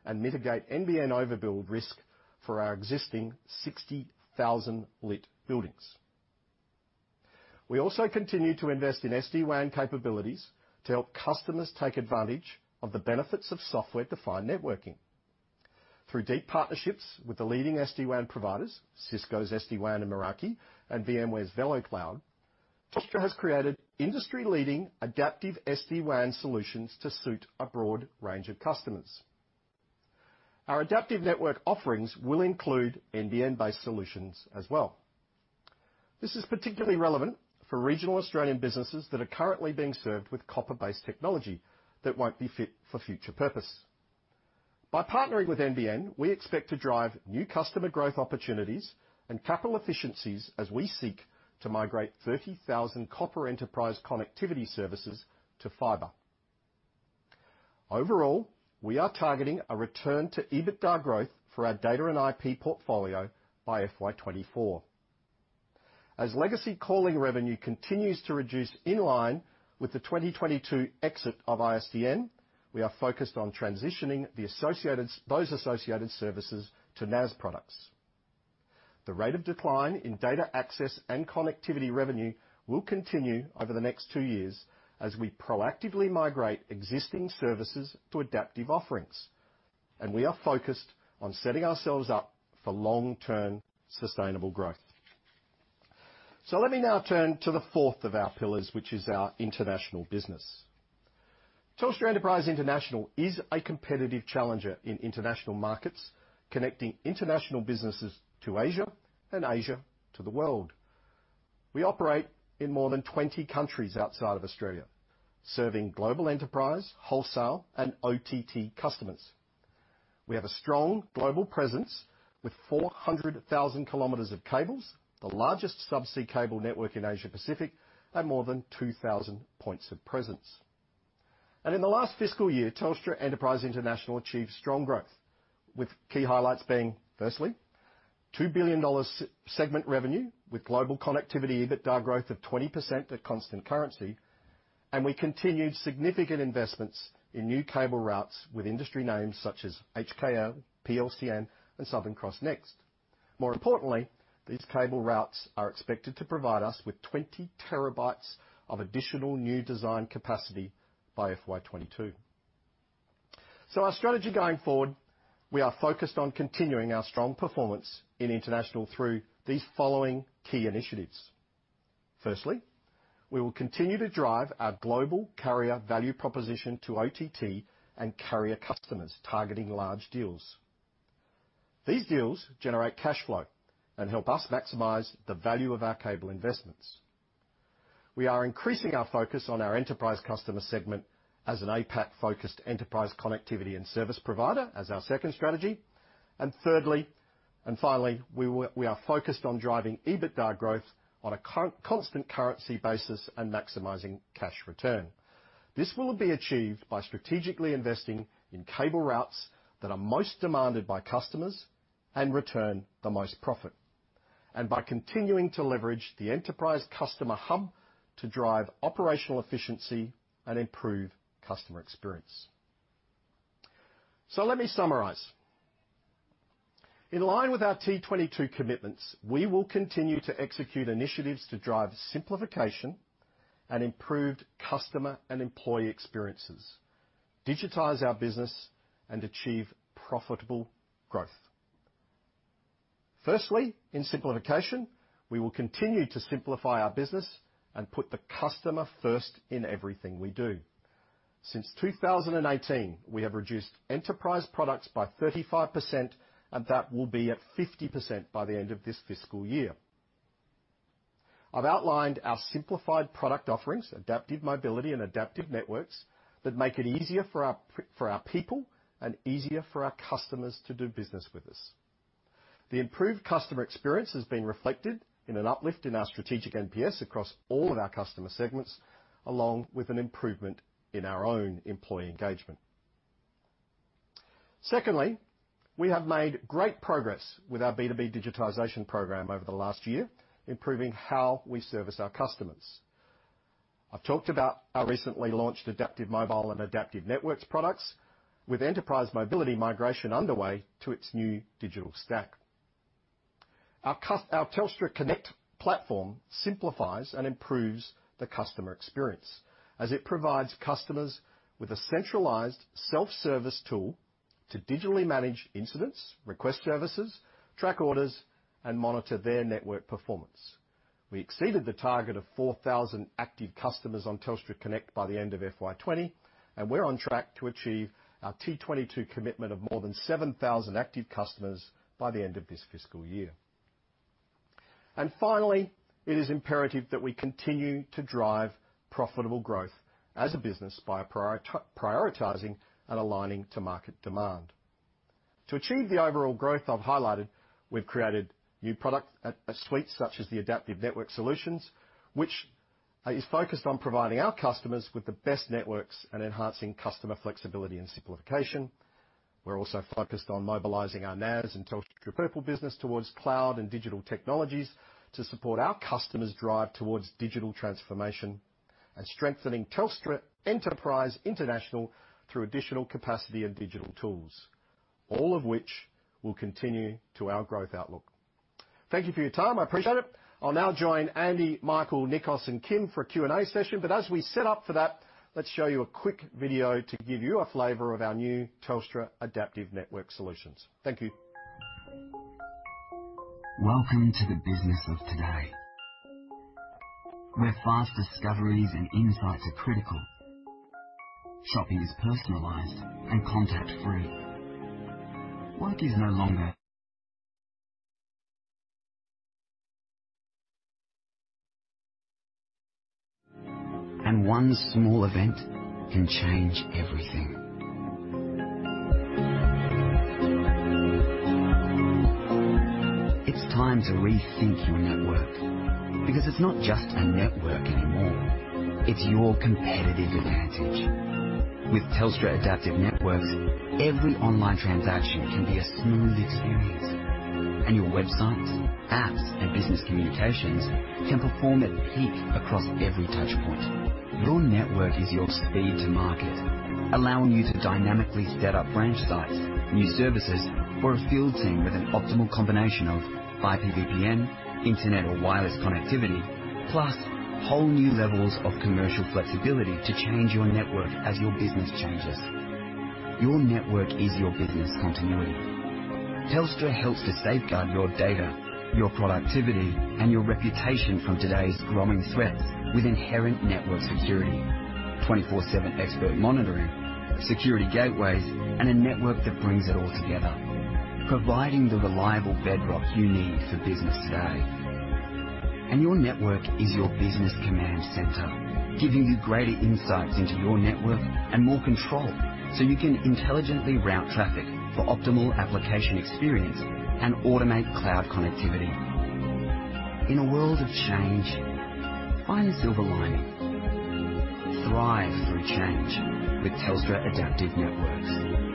and mitigate NBN overbuild risk for our existing 60,000-lit buildings. We also continue to invest in SD-WAN capabilities to help customers take advantage of the benefits of software-defined networking. Through deep partnerships with the leading SD-WAN providers, Cisco's SD-WAN in Meraki and VMware's VeloCloud, Telstra has created industry-leading adaptive SD-WAN solutions to suit a broad range of customers. Our adaptive network offerings will include NBN-based solutions as well. This is particularly relevant for regional Australian businesses that are currently being served with copper-based technology that won't be fit for future purpose. By partnering with NBN, we expect to drive new customer growth opportunities and capital efficiencies as we seek to migrate 30,000 copper enterprise connectivity services to fiber. Overall, we are targeting a return to EBITDA growth for our data and IP portfolio by FY2024. As legacy calling revenue continues to reduce in line with the 2022 exit of ISDN, we are focused on transitioning those associated services to NAS products. The rate of decline in data access and connectivity revenue will continue over the next two years as we proactively migrate existing services to adaptive offerings, and we are focused on setting ourselves up for long-term sustainable growth. So let me now turn to the fourth of our pillars, which is our international business. Telstra Enterprise International is a competitive challenger in international markets, connecting international businesses to Asia and Asia to the world. We operate in more than 20 countries outside of Australia, serving global enterprise, wholesale, and OTT customers. We have a strong global presence with 400,000 kilometers of cables, the largest subsea cable network in Asia-Pacific, and more than 2,000 points of presence. In the last fiscal year, Telstra Enterprise International achieved strong growth, with key highlights being, firstly, 2 billion dollars segment revenue with global connectivity EBITDA growth of 20% at constant currency, and we continued significant investments in new cable routes with industry names such as HKA, PLCN, and Southern Cross Next. More importantly, these cable routes are expected to provide us with 20 terabytes of additional new design capacity by FY2022. Our strategy going forward, we are focused on continuing our strong performance in international through these following key initiatives. Firstly, we will continue to drive our global carrier value proposition to OTT and carrier customers targeting large deals. These deals generate cash flow and help us maximize the value of our cable investments. We are increasing our focus on our enterprise customer segment as an APAC-focused enterprise connectivity and service provider as our second strategy. And finally, we are focused on driving EBITDA growth on a constant currency basis and maximizing cash return. This will be achieved by strategically investing in cable routes that are most demanded by customers and return the most profit, and by continuing to leverage the enterprise customer hub to drive operational efficiency and improve customer experience. So let me summarize. In line with our T22 commitments, we will continue to execute initiatives to drive simplification and improved customer and employee experiences, digitize our business, and achieve profitable growth. Firstly, in simplification, we will continue to simplify our business and put the customer first in everything we do. Since 2018, we have reduced enterprise products by 35%, and that will be at 50% by the end of this fiscal year. I've outlined our simplified product offerings, Adaptive Mobility, and Adaptive Networks that make it easier for our people and easier for our customers to do business with us. The improved customer experience has been reflected in an uplift in our strategic NPS across all of our customer segments, along with an improvement in our own employee engagement. Secondly, we have made great progress with our B2B digitization program over the last year, improving how we service our customers. I've talked about our recently launched Adaptive Mobility and Adaptive Networks products with enterprise mobility migration underway to its new digital stack. Our Telstra Connect platform simplifies and improves the customer experience as it provides customers with a centralized self-service tool to digitally manage incidents, request services, track orders, and monitor their network performance. We exceeded the target of 4,000 active customers on Telstra Connect by the end of FY2020, and we're on track to achieve our T22 commitment of more than 7,000 active customers by the end of this fiscal year. And finally, it is imperative that we continue to drive profitable growth as a business by prioritizing and aligning to market demand. To achieve the overall growth I've highlighted, we've created new product suites such as the adaptive network solutions, which is focused on providing our customers with the best networks and enhancing customer flexibility and simplification. We're also focused on mobilizing our NAS and Telstra Purple business towards cloud and digital technologies to support our customers' drive towards digital transformation and strengthening Telstra Enterprise International through additional capacity and digital tools, all of which will continue to our growth outlook. Thank you for your time. I appreciate it. I'll now join Andy, Michael, Nikos, and Kim for a Q&A session, but as we set up for that, let's show you a quick video to give you a flavor of our new Telstra Adaptive Network Solutions. Thank you. Welcome to the business of today, where fast discoveries and insights are critical. Shopping is personalized and contact-free. Work is no longer. And one small event can change everything. It's time to rethink your network because it's not just a network anymore. It's your competitive advantage. With Telstra Adaptive Networks, every online transaction can be a smooth experience, and your websites, apps, and business communications can perform at peak across every touchpoint. Your network is your speed to market, allowing you to dynamically set up branch sites, new services, or a field team with an optimal combination of IPVPN, internet or wireless connectivity, plus whole new levels of commercial flexibility to change your network as your business changes. Your network is your business continuity. Telstra helps to safeguard your data, your productivity, and your reputation from today's growing threats with inherent network security, 24/7 expert monitoring, security gateways, and a network that brings it all together, providing the reliable bedrock you need for business today. And your network is your business command center, giving you greater insights into your network and more control so you can intelligently route traffic for optimal application experience and automate cloud connectivity. In a world of change, find the silver lining. Thrive through change with Telstra Adaptive Networks.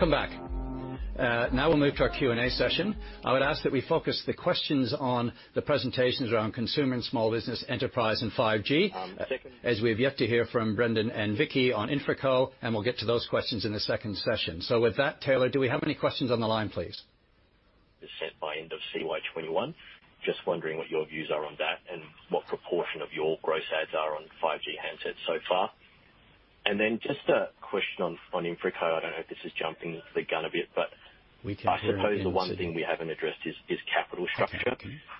Welcome back. Now we'll move to our Q&A session. I would ask that we focus the questions on the presentations around consumer and small business enterprise and 5G, as we've yet to hear from Brendon and Vicki on InfraCo, and we'll get to those questions in the second session. So with that, Taylor, do we have any questions on the line, please? Is sent by end of CY21. Just wondering what your views are on that and what proportion of your gross adds are on 5G handsets so far. And then just a question on InfraCo. I don't know if this is jumping the gun a bit, but I suppose the one thing we haven't addressed is capital structure.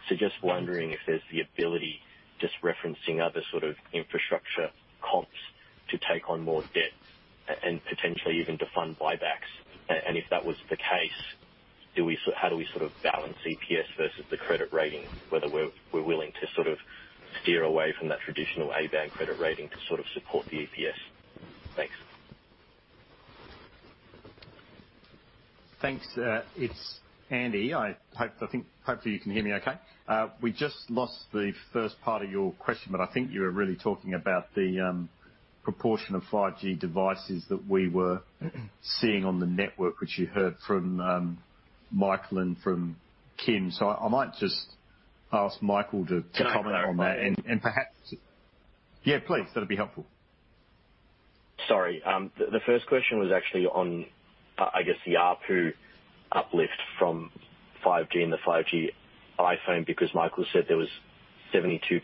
So just wondering if there's the ability, just referencing other sort of infrastructure comps, to take on more debt and potentially even to fund buybacks. And if that was the case, how do we sort of balance EPS versus the credit rating, whether we're willing to sort of steer away from that traditional A-band credit rating to sort of support the EPS? Thanks. Thanks. It's Andy. I think hopefully you can hear me okay. We just lost the first part of your question, but I think you were really talking about the proportion of 5G devices that we were seeing on the network, which you heard from Michael and from Kim. So I might just ask Michael to comment on that. And perhaps, yeah, please. That'd be helpful. Sorry. The first question was actually on, I guess, the ARPU uplift from 5G and the 5G iPhone because Michael said there was 72%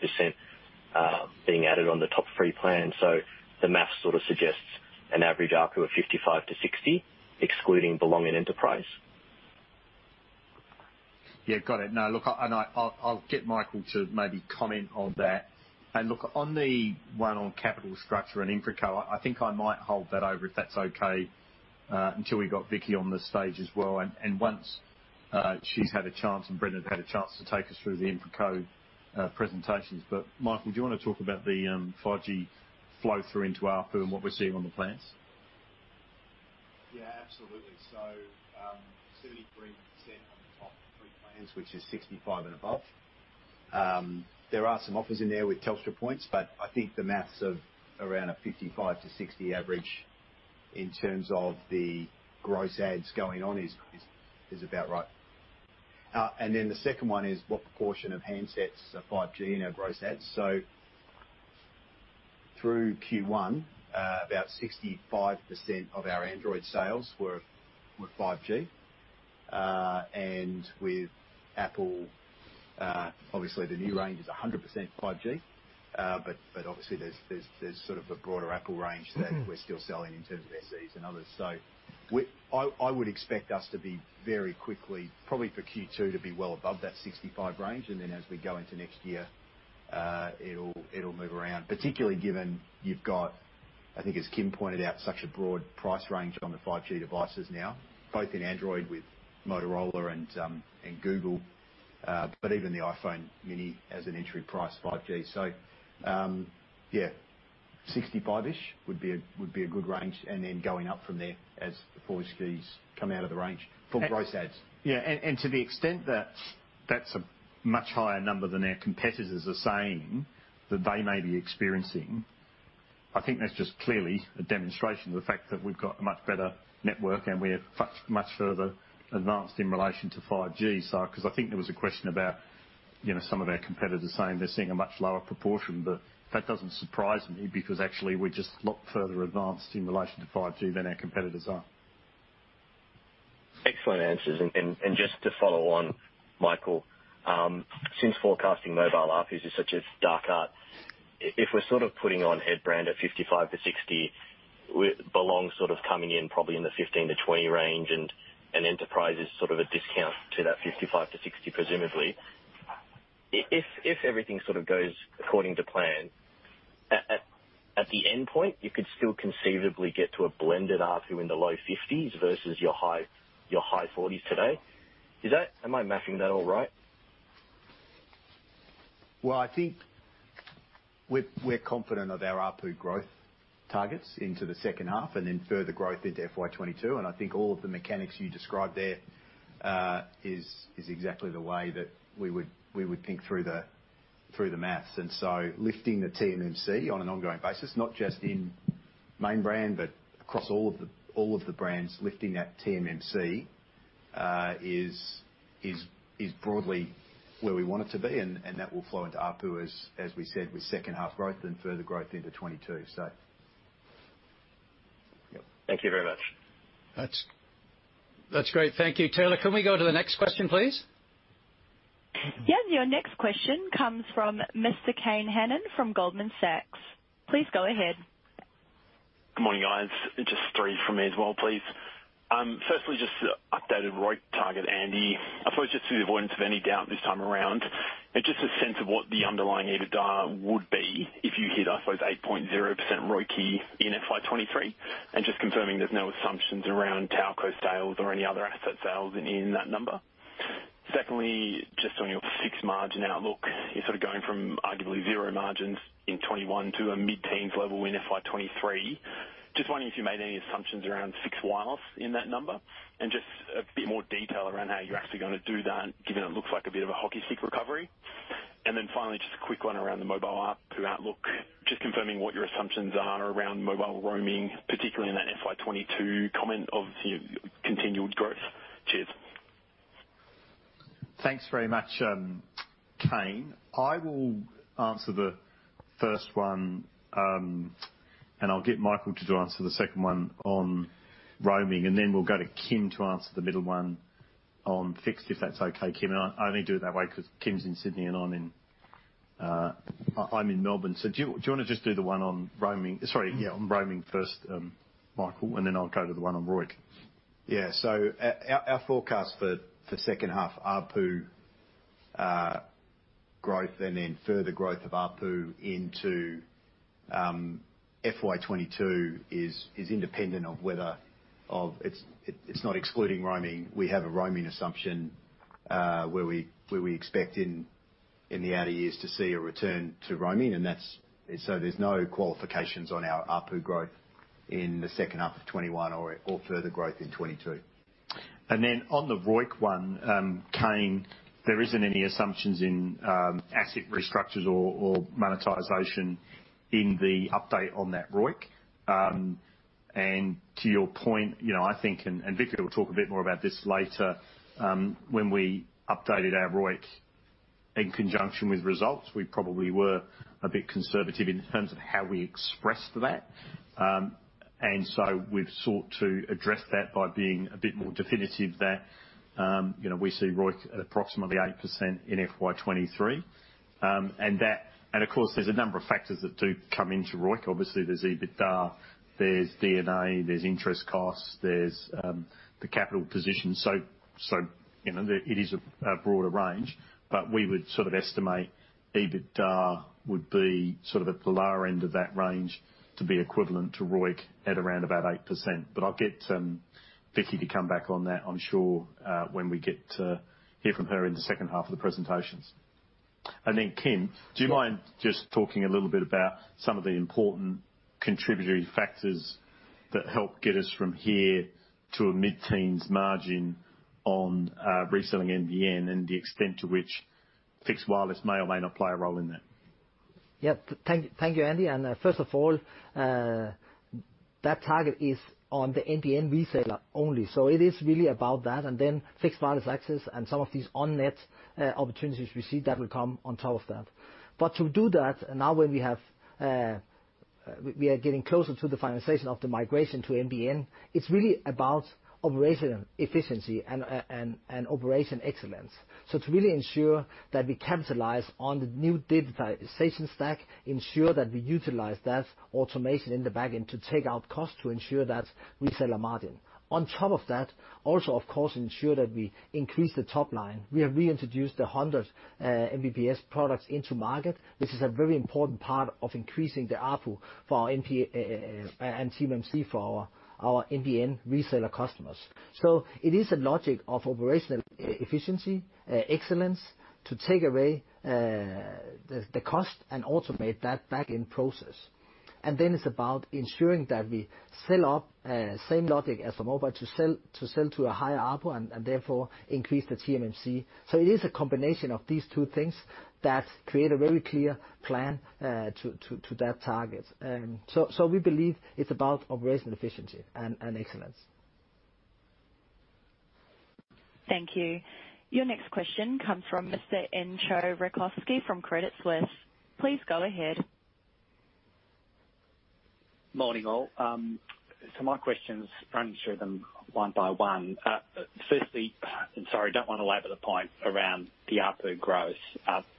being added on the top free plan. So the math sort of suggests an average ARPU of 55-60, excluding Belong and Enterprise. Yeah, got it. No, look, and I'll get Michael to maybe comment on that. And look, on the one on capital structure and InfraCo, I think I might hold that over if that's okay until we've got Vicki on the stage as well. And once she's had a chance, and Brendon's had a chance to take us through the InfraCo presentations. But Michael, do you want to talk about the 5G flow through into ARPU and what we're seeing on the plans? Yeah, absolutely. So 73% on the top free plans, which is 65 and above. There are some offers in there with Telstra points, but I think the math of around a 55-60 average in terms of the gross adds going on is about right. Then the second one is what proportion of handsets are 5G and our gross adds. Through Q1, about 65% of our Android sales were 5G. And with Apple, obviously, the new range is 100% 5G, but obviously, there's sort of a broader Apple range that we're still selling in terms of SEs and others. So I would expect us to be very quickly, probably for Q2, to be well above that 65 range. And then as we go into next year, it'll move around, particularly given you've got, I think as Kim pointed out, such a broad price range on the 5G devices now, both in Android with Motorola and Google, but even the iPhone mini as an entry price 5G. So yeah, 65-ish would be a good range. And then going up from there as the 4Gs come out of the range for gross adds. Yeah. And to the extent that that's a much higher number than their competitors are saying that they may be experiencing, I think that's just clearly a demonstration of the fact that we've got a much better network and we're much further advanced in relation to 5G. Because I think there was a question about some of our competitors saying they're seeing a much lower proportion, but that doesn't surprise me because actually we're just a lot further advanced in relation to 5G than our competitors are. Excellent answers. Just to follow on, Michael, since forecasting mobile ARPU is such a dark art, if we're sort of putting the Telstra brand at 55-60, Belong sort of coming in probably in the 15-20 range, and Enterprise is sort of a discount to that 55-60, presumably. If everything sort of goes according to plan, at the end point, you could still conceivably get to a blended ARPU in the low AUD 50s versus your high AUD 40s today. Am I mapping that all right? Well, I think we're confident of our ARPU growth targets into the second half and then further growth into FY2022. I think all of the mechanics you described there is exactly the way that we would think through the math. So lifting the TMMC on an ongoing basis, not just in main brand, but across all of the brands, lifting that TMMC is broadly where we want it to be. And that will flow into EBITDA, as we said, with second half growth and further growth into 2022. So yeah. Thank you very much. That's great. Thank you. Taylor, can we go to the next question, please? Yes. Your next question comes from Mr. Kane Hannan from Goldman Sachs. Please go ahead. Good morning, guys. Just three from me as well, please. Firstly, just updated ROIC target, Andy. I suppose just to the avoidance of any doubt this time around, just a sense of what the underlying EBITDA would be if you hit, I suppose, 8.0% ROIC in FY 2023. And just confirming there's no assumptions around TowerCo sales or any other asset sales in that number. Secondly, just on your fixed margin outlook, you're sort of going from arguably zero margins in 2021 to a mid-teens level in FY 2023. Just wondering if you made any assumptions around fixed wireless in that number and just a bit more detail around how you're actually going to do that, given it looks like a bit of a hockey stick recovery. And then finally, just a quick one around the mobile app outlook, just confirming what your assumptions are around mobile roaming, particularly in that FY 2022 comment of continued growth. Cheers. Thanks very much, Kane. I will answer the first one, and I'll get Michael to answer the second one on roaming. And then we'll go to Kim to answer the middle one on fixed, if that's okay, Kim. And I only do it that way because Kim's in Sydney and I'm in Melbourne. So do you want to just do the one on roaming? Sorry, yeah, on roaming first, Michael, and then I'll go to the one on ROIC. Yeah. So our forecast for second half, EBITDA growth and then further growth of EBITDA into FY2022 is independent of whether it's not excluding roaming. We have a roaming assumption where we expect in the outer years to see a return to roaming. And so there's no qualifications on our EBITDA growth in the second half of 2021 or further growth in 2022. Then on the ROIC one, Kane, there aren't any assumptions in asset restructures or monetization in the update on that ROIC. And to your point, I think, and Vicki will talk a bit more about this later, when we updated our ROIC in conjunction with results, we probably were a bit conservative in terms of how we expressed that. And so we've sought to address that by being a bit more definitive that we see ROIC at approximately 8% in FY2023. And of course, there's a number of factors that do come into ROIC. Obviously, there's EBITDA, there's D&A, there's interest costs, there's the capital position. So it is a broader range, but we would sort of estimate EBITDA would be sort of at the lower end of that range to be equivalent to ROIC at around about 8%. But I'll get Vicki to come back on that, I'm sure, when we get to hear from her in the second half of the presentations. And then Kim, do you mind just talking a little bit about some of the important contributory factors that help get us from here to a mid-teens margin on reselling NBN and the extent to which fixed wireless may or may not play a role in that? Yep. Thank you, Andy. And first of all, that target is on the NBN reseller only. So it is really about that. And then fixed wireless access and some of these on-net opportunities we see that will come on top of that. But to do that, now when we are getting closer to the finalization of the migration to NBN, it's really about operational efficiency and operational excellence. So, to really ensure that we capitalize on the new digitization stack, ensure that we utilize that automation in the backend to take out costs to ensure that reseller margin. On top of that, also, of course, ensure that we increase the top line. We have reintroduced the 100 Mbps products into market, which is a very important part of increasing the ARPU and TMMC for our NBN reseller customers. So it is a logic of operational efficiency, excellence, to take away the cost and automate that backend process. And then it's about ensuring that we sell up same logic as the mobile to sell to a higher ARPU and therefore increase the TMMC. So it is a combination of these two things that create a very clear plan to that target. So we believe it's about operational efficiency and excellence. Thank you. Your next question comes from Mr. Entcho Raykovski from Credit Suisse. Please go ahead. Morning, all. So my questions, running through them one by one. Firstly, sorry, I don't want to labor the point around the ARPU growth,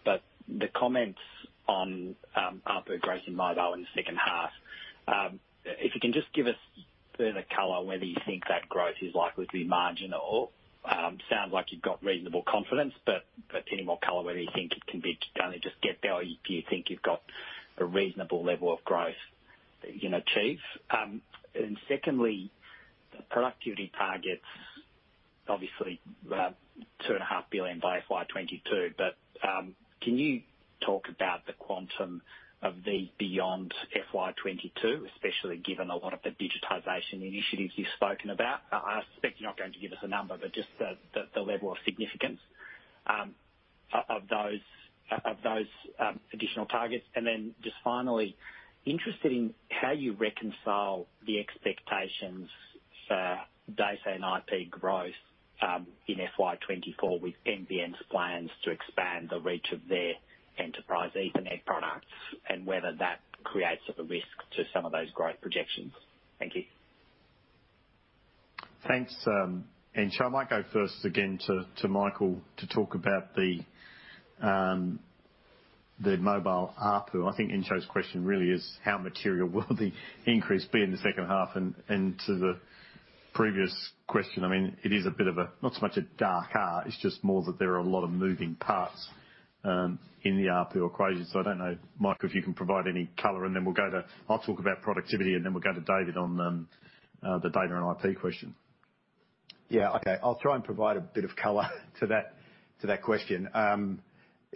but the comments on ARPU growth in mobile in the second half, if you can just give us further color whether you think that growth is likely to be marginal. Sounds like you've got reasonable confidence, but any more color whether you think it can be only just get there, do you think you've got a reasonable level of growth you can achieve? And secondly, the productivity targets, obviously, 2.5 billion by FY 2022, but can you talk about the quantum of these beyond FY 2022, especially given a lot of the digitization initiatives you've spoken about? I suspect you're not going to give us a number, but just the level of significance of those additional targets. And then just finally, interested in how you reconcile the expectations for data and IP growth in FY 2024 with NBN's plans to expand the reach of their enterprise Ethernet products and whether that creates a risk to some of those growth projections. Thank you. Thanks, Entcho. I might go first again to Michael to talk about the mobile ARPU. I think Entcho's question really is how material will the increase be in the second half? And to the previous question, I mean, it is a bit of a not so much a dark art, it's just more that there are a lot of moving parts in the ARPU equation. I don't know, Michael, if you can provide any color, and then we'll go to Vicki. I'll talk about productivity, and then we'll go to David on the data and IP question. Yeah. Okay. I'll try and provide a bit of color to that question.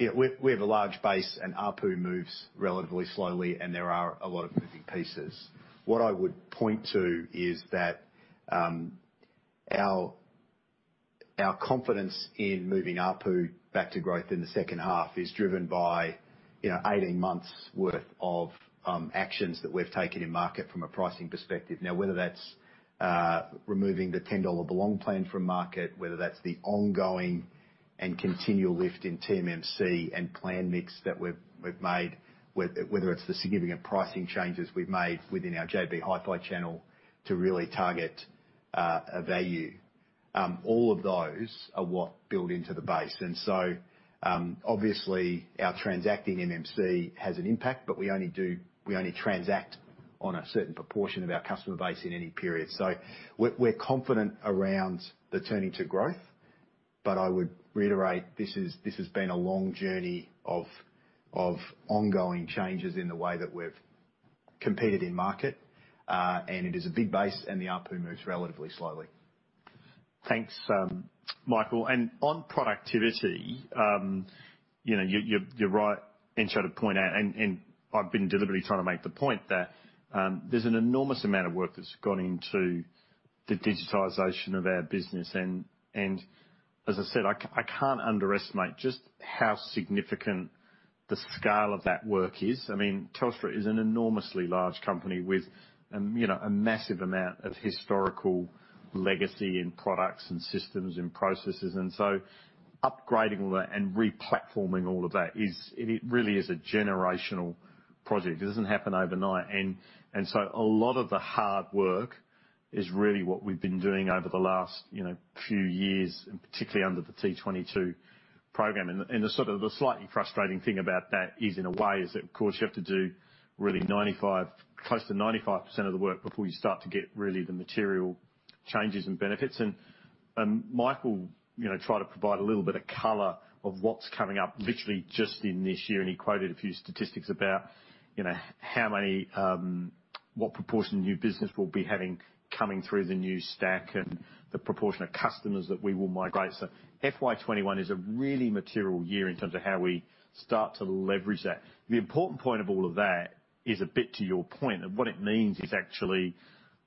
We have a large base, and mobile moves relatively slowly, and there are a lot of moving pieces. What I would point to is that our confidence in moving mobile back to growth in the second half is driven by 18 months' worth of actions that we've taken in market from a pricing perspective. Now, whether that's removing the $10 Belong plan from market, whether that's the ongoing and continual lift in TMMC and plan mix that we've made, whether it's the significant pricing changes we've made within our JB Hi-Fi channel to really target a value, all of those are what build into the base. And so obviously, our transacting MMC has an impact, but we only transact on a certain proportion of our customer base in any period. So we're confident around the turning to growth, but I would reiterate, this has been a long journey of ongoing changes in the way that we've competed in market, and it is a big base, and the ARPU moves relatively slowly. Thanks, Michael. On productivity, you're right, Entcho to point out, and I've been deliberately trying to make the point that there's an enormous amount of work that's gone into the digitization of our business. As I said, I can't underestimate just how significant the scale of that work is. I mean, Telstra is an enormously large company with a massive amount of historical legacy in products and systems and processes. So upgrading all that and replatforming all of that really is a generational project. It doesn't happen overnight. So a lot of the hard work is really what we've been doing over the last few years, and particularly under the T22 program. And sort of the slightly frustrating thing about that is, in a way, is that, of course, you have to do really close to 95% of the work before you start to get really the material changes and benefits. Michael tried to provide a little bit of color on what's coming up literally just in this year, and he quoted a few statistics about what proportion of new business we'll be having coming through the new stack and the proportion of customers that we will migrate. FY2021 is a really material year in terms of how we start to leverage that. The important point of all of that is a bit to your point. What it means is actually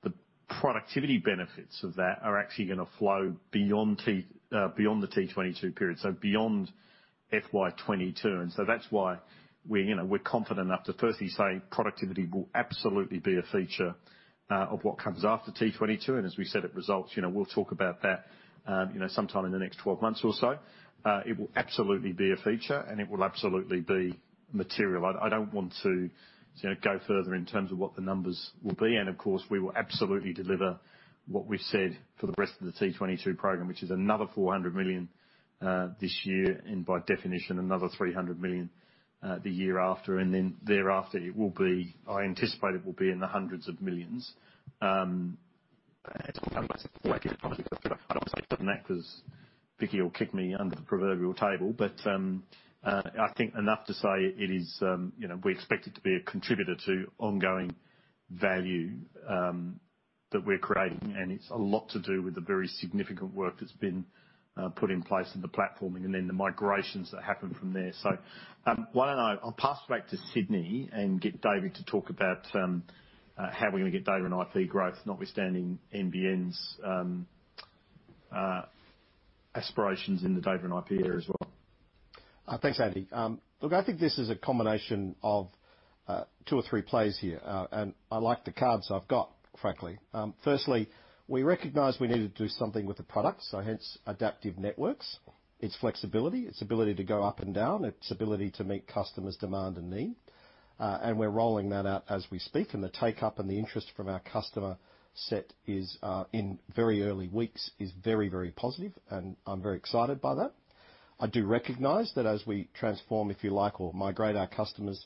the productivity benefits of that are actually going to flow beyond the T22 period, so beyond FY2022. That's why we're confident enough to firstly say productivity will absolutely be a feature of what comes after T22. And as we said, at results, we'll talk about that sometime in the next 12 months or so. It will absolutely be a feature, and it will absolutely be material. I don't want to go further in terms of what the numbers will be. And of course, we will absolutely deliver what we've said for the rest of the T22 program, which is another 400 million this year and by definition another 300 million the year after. And then thereafter, I anticipate it will be in the hundreds of millions. I don't want to say it doesn't act as Vicki or Kim kick me under the proverbial table, but I think enough to say it is we expect it to be a contributor to ongoing value that we're creating. It's a lot to do with the very significant work that's been put in place of the platforming and then the migrations that happen from there. So why don't I pass back to Sydney and get David to talk about how we're going to get data and IP growth, notwithstanding NBN's aspirations in the data and IP area as well? Thanks, Andy. Look, I think this is a combination of two or three plays here, and I like the cards I've got, frankly. Firstly, we recognize we need to do something with the product, so hence Adaptive Networks, its flexibility, its ability to go up and down, its ability to meet customers' demand and need. And we're rolling that out as we speak. And the take-up and the interest from our customer set in very early weeks is very, very positive, and I'm very excited by that. I do recognize that as we transform, if you like, or migrate our customers,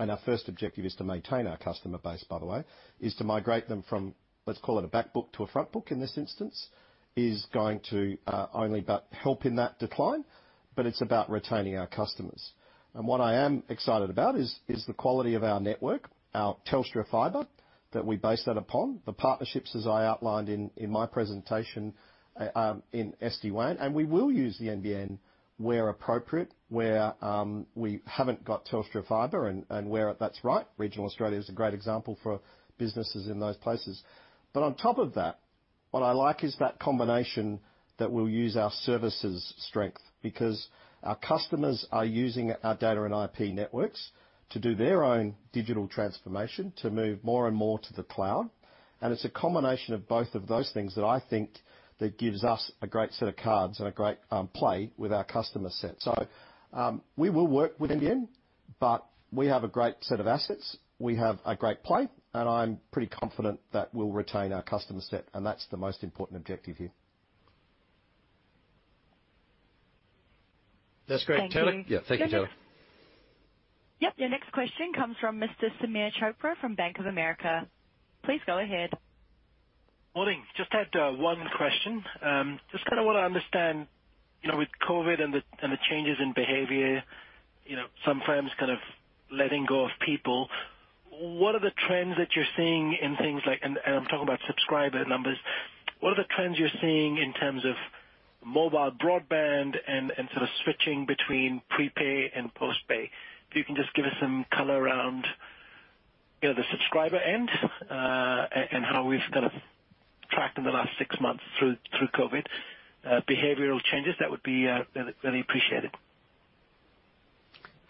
and our first objective is to maintain our customer base, by the way, is to migrate them from, let's call it a back book to a front book in this instance, is going to only help in that decline, but it's about retaining our customers. What I am excited about is the quality of our network, our Telstra fiber that we base that upon, the partnerships, as I outlined in my presentation in SD-WAN. We will use the NBN where appropriate, where we haven't got Telstra fiber and where that's right. Regional Australia is a great example for businesses in those places. But on top of that, what I like is that combination that we'll use our services strength because our customers are using our data and IP networks to do their own digital transformation to move more and more to the cloud. And it's a combination of both of those things that I think gives us a great set of cards and a great play with our customer set. So we will work with NBN, but we have a great set of assets. We have a great play, and I'm pretty confident that we'll retain our customer set, and that's the most important objective here. That's great. Thank you. Yeah. Thank you, John. Yep. Your next question comes from Mr. Sameer Chopra from Bank of America. Please go ahead. Morning. Just had one question. Just kind of want to understand with COVID and the changes in behavior, some firms kind of letting go of people. What are the trends that you're seeing in things like—and I'm talking about subscriber numbers—what are the trends you're seeing in terms of mobile broadband and sort of switching between prepay and postpay? If you can just give us some color around the subscriber end and how we've kind of tracked in the last six months through COVID, behavioral changes, that would be really appreciated.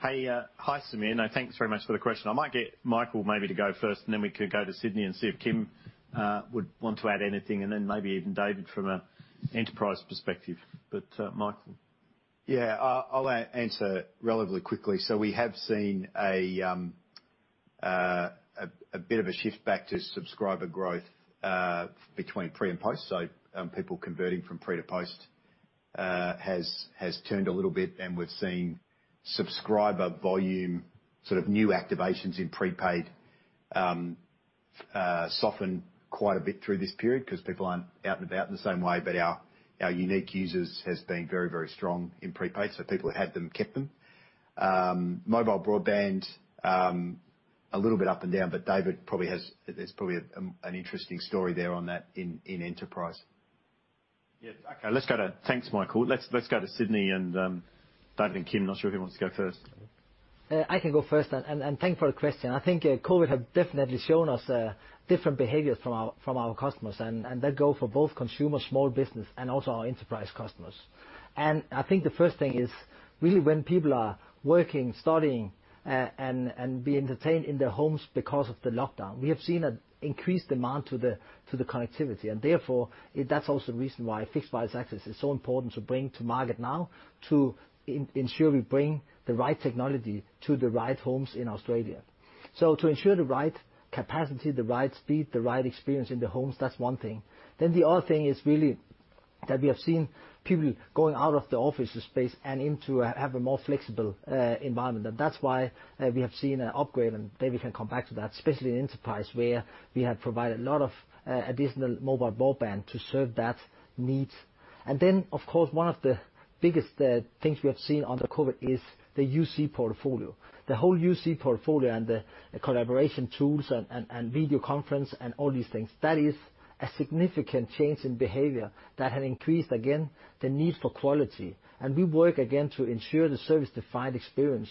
Hi, Sameer. No, thanks very much for the question. I might get Michael maybe to go first, and then we could go to Sydney and see if Kim would want to add anything, and then maybe even David from an enterprise perspective. But Michael. Yeah. I'll answer relatively quickly. So we have seen a bit of a shift back to subscriber growth between pre and post. So people converting from pre to post has turned a little bit, and we've seen subscriber volume, sort of new activations in prepaid soften quite a bit through this period because people aren't out and about in the same way. But our unique users have been very, very strong in prepaid, so people who had them kept them. Mobile broadband, a little bit up and down, but David probably has. There's probably an interesting story there on that in enterprise. Yeah. Okay. Thanks, Michael. Let's go to Sydney and David and Kim. Not sure who wants to go first. I can go first. And thanks for the question. I think COVID has definitely shown us different behaviors from our customers, and that goes for both consumers, small business, and also our enterprise customers. I think the first thing is really when people are working, studying, and being entertained in their homes because of the lockdown, we have seen an increased demand to the connectivity. And therefore, that's also the reason why fixed-price access is so important to bring to market now to ensure we bring the right technology to the right homes in Australia. So to ensure the right capacity, the right speed, the right experience in the homes, that's one thing. Then the other thing is really that we have seen people going out of the office space and into a more flexible environment. And that's why we have seen an upgrade, and David can come back to that, especially in enterprise where we have provided a lot of additional mobile broadband to serve that need. And then, of course, one of the biggest things we have seen under COVID is the UC portfolio. The whole UC portfolio and the collaboration tools and video conference and all these things, that is a significant change in behavior that has increased, again, the need for quality. We work again to ensure the service-defined experience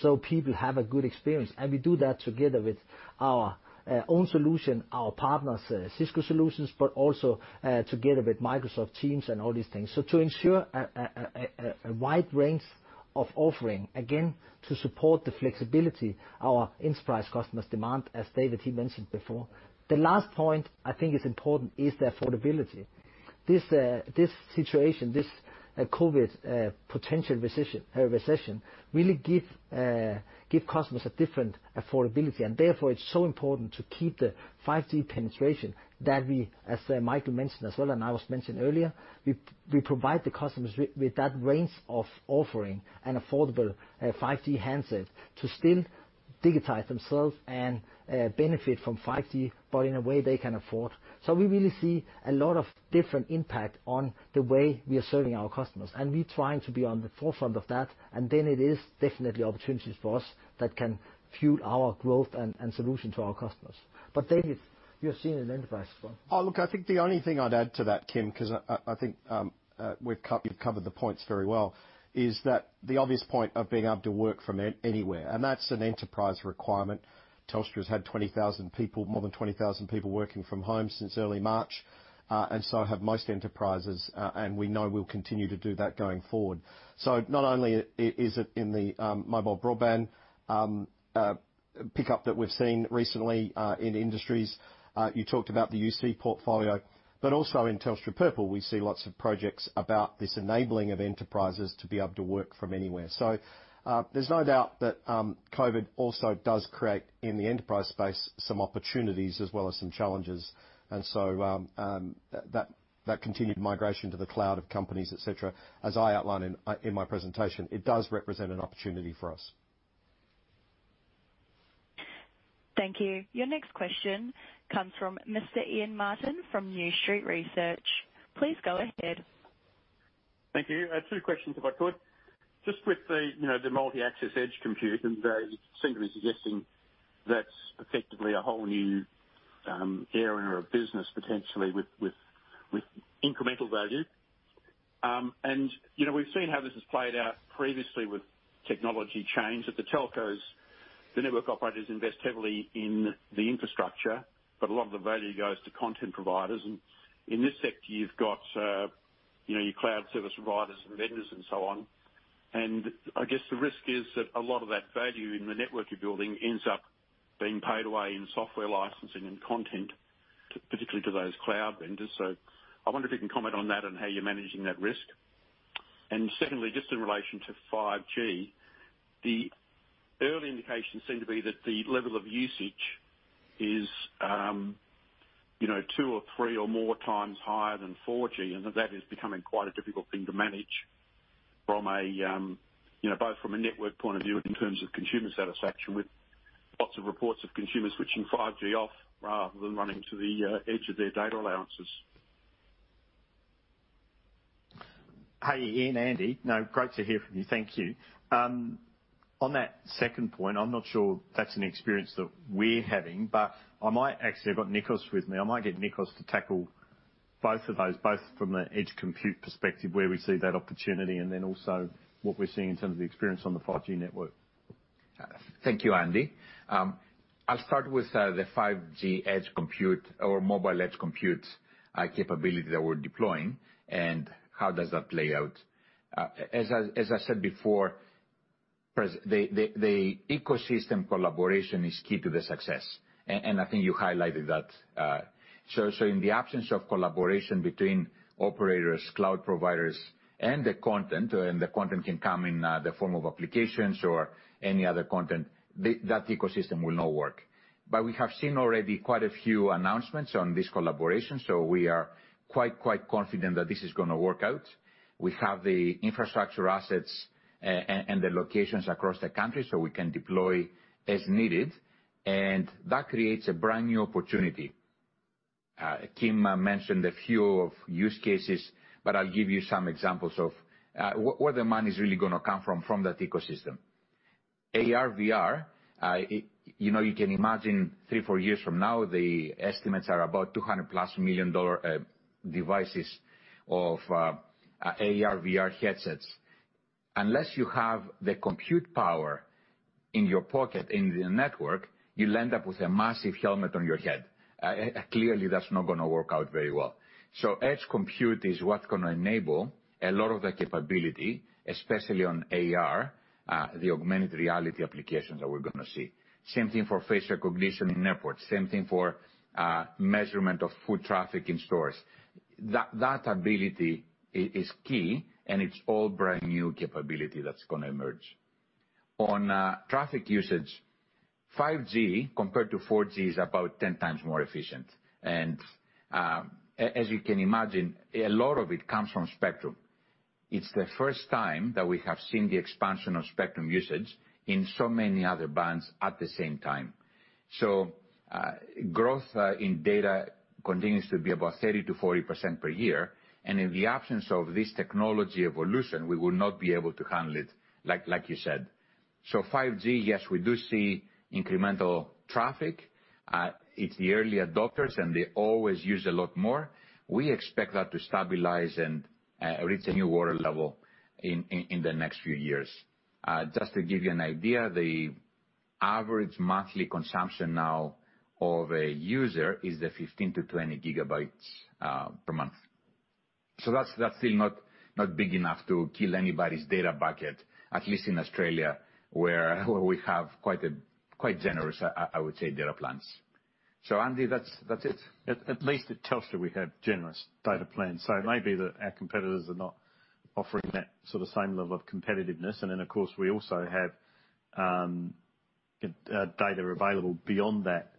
so people have a good experience. We do that together with our own solution, our partners, Cisco solutions, but also together with Microsoft Teams and all these things. To ensure a wide range of offering, again, to support the flexibility our enterprise customers demand, as David, he mentioned before. The last point I think is important is the affordability. This situation, this COVID potential recession, really gives customers a different affordability. And therefore, it's so important to keep the 5G penetration that we, as Michael mentioned as well and I was mentioning earlier, we provide the customers with that range of offering and affordable 5G handset to still digitize themselves and benefit from 5G, but in a way they can afford. So we really see a lot of different impact on the way we are serving our customers. We're trying to be on the forefront of that. Then it is definitely opportunities for us that can fuel our growth and solution to our customers. But David, you're seeing an enterprise as well. Look, I think the only thing I'd add to that, Kim, because I think we've covered the points very well, is that the obvious point of being able to work from anywhere. And that's an enterprise requirement. Telstra has had more than 20,000 people working from home since early March, and so have most enterprises. And we know we'll continue to do that going forward. So not only is it in the mobile broadband pickup that we've seen recently in industries, you talked about the UC portfolio, but also in Telstra Purple, we see lots of projects about this enabling of enterprises to be able to work from anywhere. So there's no doubt that COVID also does create in the enterprise space some opportunities as well as some challenges. And so that continued migration to the cloud of companies, etc., as I outlined in my presentation, it does represent an opportunity for us. Thank you. Your next question comes from Mr. Ian Martin from New Street Research. Please go ahead. Thank you. Two questions, if I could. Just with the multi-access edge computing, they seem to be suggesting that's effectively a whole new area of business, potentially with incremental value. We've seen how this has played out previously with technology change. At the telcos, the network operators invest heavily in the infrastructure, but a lot of the value goes to content providers. In this sector, you've got your cloud service providers and vendors and so on. I guess the risk is that a lot of that value in the network you're building ends up being paid away in software licensing and content, particularly to those cloud vendors. I wonder if you can comment on that and how you're managing that risk. And secondly, just in relation to 5G, the early indications seem to be that the level of usage is 2 or 3 or more times higher than 4G, and that that is becoming quite a difficult thing to manage both from a network point of view and in terms of consumer satisfaction with lots of reports of consumers switching 5G off rather than running to the edge of their data allowances. Hey, Ian and Andy. No, great to hear from you. Thank you. On that second point, I'm not sure that's an experience that we're having, but I might actually. I've got Nikos with me. I might get Nikos to tackle both of those, both from the edge compute perspective where we see that opportunity and then also what we're seeing in terms of the experience on the 5G network. Thank you, Andy. I'll start with the 5G edge compute or mobile edge compute capability that we're deploying and how does that play out? As I said before, the ecosystem collaboration is key to the success, and I think you highlighted that. So in the absence of collaboration between operators, cloud providers, and the content, and the content can come in the form of applications or any other content, that ecosystem will not work. But we have seen already quite a few announcements on this collaboration, so we are quite, quite confident that this is going to work out. We have the infrastructure assets and the locations across the country, so we can deploy as needed, and that creates a brand new opportunity. Kim mentioned a few use cases, but I'll give you some examples of where the money is really going to come from that ecosystem. AR/VR, you can imagine three or four years from now, the estimates are about 200+ million-dollar devices of AR/VR headsets. Unless you have the compute power in your pocket in the network, you'll end up with a massive helmet on your head. Clearly, that's not going to work out very well. So edge compute is what's going to enable a lot of that capability, especially on AR, the augmented reality applications that we're going to see. Same thing for face recognition in airports. Same thing for measurement of foot traffic in stores. That ability is key, and it's all brand new capability that's going to emerge. On traffic usage, 5G compared to 4G is about 10 times more efficient. As you can imagine, a lot of it comes from spectrum. It's the first time that we have seen the expansion of spectrum usage in so many other bands at the same time. So growth in data continues to be about 30%-40% per year. And in the absence of this technology evolution, we will not be able to handle it, like you said. So 5G, yes, we do see incremental traffic. It's the early adopters, and they always use a lot more. We expect that to stabilize and reach a new water level in the next few years. Just to give you an idea, the average monthly consumption now of a user is 15-20 gigabytes per month. So that's still not big enough to kill anybody's data bucket, at least in Australia where we have quite generous, I would say, data plans. So, Andy, that's it. At least at Telstra, we have generous data plans. So it may be that our competitors are not offering that sort of same level of competitiveness. And then, of course, we also have data available beyond that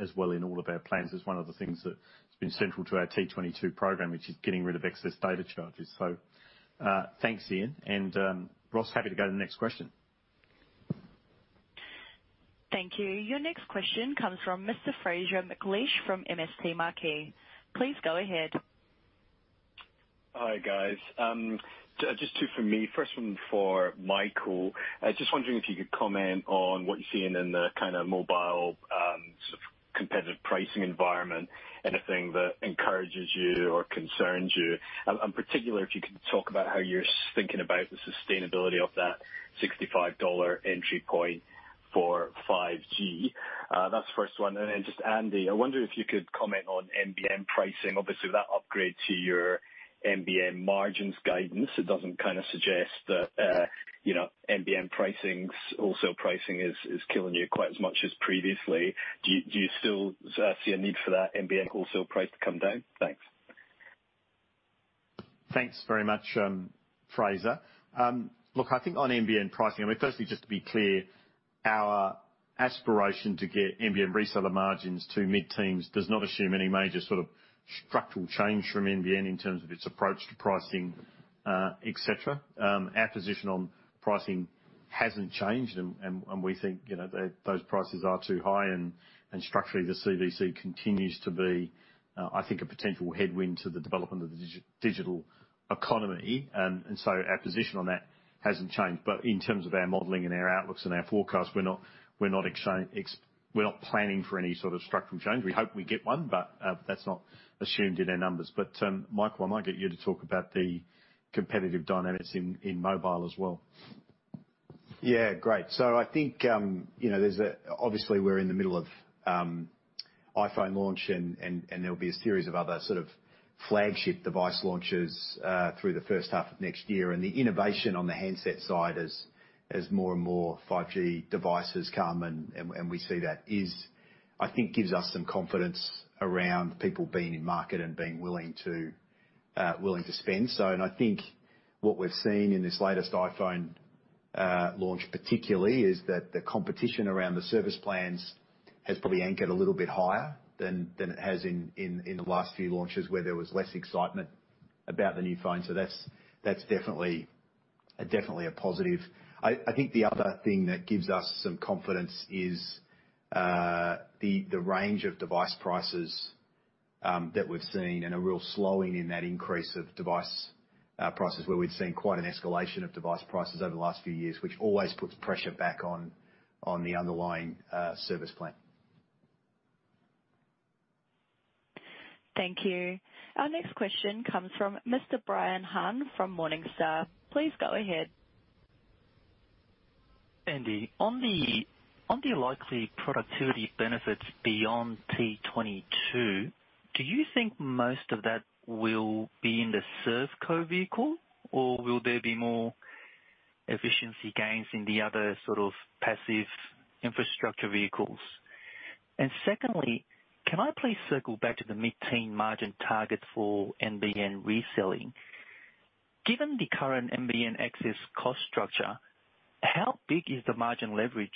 as well in all of our plans. It's one of the things that's been central to our T22 program, which is getting rid of excess data charges. So thanks, Ian. And Ross, happy to go to the next question. Thank you. Your next question comes from Mr. Fraser McLeish from MST Marquee. Please go ahead. Hi, guys. Just two for me. First one for Michael. Just wondering if you could comment on what you're seeing in the kind of mobile sort of competitive pricing environment, anything that encourages you or concerns you. In particular, if you could talk about how you're thinking about the sustainability of that 65 dollar entry point for 5G. That's the first one. And then just, Andy, I wonder if you could comment on MBM pricing. Obviously, with that upgrade to your MBM margins guidance, it doesn't kind of suggest that MBM pricing's wholesale pricing is killing you quite as much as previously. Do you still see a need for that MBM wholesale price to come down? Thanks. Thanks very much, Fraser. Look, I think on MBM pricing, I mean, firstly, just to be clear, our aspiration to get MBM reseller margins to mid-teens does not assume any major sort of structural change from MBM in terms of its approach to pricing, etc. Our position on pricing hasn't changed, and we think those prices are too high. And structurally, the CVC continues to be, I think, a potential headwind to the development of the digital economy. And so our position on that hasn't changed. But in terms of our modeling and our outlooks and our forecast, we're not planning for any sort of structural change. We hope we get one, but that's not assumed in our numbers. But Michael, I might get you to talk about the competitive dynamics in mobile as well. Yeah. Great. So I think there's a, obviously, we're in the middle of iPhone launch, and there'll be a series of other sort of flagship device launches through the first half of next year. And the innovation on the handset side as more and more 5G devices come and we see that is, I think, gives us some confidence around people being in market and being willing to spend. I think what we've seen in this latest iPhone launch, particularly, is that the competition around the service plans has probably anchored a little bit higher than it has in the last few launches where there was less excitement about the new phone. So that's definitely a positive. I think the other thing that gives us some confidence is the range of device prices that we've seen and a real slowing in that increase of device prices where we've seen quite an escalation of device prices over the last few years, which always puts pressure back on the underlying service plan. Thank you. Our next question comes from Mr. Brian Han from Morningstar. Please go ahead. Andy, on the likely productivity benefits beyond T22, do you think most of that will be in the ServeCo vehicle, or will there be more efficiency gains in the other sort of passive infrastructure vehicles? And secondly, can I please circle back to the mid-teen margin targets for NBN reselling? Given the current NBN access cost structure, how big is the margin leverage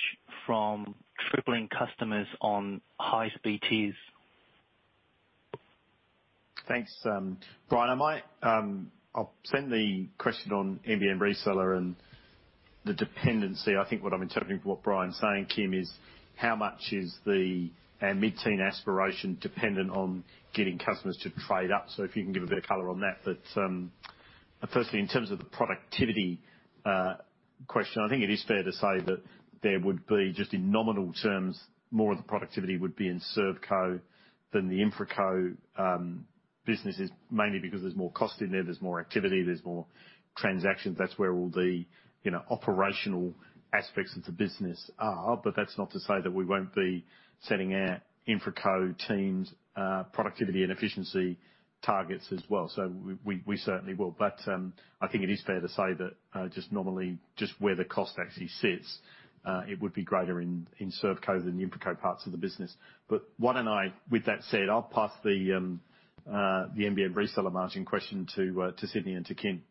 from tripling customers on high-speed tiers? Thanks, Brian. I'll send the question on NBN reseller and the dependency. I think what I'm interpreting from what Brian's saying, Kim, is how much is the mid-teen aspiration dependent on getting customers to trade up? So if you can give a bit of color on that. But firstly, in terms of the productivity question, I think it is fair to say that there would be, just in nominal terms, more of the productivity would be in ServeCo than the InfraCo businesses, mainly because there's more cost in there, there's more activity, there's more transactions. That's where all the operational aspects of the business are. But that's not to say that we won't be setting our InfraCo teams' productivity and efficiency targets as well. So we certainly will. But I think it is fair to say that just normally, just where the cost actually sits, it would be greater in ServeCo than the InfraCo parts of the business. But why don't I, with that said, I'll pass the NBN reseller margin question to Sydney and to Kim.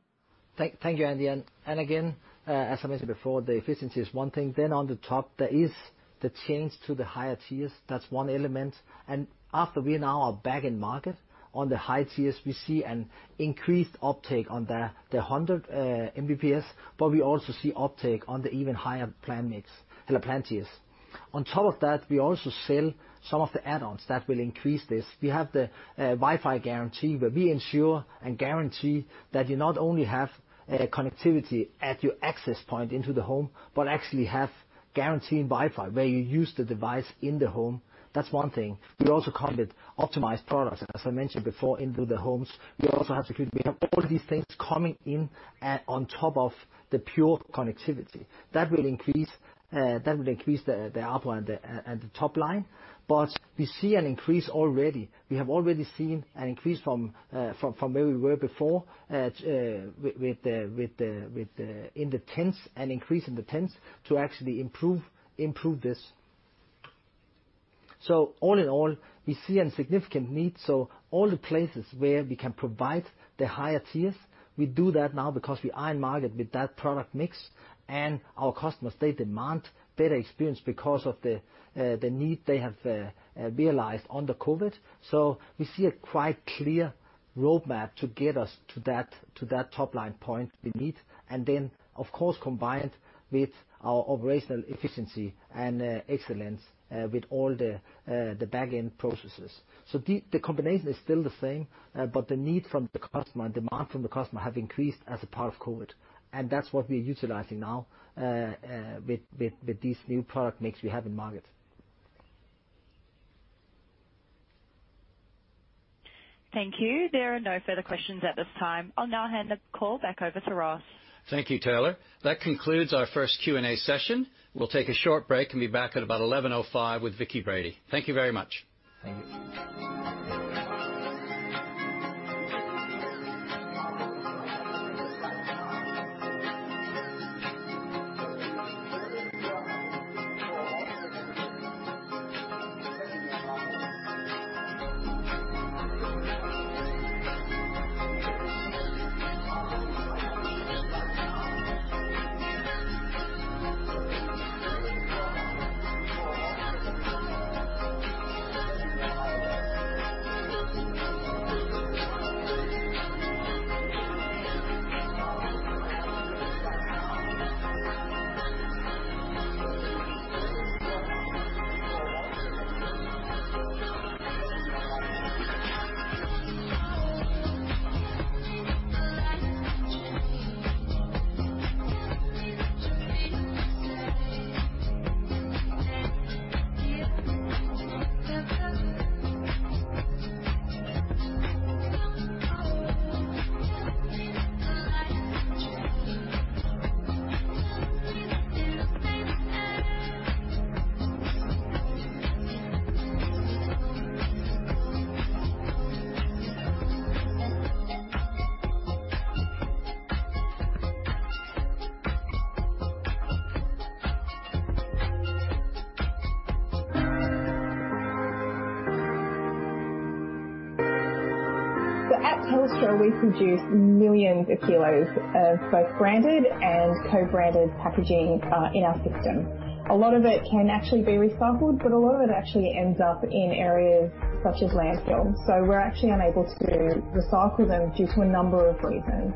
Thank you, Andy. And again, as I mentioned before, the efficiency is one thing. Then on the top, there is the change to the higher tiers. That's one element. And after we now are back in market on the high tiers, we see an increased uptake on the 100 Mbps, but we also see uptake on the even higher plan tiers. On top of that, we also sell some of the add-ons that will increase this. We have the Wi-Fi Guarantee where we ensure and guarantee that you not only have connectivity at your access point into the home, but actually have guaranteed Wi-Fi where you use the device in the home. That's one thing. We also come with optimized products, as I mentioned before, into the homes. We also have to keep—we have all these things coming in on top of the pure connectivity. That will increase the upper and the top line. But we see an increase already. We have already seen an increase from where we were before with the investments and increase in the investments to actually improve this. So all in all, we see a significant need. So all the places where we can provide the higher tiers, we do that now because we are in market with that product mix. And our customers, they demand better experience because of the need they have realized under COVID. So we see a quite clear roadmap to get us to that top line point we need. And then, of course, combined with our operational efficiency and excellence with all the back-end processes. So the combination is still the same, but the need from the customer and demand from the customer have increased as a part of COVID. And that's what we're utilizing now with these new product mix we have in market. Thank you. There are no further questions at this time. I'll now hand the call back over to Ross. Thank you, Taylor. That concludes our first Q&A session. We'll take a short break and be back at about 11:05 A.M. with Vicki Brady. Thank you very much. Thank you. Tell me what the lights have changed. Tell me that you're feeling the same. Tell me what the lights have changed. Tell me that you'll stay the same. So at Telstra, we produce millions of kilos of both branded and co-branded packaging in our system. A lot of it can actually be recycled, but a lot of it actually ends up in areas such as landfills. So we're actually unable to recycle them due to a number of reasons.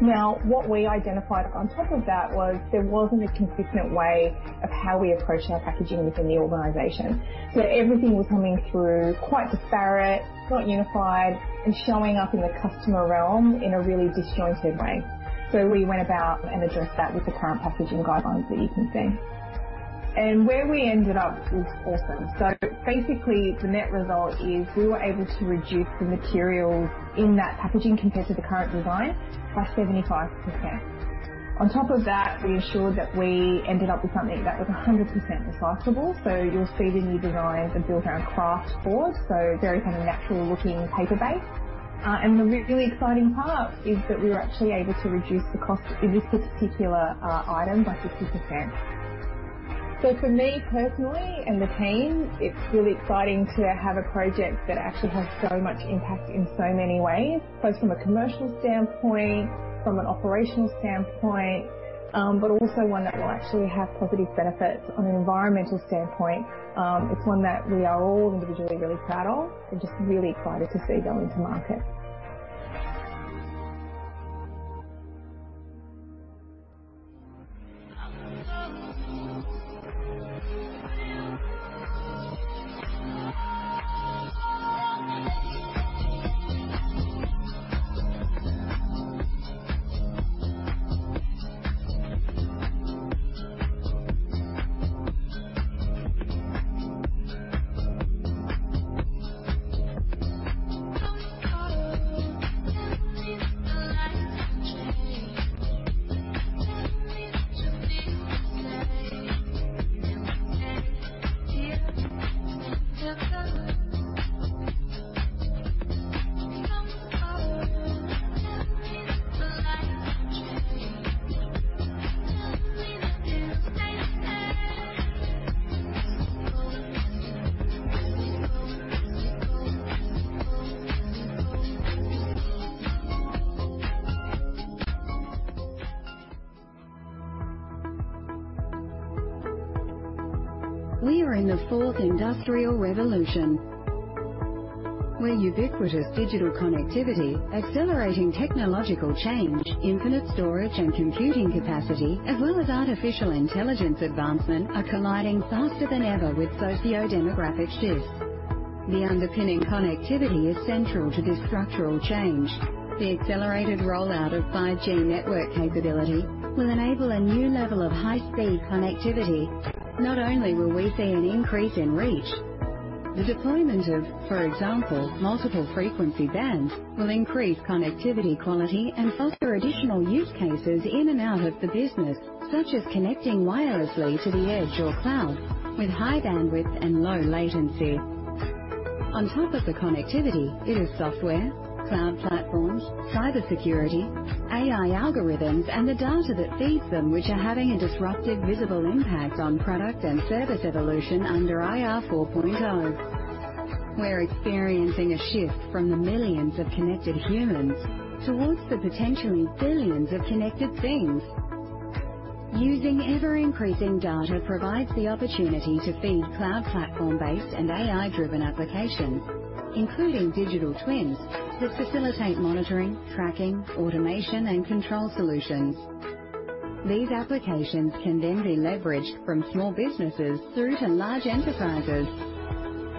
Now, what we identified on top of that was there wasn't a consistent way of how we approached our packaging within the organization. So everything was coming through quite disparate, not unified, and showing up in the customer realm in a really disjointed way. So we went about and addressed that with the current packaging guidelines that you can see. And where we ended up was awesome. So basically, the net result is we were able to reduce the materials in that packaging compared to the current design by 75%. On top of that, we ensured that we ended up with something that was 100% recyclable. So you'll see the new designs are built around craft board, so very kind of natural-looking paper base. And the really exciting part is that we were actually able to reduce the cost in this particular item by 50%. So for me personally and the team, it's really exciting to have a project that actually has so much impact in so many ways, both from a commercial standpoint, from an operational standpoint, but also one that will actually have positive benefits on an environmental standpoint. It's one that we are all individually really proud of and just really excited to see going to market. We are in the fourth industrial revolution, where ubiquitous digital connectivity, accelerating technological change, infinite storage and computing capacity, as well as artificial intelligence advancement, are colliding faster than ever with sociodemographic shifts. The underpinning connectivity is central to this structural change. The accelerated rollout of 5G network capability will enable a new level of high-speed connectivity. Not only will we see an increase in reach, the deployment of, for example, multiple frequency bands will increase connectivity quality and foster additional use cases in and out of the business, such as connecting wirelessly to the edge or cloud with high bandwidth and low latency. On top of the connectivity, it is software, cloud platforms, cybersecurity, AI algorithms, and the data that feeds them, which are having a disruptive visible impact on product and service evolution under IR 4.0. We're experiencing a shift from the millions of connected humans towards the potentially billions of connected things. Using ever-increasing data provides the opportunity to feed cloud platform-based and AI-driven applications, including digital twins that facilitate monitoring, tracking, automation, and control solutions. These applications can then be leveraged from small businesses through to large enterprises.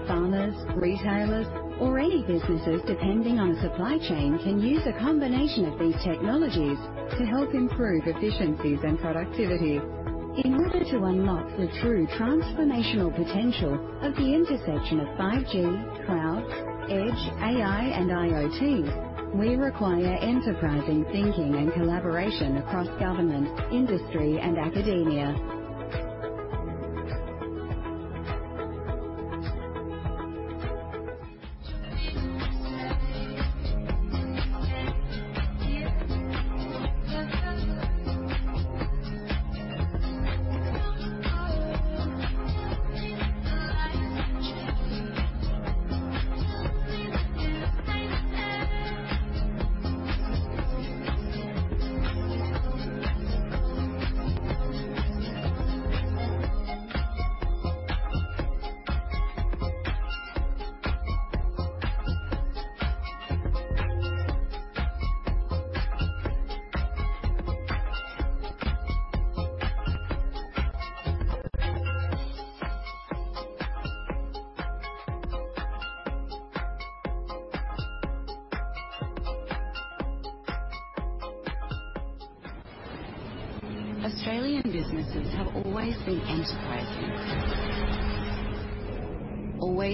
Farmers, retailers, or any businesses depending on a supply chain can use a combination of these technologies to help improve efficiencies and productivity. In order to unlock the true transformational potential of the intersection of 5G, cloud, edge, AI, and IoT, we require enterprising thinking and collaboration across government, industry, and academia.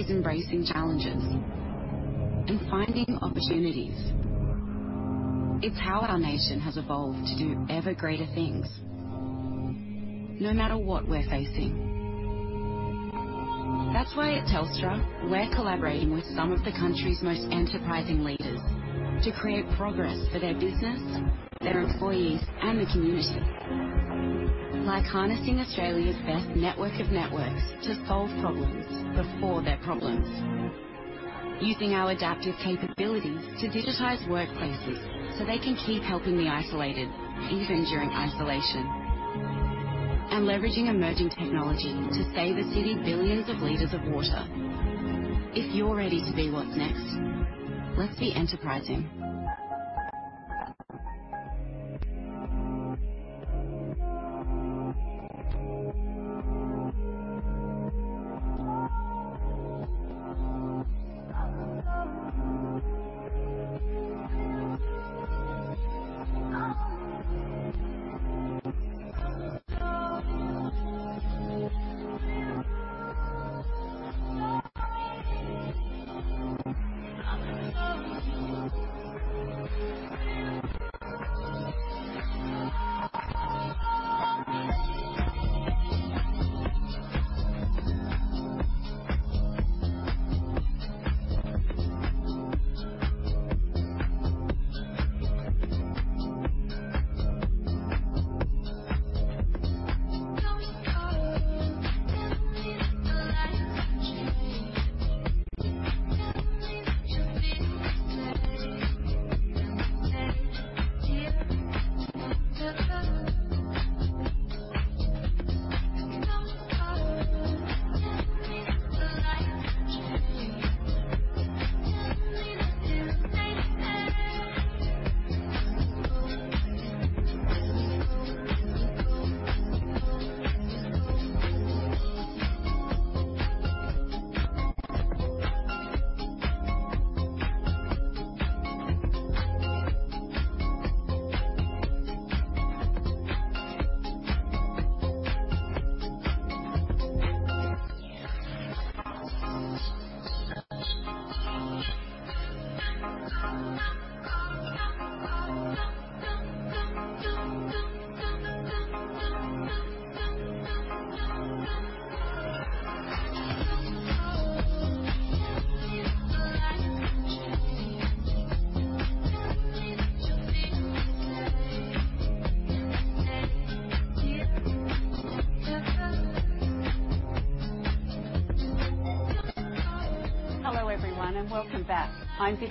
Tell me what the lights have changed. Tell me what the lights have changed. Tell me what the lights have changed. Tell me what the lights have changed. Tell me what the lights have changed. Tell me that you'll stay the same. Tell me what the lights have changed. Tell me what the lights have changed. Tell me what the lights have changed. Australian businesses have always been enterprising, always embracing challenges and finding opportunities. It's how our nation has evolved to do ever greater things, no matter what we're facing. That's why at Telstra, we're collaborating with some of the country's most enterprising leaders to create progress for their business, their employees, and the community. Like harnessing Australia's best network of networks to solve problems before their problems, using our adaptive capabilities to digitize workplaces so they can keep helping the isolated even during isolation, and leveraging emerging technology to save a city billions of liters of water. If you're ready to be what's next, let's be enterprising.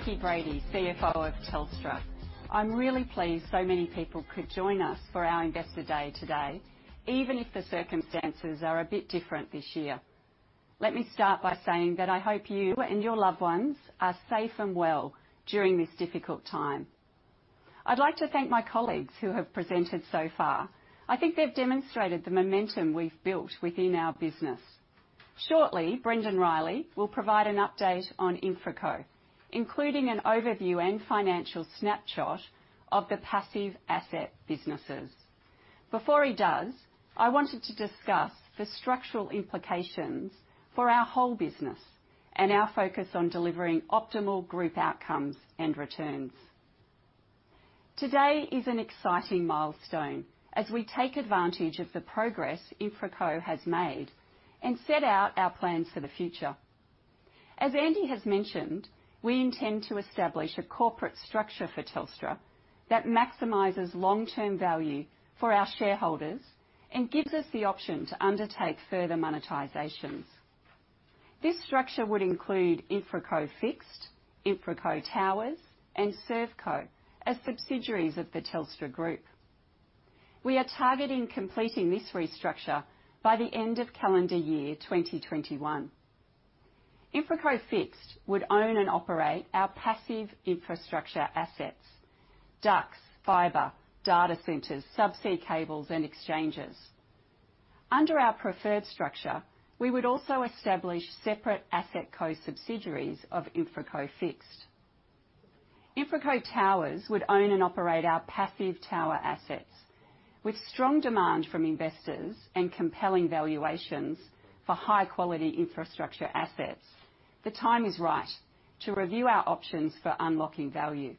Hello everyone and welcome back. I'm Vicki Brady, CFO of Telstra. I'm really pleased so many people could join us for our Investor Day today, even if the circumstances are a bit different this year. Let me start by saying that I hope you and your loved ones are safe and well during this difficult time. I'd like to thank my colleagues who have presented so far. I think they've demonstrated the momentum we've built within our business. Shortly, Brendon Riley will provide an update on InfraCo, including an overview and financial snapshot of the passive asset businesses. Before he does, I wanted to discuss the structural implications for our whole business and our focus on delivering optimal group outcomes and returns. Today is an exciting milestone as we take advantage of the progress InfraCo has made and set out our plans for the future. As Andy has mentioned, we intend to establish a corporate structure for Telstra that maximizes long-term value for our shareholders and gives us the option to undertake further monetizations. This structure would include InfraCo Fixed, InfraCo Towers, and ServeCo as subsidiaries of the Telstra Group. We are targeting completing this restructure by the end of calendar year 2021. InfraCo Fixed would own and operate our passive infrastructure assets: ducts, fiber, data centers, subsea cables, and exchanges. Under our preferred structure, we would also establish separate asset co-subsidiaries of InfraCo Fixed. InfraCo Towers would own and operate our passive tower assets. With strong demand from investors and compelling valuations for high-quality infrastructure assets, the time is right to review our options for unlocking value.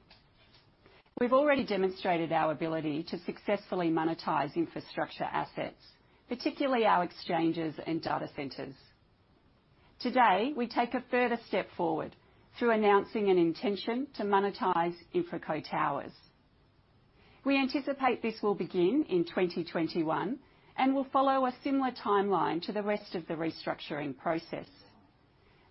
We've already demonstrated our ability to successfully monetize infrastructure assets, particularly our exchanges and data centers. Today, we take a further step forward through announcing an intention to monetize InfraCo Towers. We anticipate this will begin in 2021 and will follow a similar timeline to the rest of the restructuring process.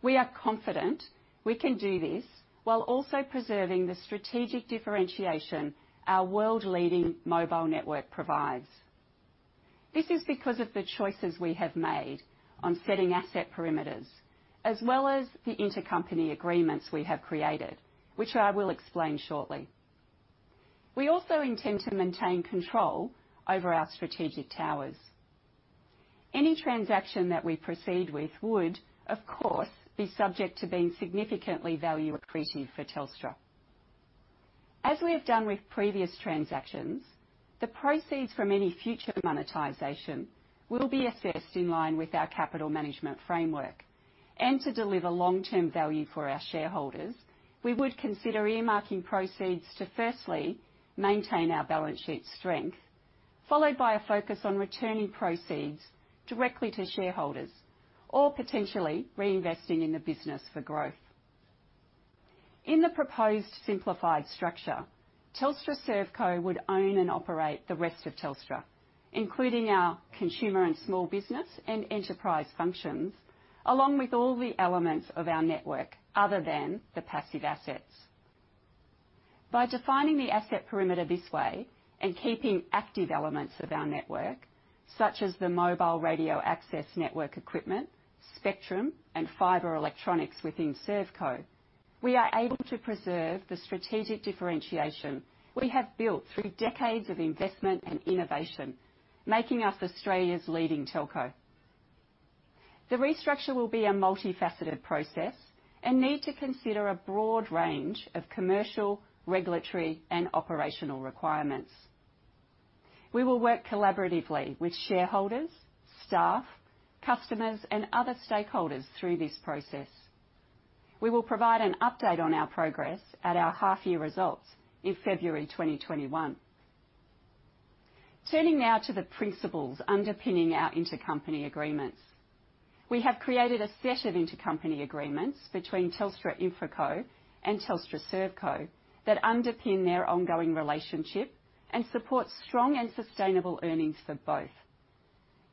We are confident we can do this while also preserving the strategic differentiation our world-leading mobile network provides. This is because of the choices we have made on setting asset perimeters, as well as the intercompany agreements we have created, which I will explain shortly. We also intend to maintain control over our strategic towers. Any transaction that we proceed with would, of course, be subject to being significantly value-accretive for Telstra. As we have done with previous transactions, the proceeds from any future monetization will be assessed in line with our capital management framework. And to deliver long-term value for our shareholders, we would consider earmarking proceeds to firstly maintain our balance sheet strength, followed by a focus on returning proceeds directly to shareholders or potentially reinvesting in the business for growth. In the proposed simplified structure, Telstra ServeCo would own and operate the rest of Telstra, including our consumer and small business and enterprise functions, along with all the elements of our network other than the passive assets. By defining the asset perimeter this way and keeping active elements of our network, such as the mobile radio access network equipment, spectrum, and fiber electronics within ServeCo, we are able to preserve the strategic differentiation we have built through decades of investment and innovation, making us Australia's leading telco. The restructure will be a multifaceted process and need to consider a broad range of commercial, regulatory, and operational requirements. We will work collaboratively with shareholders, staff, customers, and other stakeholders through this process. We will provide an update on our progress at our half-year results in February 2021. Turning now to the principles underpinning our intercompany agreements, we have created a set of intercompany agreements between Telstra InfraCo and Telstra ServeCo that underpin their ongoing relationship and support strong and sustainable earnings for both.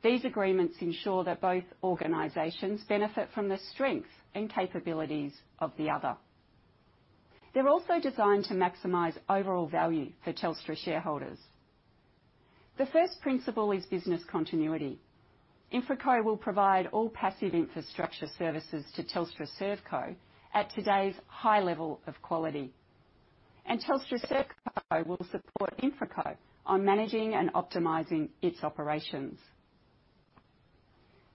These agreements ensure that both organizations benefit from the strength and capabilities of the other. They're also designed to maximize overall value for Telstra shareholders. The first principle is business continuity. InfraCo will provide all passive infrastructure services to Telstra ServeCo at today's high level of quality, and Telstra ServeCo will support InfraCo on managing and optimizing its operations.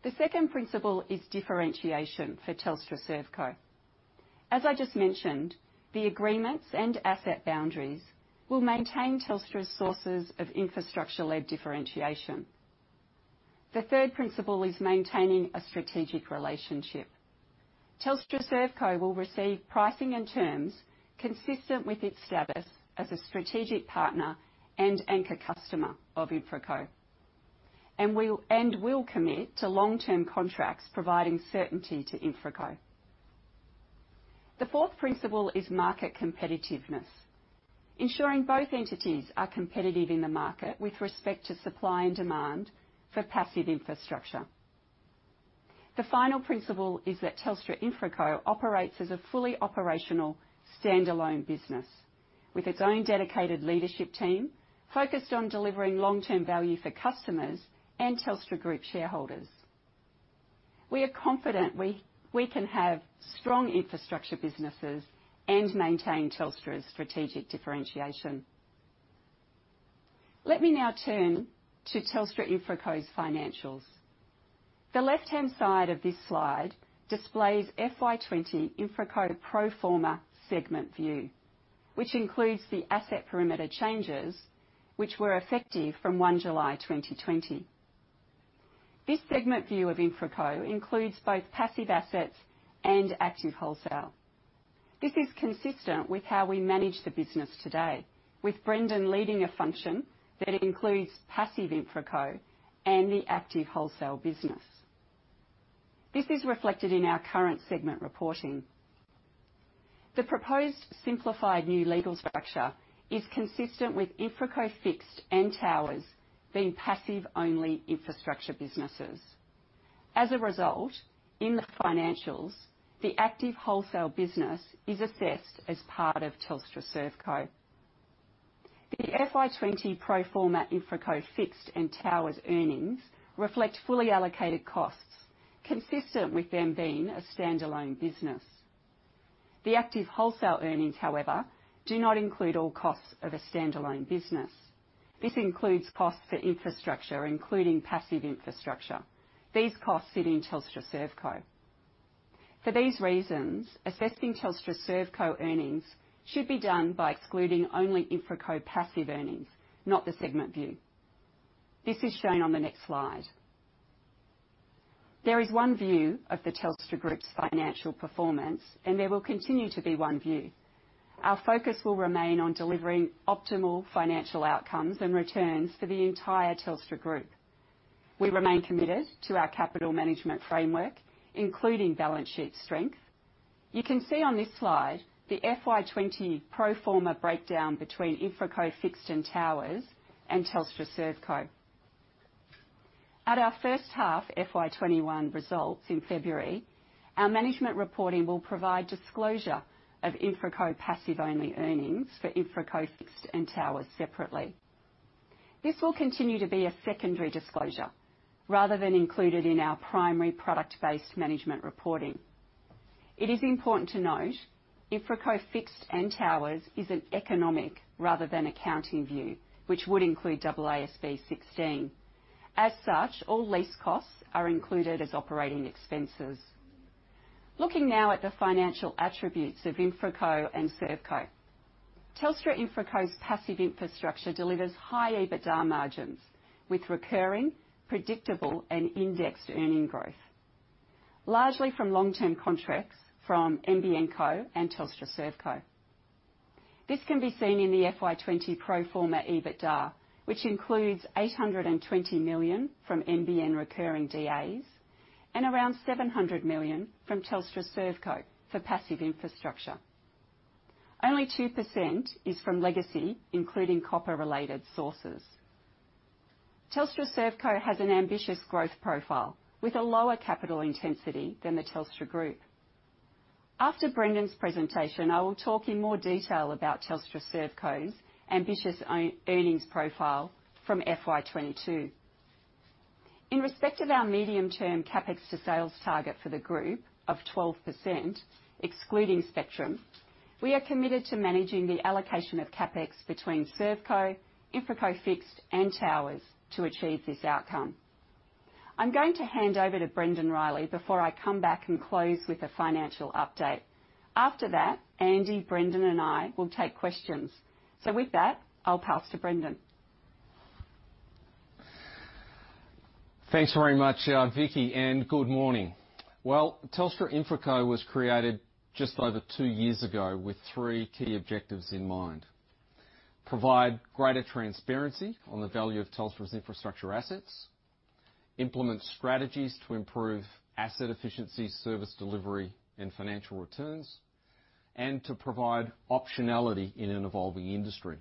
The second principle is differentiation for Telstra ServeCo. As I just mentioned, the agreements and asset boundaries will maintain Telstra's sources of infrastructure-led differentiation. The third principle is maintaining a strategic relationship. Telstra ServeCo will receive pricing and terms consistent with its status as a strategic partner and anchor customer of InfraCo, and will commit to long-term contracts providing certainty to InfraCo. The fourth principle is market competitiveness, ensuring both entities are competitive in the market with respect to supply and demand for passive infrastructure. The final principle is that Telstra InfraCo operates as a fully operational standalone business with its own dedicated leadership team focused on delivering long-term value for customers and Telstra Group shareholders. We are confident we can have strong infrastructure businesses and maintain Telstra's strategic differentiation. Let me now turn to Telstra InfraCo's financials. The left-hand side of this slide displays FY2020 InfraCo Proforma segment view, which includes the asset perimeter changes which were effective from 1 July 2020. This segment view of InfraCo includes both passive assets and active wholesale. This is consistent with how we manage the business today, with Brendon leading a function that includes passive InfraCo and the active wholesale business. This is reflected in our current segment reporting. The proposed simplified new legal structure is consistent with InfraCo Fixed and Towers being passive-only infrastructure businesses. As a result, in the financials, the active wholesale business is assessed as part of Telstra ServeCo. The FY2020 Proforma InfraCo Fixed and Towers earnings reflect fully allocated costs, consistent with them being a standalone business. The active wholesale earnings, however, do not include all costs of a standalone business. This includes costs for infrastructure, including passive infrastructure. These costs sit in Telstra ServeCo. For these reasons, assessing Telstra ServeCo earnings should be done by excluding only InfraCo passive earnings, not the segment view. This is shown on the next slide. There is one view of the Telstra Group's financial performance, and there will continue to be one view. Our focus will remain on delivering optimal financial outcomes and returns for the entire Telstra Group. We remain committed to our capital management framework, including balance sheet strength. You can see on this slide the FY2020 Proforma breakdown between InfraCo Fixed and Towers and Telstra ServeCo. At our first half FY2021 results in February, our management reporting will provide disclosure of InfraCo passive-only earnings for InfraCo Fixed and Towers separately. This will continue to be a secondary disclosure rather than included in our primary product-based management reporting. It is important to note InfraCo Fixed and Towers is an economic rather than accounting view, which would include AASB 16. As such, all lease costs are included as operating expenses. Looking now at the financial attributes of InfraCo and ServeCo, Telstra InfraCo's passive infrastructure delivers high EBITDA margins with recurring, predictable, and indexed earnings growth, largely from long-term contracts from NBN Co and Telstra ServeCo. This can be seen in the FY2020 pro forma EBITDA, which includes 820 million from NBN recurring DAs and around 700 million from Telstra ServeCo for passive infrastructure. Only 2% is from legacy, including copper-related sources. Telstra ServeCo has an ambitious growth profile with a lower capital intensity than the Telstra Group. After Brendon's presentation, I will talk in more detail about Telstra ServeCo's ambitious earnings profile from FY2022. In respect of our medium-term CapEx to sales target for the group of 12%, excluding spectrum, we are committed to managing the allocation of CapEx between ServeCo, InfraCo Fixed, and Towers to achieve this outcome. I'm going to hand over to Brendon Riley before I come back and close with a financial update. After that, Andy, Brendon, and I will take questions. So with that, I'll pass to Brendon. Thanks very much, Vicki, and good morning. Well, Telstra InfraCo was created just over two years ago with three key objectives in mind: provide greater transparency on the value of Telstra's infrastructure assets, implement strategies to improve asset efficiency, service delivery, and financial returns, and to provide optionality in an evolving industry.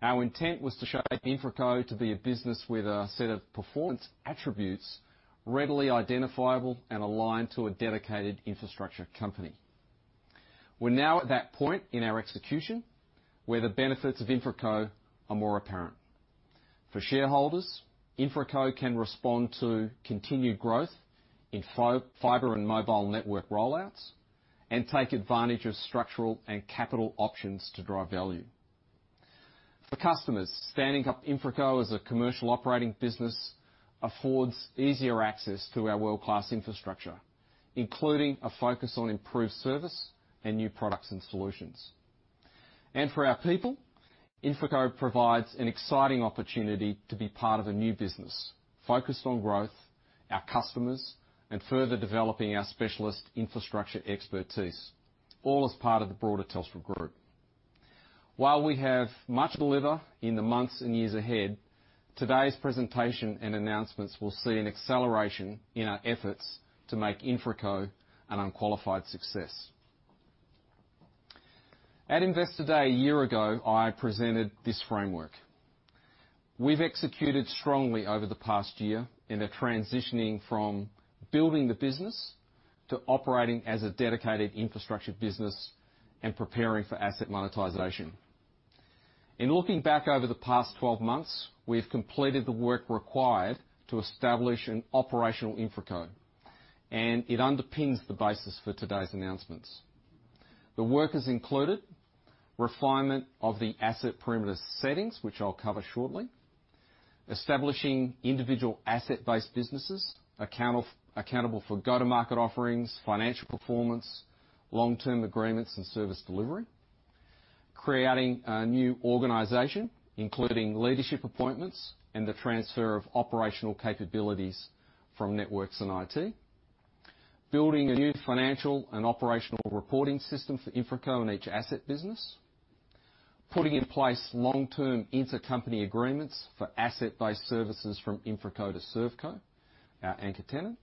Our intent was to show InfraCo to be a business with a set of performance attributes readily identifiable and aligned to a dedicated infrastructure company. We're now at that point in our execution where the benefits of InfraCo are more apparent. For shareholders, InfraCo can respond to continued growth in fiber and mobile network rollouts and take advantage of structural and capital options to drive value. For customers, standing up InfraCo as a commercial operating business affords easier access to our world-class infrastructure, including a focus on improved service and new products and solutions. For our people, InfraCo provides an exciting opportunity to be part of a new business focused on growth, our customers, and further developing our specialist infrastructure expertise, all as part of the broader Telstra Group. While we have much to deliver in the months and years ahead, today's presentation and announcements will see an acceleration in our efforts to make InfraCo an unqualified success. At Investor Day, a year ago, I presented this framework. We've executed strongly over the past year in the transitioning from building the business to operating as a dedicated infrastructure business and preparing for asset monetization. In looking back over the past 12 months, we've completed the work required to establish an operational InfraCo, and it underpins the basis for today's announcements. The work has included refinement of the asset perimeter settings, which I'll cover shortly, establishing individual asset-based businesses accountable for go-to-market offerings, financial performance, long-term agreements, and service delivery, creating a new organization, including leadership appointments and the transfer of operational capabilities from networks and IT, building a new financial and operational reporting system for InfraCo and each asset business, putting in place long-term intercompany agreements for asset-based services from InfraCo to ServeCo, our anchor tenant,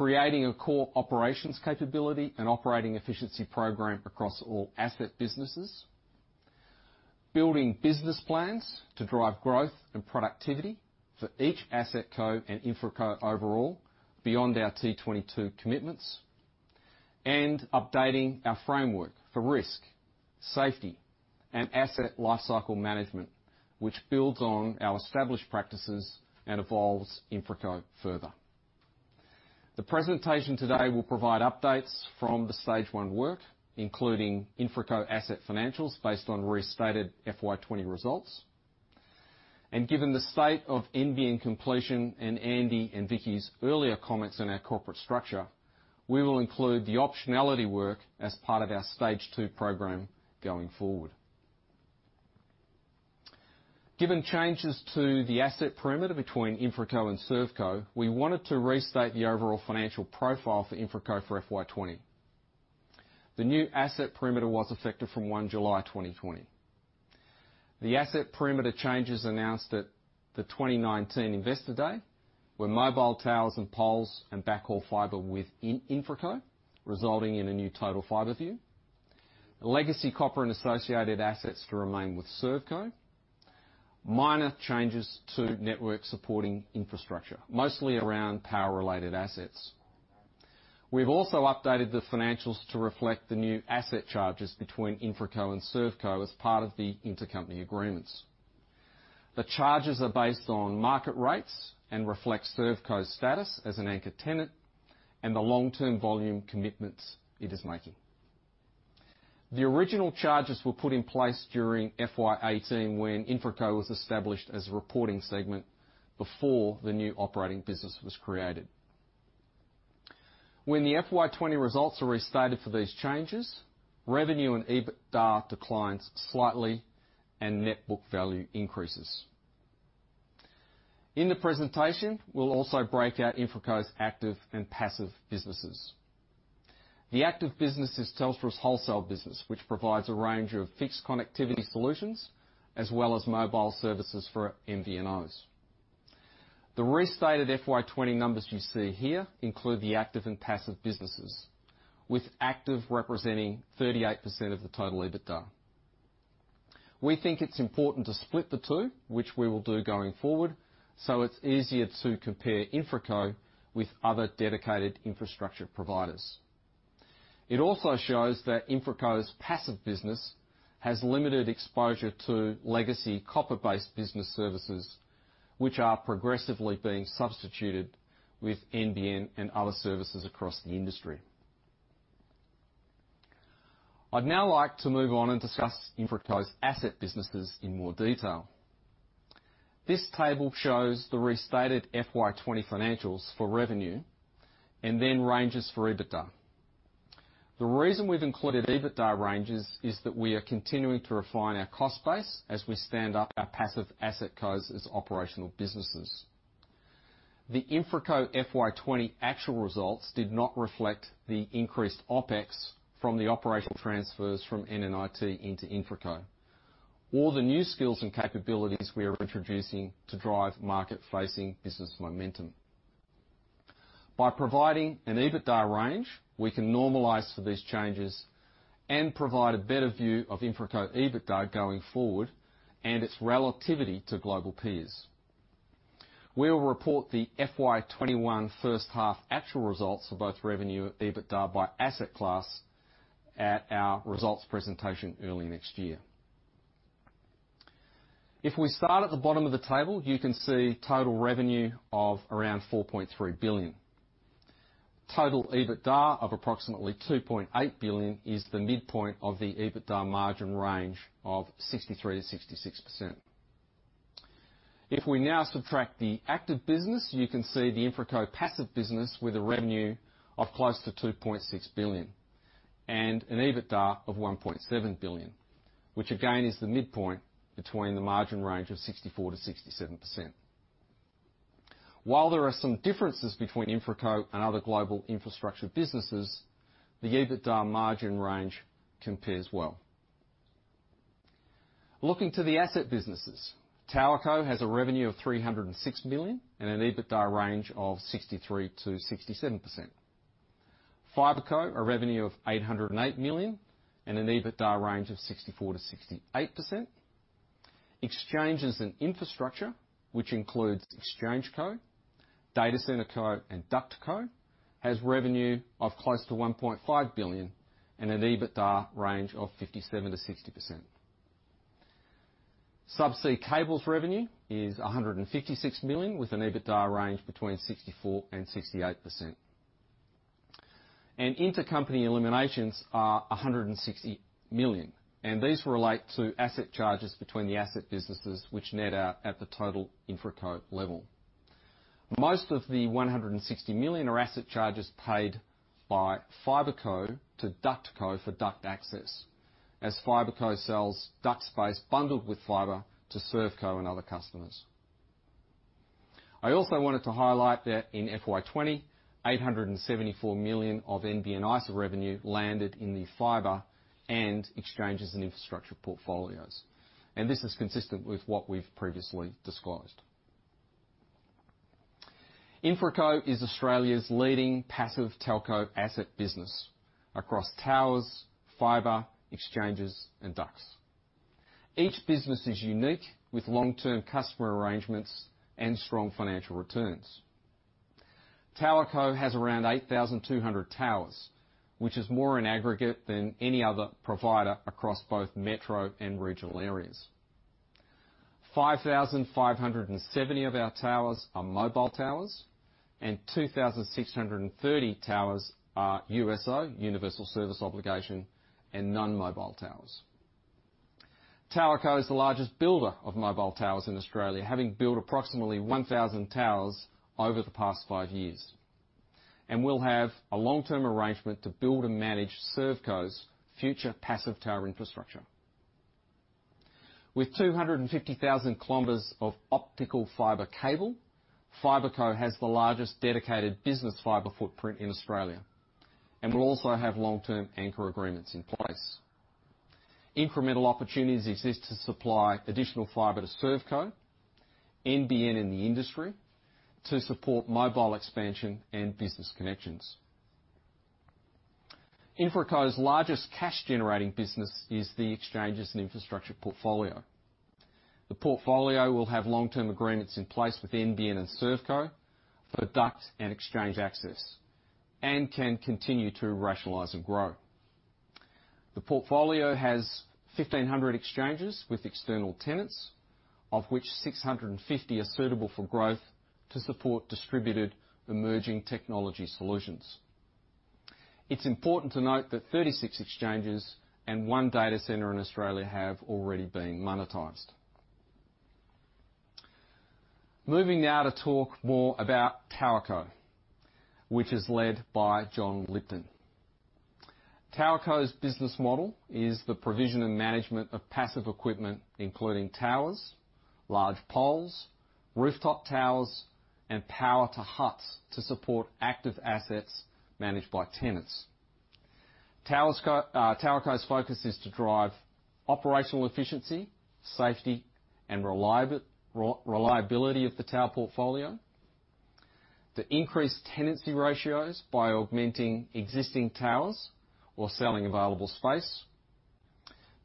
creating a core operations capability and operating efficiency program across all asset businesses, building business plans to drive growth and productivity for each asset co and InfraCo overall beyond our T22 commitments, and updating our framework for risk, safety, and asset lifecycle management, which builds on our established practices and evolves InfraCo further. The presentation today will provide updates from the stage one work, including InfraCo asset financials based on restated FY2020 results. Given the state of NBN completion and Andy and Vicki's earlier comments on our corporate structure, we will include the optionality work as part of our stage two program going forward. Given changes to the asset perimeter between InfraCo and ServeCo, we wanted to restate the overall financial profile for InfraCo for FY2020. The new asset perimeter was effective from 1 July 2020. The asset perimeter changes announced at the 2019 Investor Day were mobile towers and poles and backhaul fiber within InfraCo, resulting in a new total fiber view. Legacy copper and associated assets to remain with ServeCo. Minor changes to network supporting infrastructure, mostly around power-related assets. We've also updated the financials to reflect the new asset charges between InfraCo and ServeCo as part of the intercompany agreements. The charges are based on market rates and reflect ServeCo's status as an anchor tenant and the long-term volume commitments it is making. The original charges were put in place during FY2018 when InfraCo was established as a reporting segment before the new operating business was created. When the FY2020 results are restated for these changes, revenue and EBITDA declines slightly and net book value increases. In the presentation, we'll also break out InfraCo's active and passive businesses. The active business is Telstra's wholesale business, which provides a range of fixed connectivity solutions as well as mobile services for MVNOs. The restated FY2020 numbers you see here include the active and passive businesses, with active representing 38% of the total EBITDA. We think it's important to split the two, which we will do going forward, so it's easier to compare InfraCo with other dedicated infrastructure providers. It also shows that InfraCo's passive business has limited exposure to legacy copper-based business services, which are progressively being substituted with NBN and other services across the industry. I'd now like to move on and discuss InfraCo's asset businesses in more detail. This table shows the restated FY2020 financials for revenue and then ranges for EBITDA. The reason we've included EBITDA ranges is that we are continuing to refine our cost base as we stand up our passive Asset Cos as operational businesses. The InfraCo FY2020 actual results did not reflect the increased OPEX from the operational transfers from N&IT into InfraCo or the new skills and capabilities we are introducing to drive market-facing business momentum. By providing an EBITDA range, we can normalize for these changes and provide a better view of InfraCo EBITDA going forward and its relativity to global peers. We will report the FY2021 first half actual results for both revenue and EBITDA by asset class at our results presentation early next year. If we start at the bottom of the table, you can see total revenue of around 4.3 billion. Total EBITDA of approximately 2.8 billion is the midpoint of the EBITDA margin range of 63%-66%. If we now subtract the active business, you can see the InfraCo passive business with a revenue of close to 2.6 billion and an EBITDA of 1.7 billion, which again is the midpoint between the margin range of 64%-67%. While there are some differences between InfraCo and other global infrastructure businesses, the EBITDA margin range compares well. Looking to the asset businesses, TowerCo has a revenue of 306 million and an EBITDA range of 63%-67%. FiberCo has a revenue of 808 million and an EBITDA range of 64%-68%. Exchanges and infrastructure, which includes ExchangeCo, Data CenterCo, and DuctCo, has revenue of close to 1.5 billion and an EBITDA range of 57%-60%. Subsea cables revenue is 156 million with an EBITDA range between 64% and 68%. Intercompany eliminations are 160 million, and these relate to asset charges between the asset businesses, which net out at the total InfraCo level. Most of the 160 million are asset charges paid by FiberCo to DuctCo for duct access, as FiberCo sells duct space bundled with fiber to ServeCo and other customers. I also wanted to highlight that in FY2020, 874 million of NBN ISA revenue landed in the fiber and exchanges and infrastructure portfolios, and this is consistent with what we've previously disclosed. InfraCo is Australia's leading passive telco asset business across towers, fiber, exchanges, and ducts. Each business is unique with long-term customer arrangements and strong financial returns. TowerCo has around 8,200 towers, which is more in aggregate than any other provider across both metro and regional areas. 5,570 of our towers are mobile towers, and 2,630 towers are USO, universal service obligation, and non-mobile towers. TowerCo is the largest builder of mobile towers in Australia, having built approximately 1,000 towers over the past five years, and will have a long-term arrangement to build and manage ServeCo's future passive tower infrastructure. With 250,000 kilometers of optical fiber cable, FiberCo has the largest dedicated business fiber footprint in Australia and will also have long-term anchor agreements in place. Incremental opportunities exist to supply additional fiber to ServeCo, NBN in the industry to support mobile expansion and business connections. InfraCo's largest cash-generating business is the exchanges and infrastructure portfolio. The portfolio will have long-term agreements in place with NBN and ServeCo for duct and exchange access and can continue to rationalize and grow. The portfolio has 1,500 exchanges with external tenants, of which 650 are suitable for growth to support distributed emerging technology solutions. It's important to note that 36 exchanges and one data center in Australia have already been monetized. Moving now to talk more about TowerCo, which is led by Jon Lipton. TowerCo's business model is the provision and management of passive equipment, including towers, large poles, rooftop towers, and power to huts to support active assets managed by tenants. TowerCo's focus is to drive operational efficiency, safety, and reliability of the tower portfolio, to increase tenancy ratios by augmenting existing towers or selling available space,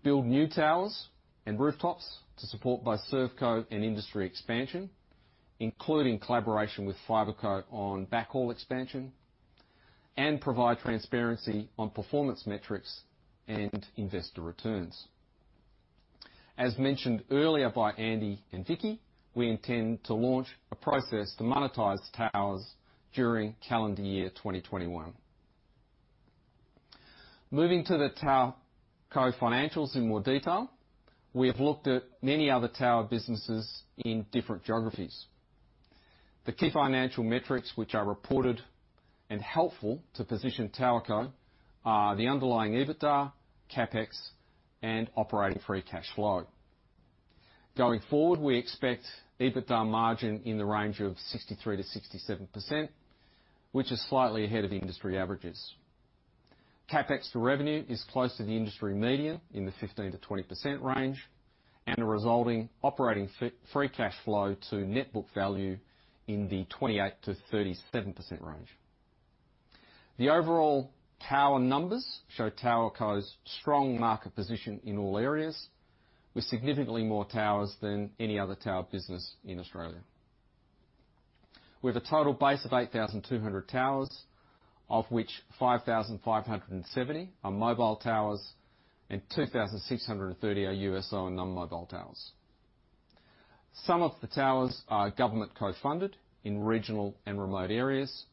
build new towers and rooftops to support both ServeCo and industry expansion, including collaboration with FiberCo on backhaul expansion, and provide transparency on performance metrics and investor returns. As mentioned earlier by Andy and Vicki, we intend to launch a process to monetize towers during calendar year 2021. Moving to the TowerCo financials in more detail, we have looked at many other tower businesses in different geographies. The key financial metrics which are reported and helpful to position TowerCo are the underlying EBITDA, CapEx, and operating free cash flow. Going forward, we expect EBITDA margin in the range of 63%-67%, which is slightly ahead of industry averages. CapEx to revenue is close to the industry median in the 15%-20% range, and the resulting operating free cash flow to net book value in the 28%-37% range. The overall tower numbers show TowerCo's strong market position in all areas, with significantly more towers than any other tower business in Australia. We have a total base of 8,200 towers, of which 5,570 are mobile towers and 2,630 are USO and non-mobile towers. Some of the towers are government co-funded in regional and remote areas,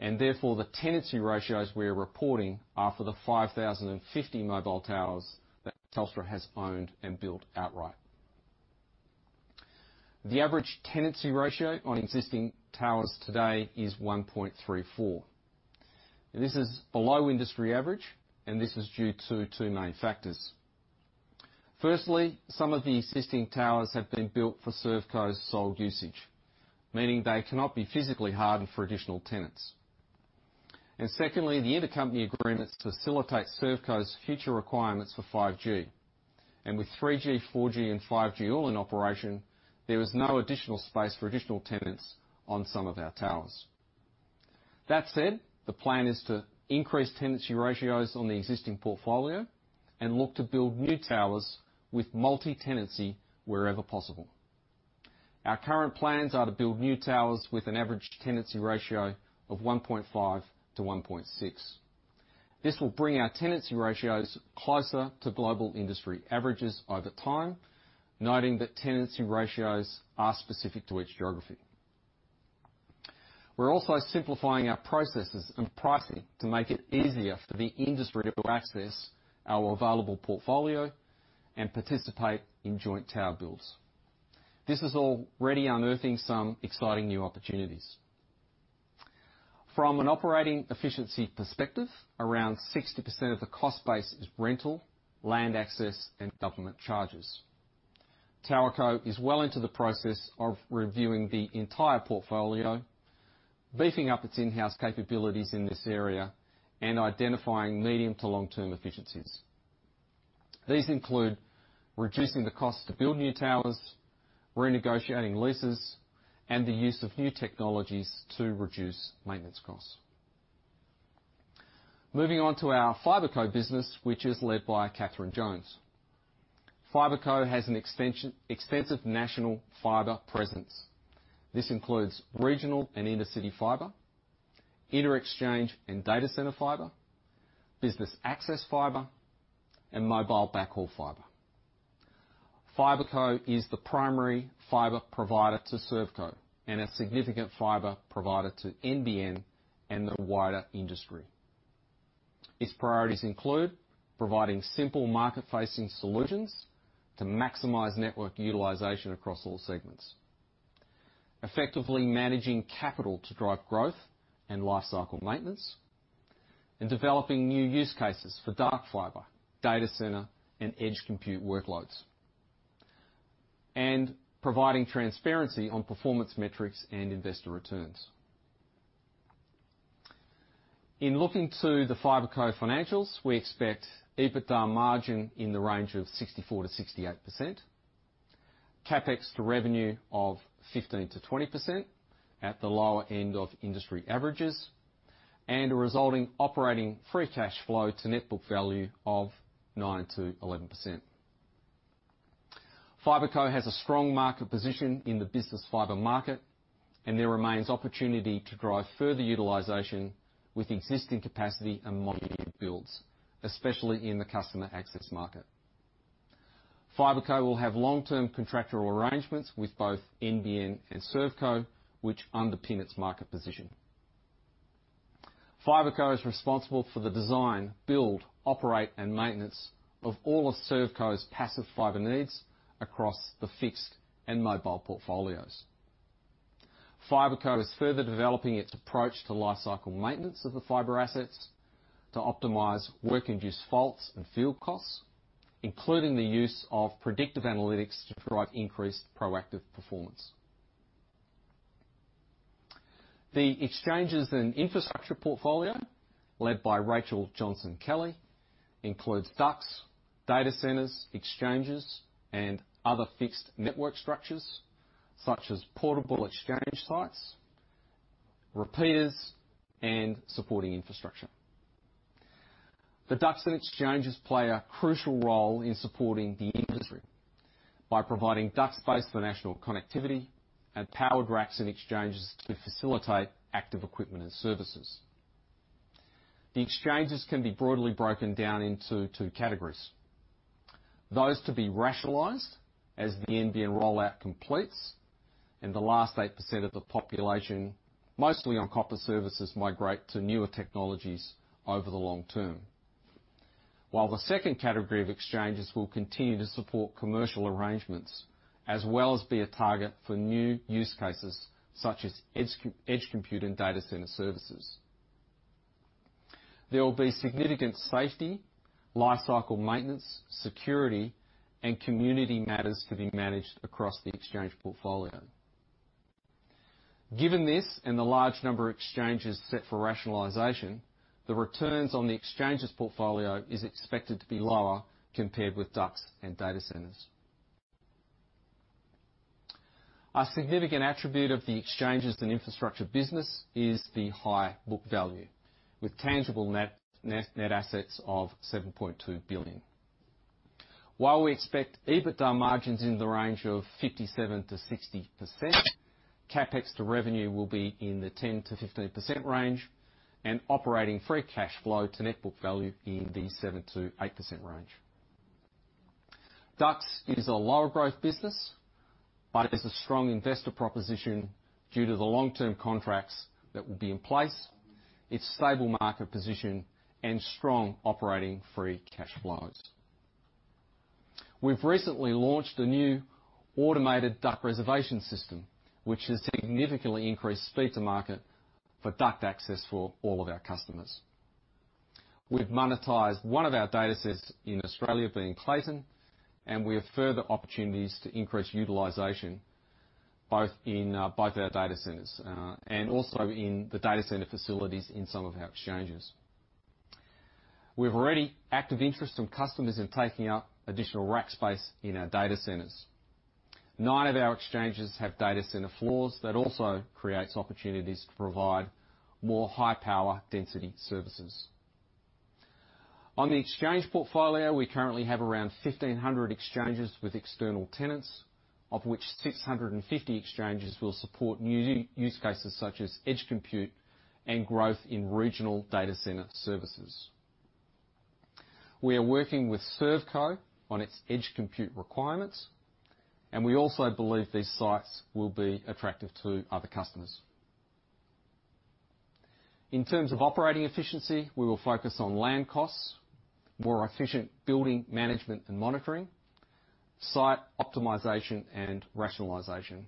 and therefore the tenancy ratios we are reporting are for the 5,050 mobile towers that Telstra has owned and built outright. The average tenancy ratio on existing towers today is 1.34. This is below industry average, and this is due to two main factors. Firstly, some of the existing towers have been built for ServeCo's sole usage, meaning they cannot be physically hardened for additional tenants. Secondly, the intercompany agreements facilitate ServeCo's future requirements for 5G. With 3G, 4G, and 5G all in operation, there is no additional space for additional tenants on some of our towers. That said, the plan is to increase tenancy ratios on the existing portfolio and look to build new towers with multi-tenancy wherever possible. Our current plans are to build new towers with an average tenancy ratio of 1.5-1.6. This will bring our tenancy ratios closer to global industry averages over time, noting that tenancy ratios are specific to each geography. We're also simplifying our processes and pricing to make it easier for the industry to access our available portfolio and participate in joint tower builds. This is already unearthing some exciting new opportunities. From an operating efficiency perspective, around 60% of the cost base is rental, land access, and government charges. TowerCo is well into the process of reviewing the entire portfolio, beefing up its in-house capabilities in this area, and identifying medium to long-term efficiencies. These include reducing the cost to build new towers, renegotiating leases, and the use of new technologies to reduce maintenance costs. Moving on to our FiberCo business, which is led by Kathryn Jones. FiberCo has an extensive national fiber presence. This includes regional and inner-city fiber, inter-exchange and data center fiber, business access fiber, and mobile backhaul fiber. FiberCo is the primary fiber provider to ServeCo and a significant fiber provider to NBN and the wider industry. Its priorities include providing simple market-facing solutions to maximize network utilization across all segments, effectively managing capital to drive growth and lifecycle maintenance, and developing new use cases for dark fiber, data center, and edge compute workloads, and providing transparency on performance metrics and investor returns. In looking to the FiberCo financials, we expect EBITDA margin in the range of 64%-68%, CapEx to revenue of 15%-20% at the lower end of industry averages, and a resulting operating free cash flow to net book value of 9%-11%. FiberCo has a strong market position in the business fiber market, and there remains opportunity to drive further utilization with existing capacity and modular builds, especially in the customer access market. FiberCo will have long-term contractual arrangements with both NBN and ServeCo, which underpin its market position. FibreCo is responsible for the design, build, operate, and maintenance of all of ServeCo's passive fiber needs across the fixed and mobile portfolios. FibreCo is further developing its approach to lifecycle maintenance of the fiber assets to optimize work-induced faults and field costs, including the use of predictive analytics to drive increased proactive performance. The exchanges and infrastructure portfolio led by Rachel Johnson-Kelly includes ducts, data centers, exchanges, and other fixed network structures such as portable exchange sites, repeaters, and supporting infrastructure. The ducts and exchanges play a crucial role in supporting the industry by providing ducts space for national connectivity and powered racks and exchanges to facilitate active equipment and services. The exchanges can be broadly broken down into two categories. Those to be rationalized as the NBN rollout completes and the last 8% of the population, mostly on copper services, migrate to newer technologies over the long term, while the second category of exchanges will continue to support commercial arrangements as well as be a target for new use cases such as edge compute and data center services. There will be significant safety, lifecycle maintenance, security, and community matters to be managed across the exchange portfolio. Given this and the large number of exchanges set for rationalization, the returns on the exchanges portfolio is expected to be lower compared with ducts and data centers. A significant attribute of the exchanges and infrastructure business is the high book value, with tangible net assets of AUD 7.2 billion. While we expect EBITDA margins in the range of 57%-60%, CapEx to revenue will be in the 10%-15% range, and operating free cash flow to net book value in the 7%-8% range. Ducts is a lower growth business, but it has a strong investor proposition due to the long-term contracts that will be in place, its stable market position, and strong operating free cash flows. We've recently launched a new automated duct reservation system, which has significantly increased speed to market for duct access for all of our customers. We've monetized one of our data centers in Australia, being Clayton, and we have further opportunities to increase utilization both in both our data centers and also in the data center facilities in some of our exchanges. We have already active interest from customers in taking up additional rack space in our data centers. Nine of our exchanges have data center floors that also create opportunities to provide more high-power density services. On the exchange portfolio, we currently have around 1,500 exchanges with external tenants, of which 650 exchanges will support new use cases such as edge compute and growth in regional data center services. We are working with ServeCo on its edge compute requirements, and we also believe these sites will be attractive to other customers. In terms of operating efficiency, we will focus on land costs, more efficient building management and monitoring, site optimization and rationalization,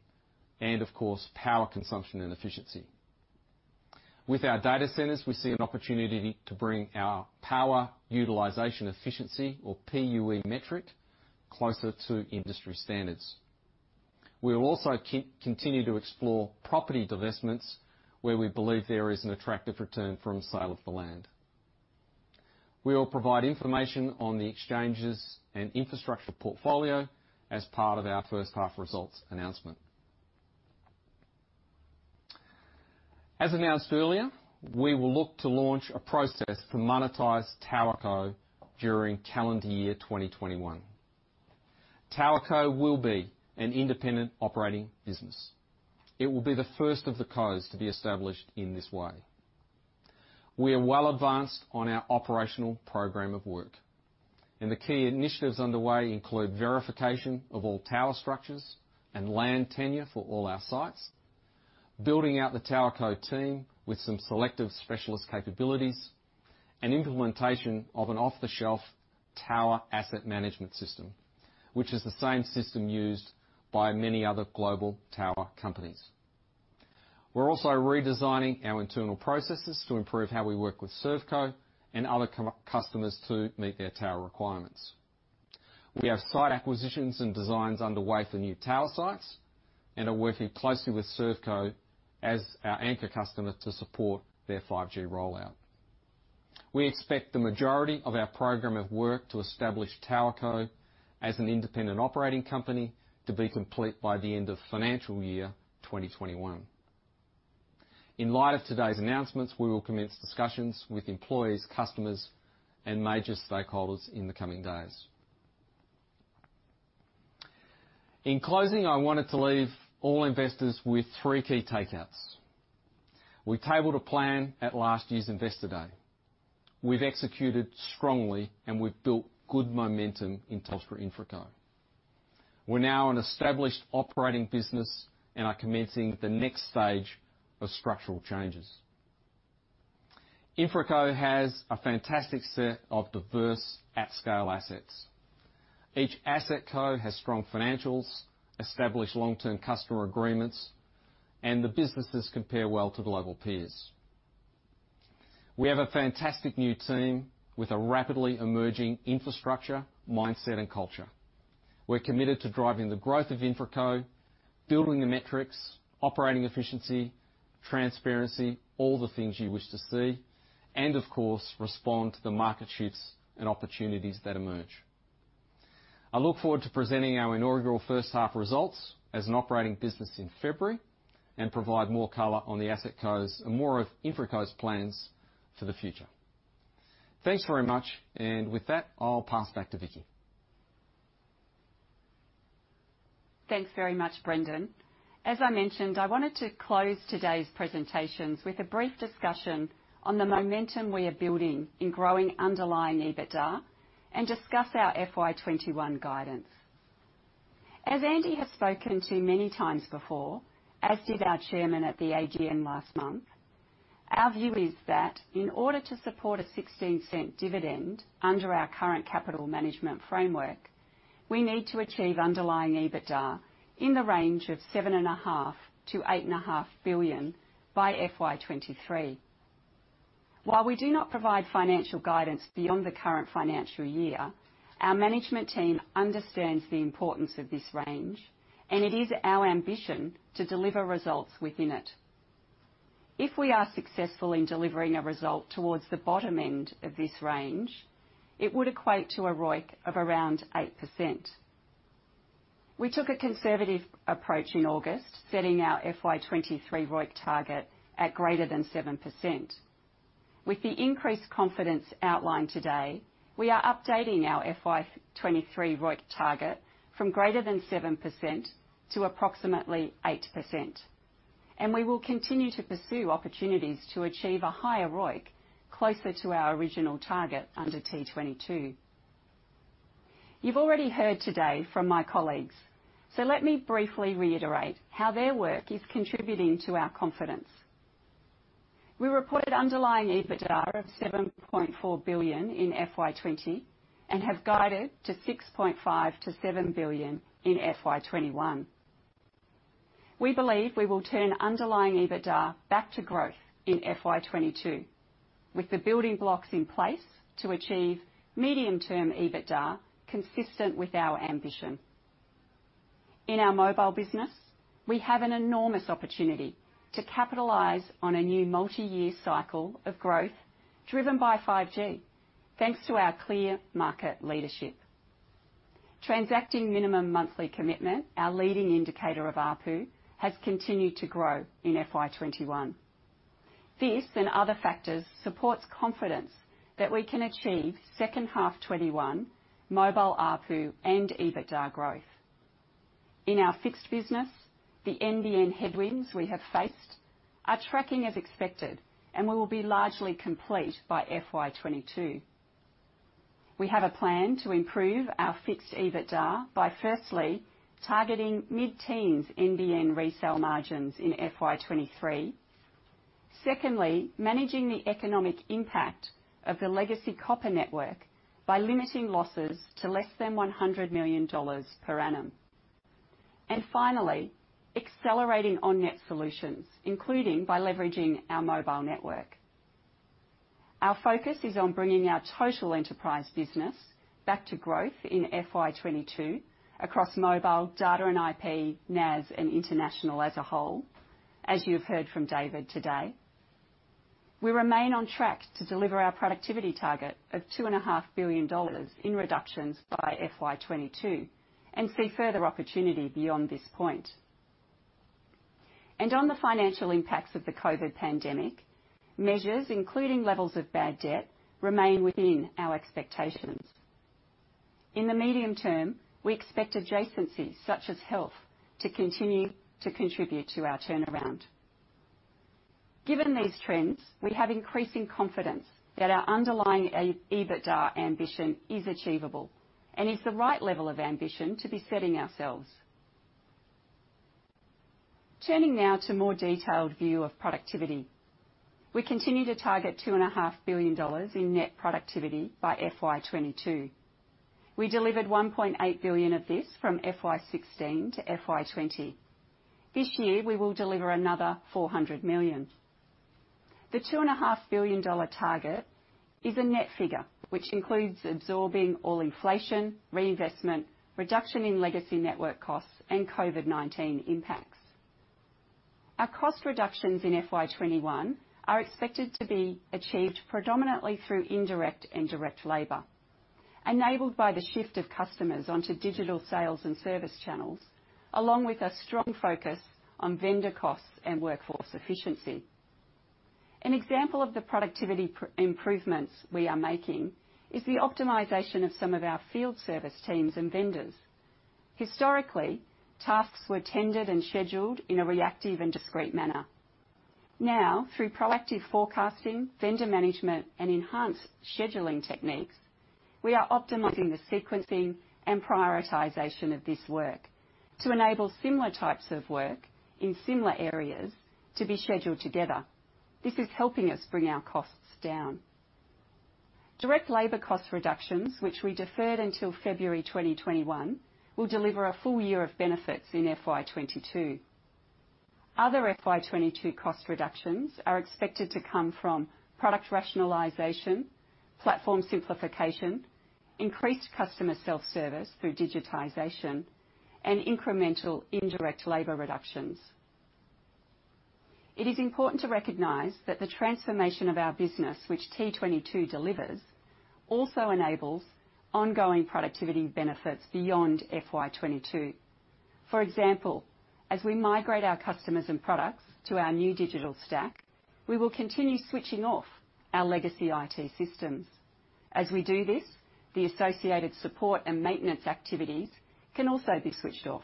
and, of course, power consumption and efficiency. With our data centers, we see an opportunity to bring our power utilization efficiency, or PUE metric, closer to industry standards. We will also continue to explore property investments where we believe there is an attractive return from sale of the land. We will provide information on the exchanges and infrastructure portfolio as part of our first half results announcement. As announced earlier, we will look to launch a process to monetize TowerCo during calendar year 2021. TowerCo will be an independent operating business. It will be the first of the Cos to be established in this way. We are well advanced on our operational program of work, and the key initiatives underway include verification of all tower structures and land tenure for all our sites, building out the TowerCo team with some selective specialist capabilities, and implementation of an off-the-shelf tower asset management system, which is the same system used by many other global tower companies. We're also redesigning our internal processes to improve how we work with ServeCo and other customers to meet their tower requirements. We have site acquisitions and designs underway for new tower sites and are working closely with ServeCo as our anchor customer to support their 5G rollout. We expect the majority of our program of work to establish TowerCo as an independent operating company to be complete by the end of financial year 2021. In light of today's announcements, we will commence discussions with employees, customers, and major stakeholders in the coming days. In closing, I wanted to leave all investors with three key takeouts. We tabled a plan at last year's Investor Day. We've executed strongly, and we've built good momentum in Telstra InfraCo. We're now an established operating business and are commencing the next stage of structural changes. InfraCo has a fantastic set of diverse at-scale assets. Each asset Co has strong financials, established long-term customer agreements, and the businesses compare well to global peers. We have a fantastic new team with a rapidly emerging infrastructure mindset and culture. We're committed to driving the growth of InfraCo, building the metrics, operating efficiency, transparency, all the things you wish to see, and, of course, respond to the market shifts and opportunities that emerge. I look forward to presenting our inaugural first half results as an operating business in February and provide more color on the asset COs and more of InfraCo's plans for the future. Thanks very much, and with that, I'll pass back to Vicki. Thanks very much, Brendon. As I mentioned, I wanted to close today's presentations with a brief discussion on the momentum we are building in growing underlying EBITDA and discuss our FY2021 guidance. As Andy has spoken to many times before, as did our chairman at the AGM last month, our view is that in order to support an 0.16 dividend under our current capital management framework, we need to achieve underlying EBITDA in the range of 7.5 billion-8.5 billion by FY2023. While we do not provide financial guidance beyond the current financial year, our management team understands the importance of this range, and it is our ambition to deliver results within it. If we are successful in delivering a result towards the bottom end of this range, it would equate to a ROIC of around 8%. We took a conservative approach in August, setting our FY2023 ROIC target at greater than 7%. With the increased confidence outlined today, we are updating our FY2023 ROIC target from greater than 7% to approximately 8%, and we will continue to pursue opportunities to achieve a higher ROIC closer to our original target under T22. You've already heard today from my colleagues, so let me briefly reiterate how their work is contributing to our confidence. We reported underlying EBITDA of 7.4 billion in FY2020 and have guided to 6.5 billion-7 billion in FY2021. We believe we will turn underlying EBITDA back to growth in FY2022 with the building blocks in place to achieve medium-term EBITDA consistent with our ambition. In our mobile business, we have an enormous opportunity to capitalize on a new multi-year cycle of growth driven by 5G, thanks to our clear market leadership. Transacting minimum monthly commitment, our leading indicator of ARPU, has continued to grow in FY2021. This and other factors support confidence that we can achieve second half 2021 mobile ARPU and EBITDA growth. In our fixed business, the NBN headwinds we have faced are tracking as expected, and we will be largely complete by FY2022. We have a plan to improve our fixed EBITDA by firstly targeting mid-teens NBN resale margins in FY2023. Secondly, managing the economic impact of the legacy copper network by limiting losses to less than 100 million dollars per annum. Finally, accelerating on-net solutions, including by leveraging our mobile network. Our focus is on bringing our total enterprise business back to growth in FY2022 across mobile, data, and IP, NAS, and international as a whole, as you've heard from David today. We remain on track to deliver our productivity target of 2.5 billion dollars in reductions by FY2022 and see further opportunity beyond this point. On the financial impacts of the COVID pandemic, measures including levels of bad debt remain within our expectations. In the medium term, we expect adjacencies such as health to continue to contribute to our turnaround. Given these trends, we have increasing confidence that our underlying EBITDA ambition is achievable and is the right level of ambition to be setting ourselves. Turning now to a more detailed view of productivity, we continue to target $2.5 billion in net productivity by FY2022. We delivered $1.8 billion of this from FY2016 to FY2020. This year, we will deliver another $400 million. The $2.5 billion target is a net figure which includes absorbing all inflation, reinvestment, reduction in legacy network costs, and COVID-19 impacts. Our cost reductions in FY2021 are expected to be achieved predominantly through indirect and direct labor, enabled by the shift of customers onto digital sales and service channels, along with a strong focus on vendor costs and workforce efficiency. An example of the productivity improvements we are making is the optimization of some of our field service teams and vendors. Historically, tasks were tendered and scheduled in a reactive and discreet manner. Now, through proactive forecasting, vendor management, and enhanced scheduling techniques, we are optimizing the sequencing and prioritization of this work to enable similar types of work in similar areas to be scheduled together. This is helping us bring our costs down. Direct labor cost reductions, which we deferred until February 2021, will deliver a full year of benefits in FY2022. Other FY2022 cost reductions are expected to come from product rationalization, platform simplification, increased customer self-service through digitization, and incremental indirect labor reductions. It is important to recognize that the transformation of our business, which T22 delivers, also enables ongoing productivity benefits beyond FY2022. For example, as we migrate our customers and products to our new digital stack, we will continue switching off our legacy IT systems. As we do this, the associated support and maintenance activities can also be switched off.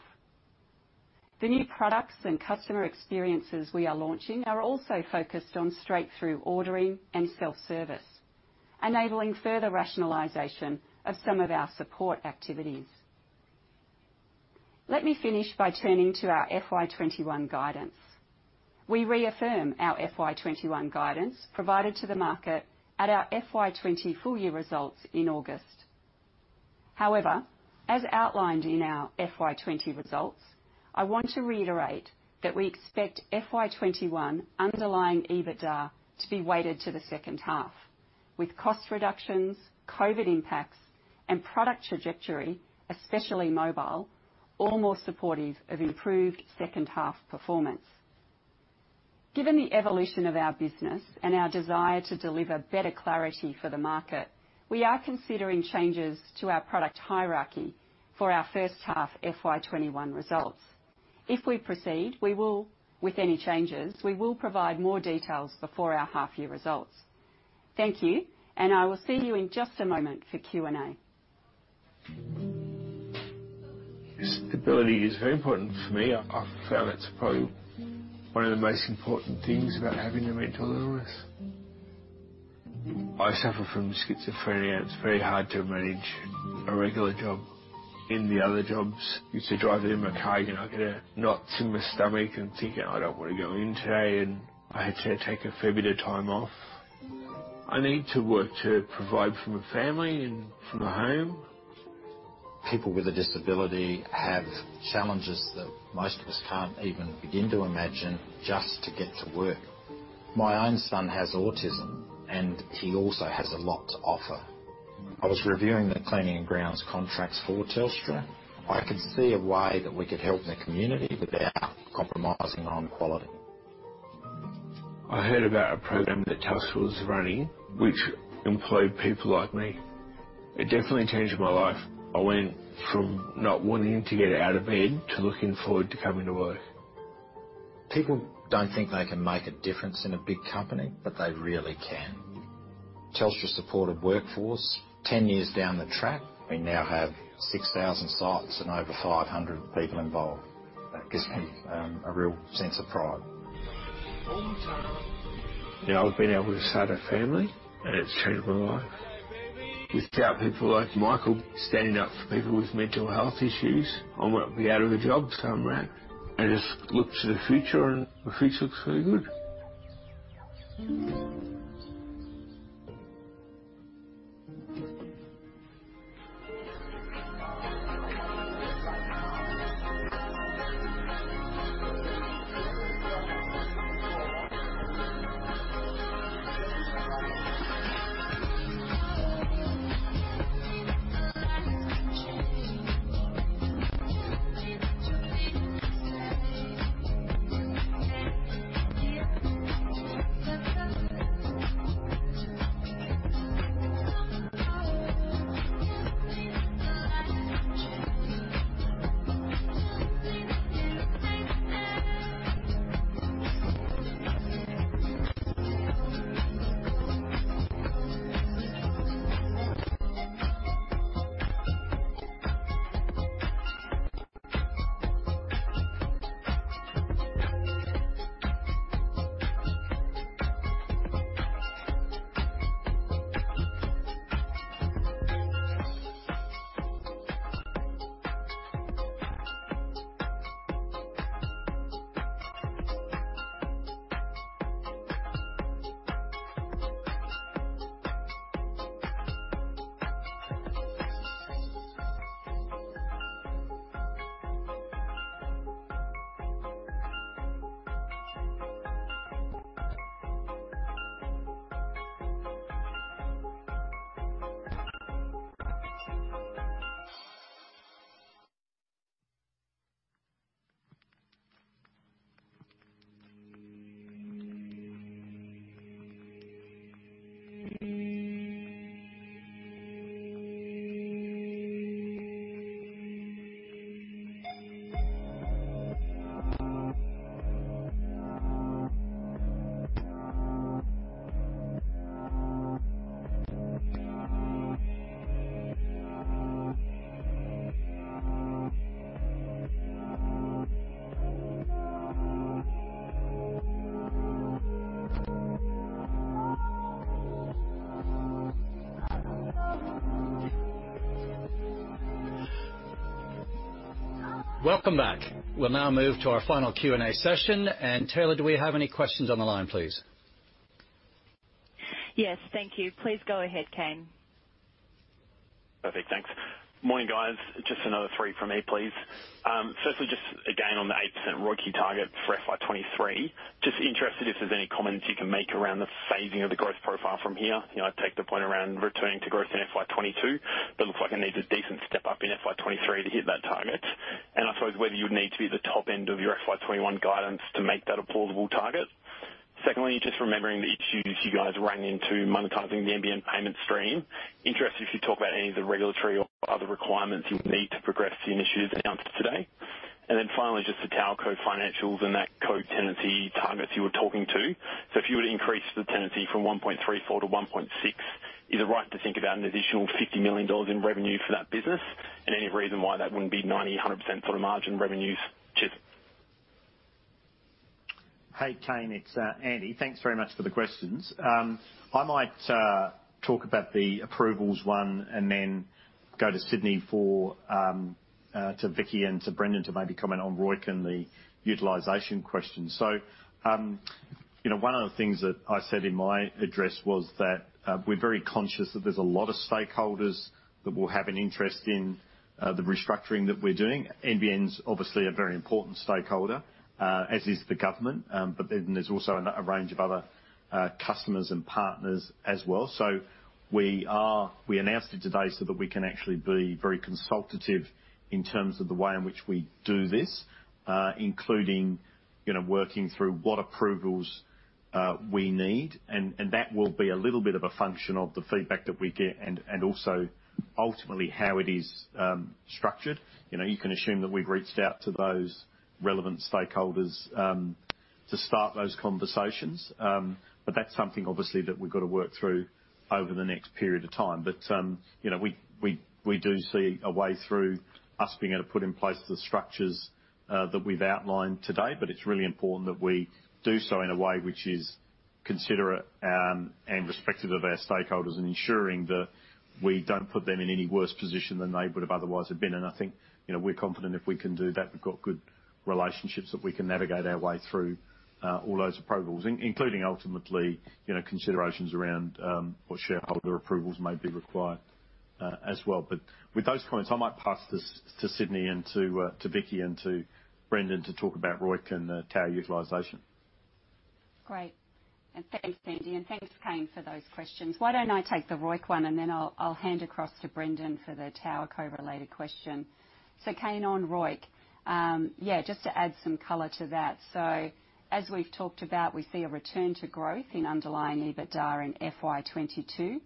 The new products and customer experiences we are launching are also focused on straight-through ordering and self-service, enabling further rationalization of some of our support activities. Let me finish by turning to our FY2021 guidance. We reaffirm our FY2021 guidance provided to the market at our FY2020 full-year results in August. However, as outlined in our FY2020 results, I want to reiterate that we expect FY2021 underlying EBITDA to be weighted to the second half, with cost reductions, COVID impacts, and product trajectory, especially mobile, all more supportive of improved second half performance. Given the evolution of our business and our desire to deliver better clarity for the market, we are considering changes to our product hierarchy for our first half FY2021 results. If we proceed, we will, with any changes, we will provide more details before our half-year results. Thank you, and I will see you in just a moment for Q&A. Stability is very important for me. I found it's probably one of the most important things about having a mental illness. I suffer from schizophrenia, and it's very hard to manage a regular job. In the other jobs, you used to drive in my car, and I'd get a knot in my stomach and think, "I don't want to go in today," and I had to take a fair bit of time off. I need to work to provide for my family and for my home. People with a disability have challenges that most of us can't even begin to imagine just to get to work. My own son has autism, and he also has a lot to offer. I was reviewing the cleaning and grounds contracts for Telstra. I could see a way that we could help the community without compromising on quality. I heard about a program that Telstra was running, which employed people like me. It definitely changed my life. I went from not wanting to get out of bed to looking forward to coming to work. People don't think they can make a difference in a big company, but they really can. Telstra Supported Workforce 10 years down the track. We now have 6,000 sites and over 500 people involved. That gives me a real sense of pride. I've been able to start a family, and it's changed my life. Without people like Michael standing up for people with mental health issues, I might be out of a job somewhere. I just look to the future, and the future looks very good. Welcome back. We'll now move to our final Q&A session. And Taylor, do we have any questions on the line, please? Yes, thank you. Please go ahead, Kane. Perfect, thanks. Morning, guys. Just another three from me, please. Firstly, just again on the 8% ROIC target for FY2023. Just interested if there's any comments you can make around the phasing of the growth profile from here. I take the point around returning to growth in FY2022, but it looks like it needs a decent step up in FY2023 to hit that target. And I suppose whether you would need to be at the top end of your FY2021 guidance to make that a plausible target. Secondly, just remembering the issues you guys ran into monetizing the NBN payment stream. Interested if you talk about any of the regulatory or other requirements you would need to progress the initiatives announced today. And then finally, just the TowerCo financials and that Co tenancy targets you were talking to. So if you were to increase the tenancy from 1.34 to 1.6, is it right to think about an additional $50 million in revenue for that business? Any reason why that wouldn't be 90%-100% sort of margin revenues? Hey, Kane, it's Andy. Thanks very much for the questions. I might talk about the approvals one and then hand it over to Vicki and to Brendon to maybe comment on ROIC and the utilization question. One of the things that I said in my address was that we're very conscious that there's a lot of stakeholders that will have an interest in the restructuring that we're doing. NBN's obviously a very important stakeholder, as is the government, but then there's also a range of other customers and partners as well. We announced it today so that we can actually be very consultative in terms of the way in which we do this, including working through what approvals we need. And that will be a little bit of a function of the feedback that we get and also ultimately how it is structured. You can assume that we've reached out to those relevant stakeholders to start those conversations, but that's something obviously that we've got to work through over the next period of time. But we do see a way through us being able to put in place the structures that we've outlined today, but it's really important that we do so in a way which is considerate and respective of our stakeholders and ensuring that we don't put them in any worse position than they would have otherwise have been. And I think we're confident if we can do that, we've got good relationships that we can navigate our way through all those approvals, including ultimately considerations around what shareholder approvals may be required as well. But with those points, I might pass this to Sydney and to Vicki and to Brendon to talk about ROIC and TowerCo utilization. Great. Thanks, Andy. And thanks, Kane, for those questions. Why don't I take the ROIC one and then I'll hand across to Brendon for the TowerCo-related question. Kane on ROIC. Yeah, just to add some color to that. So as we've talked about, we see a return to growth in underlying EBITDA in FY2022,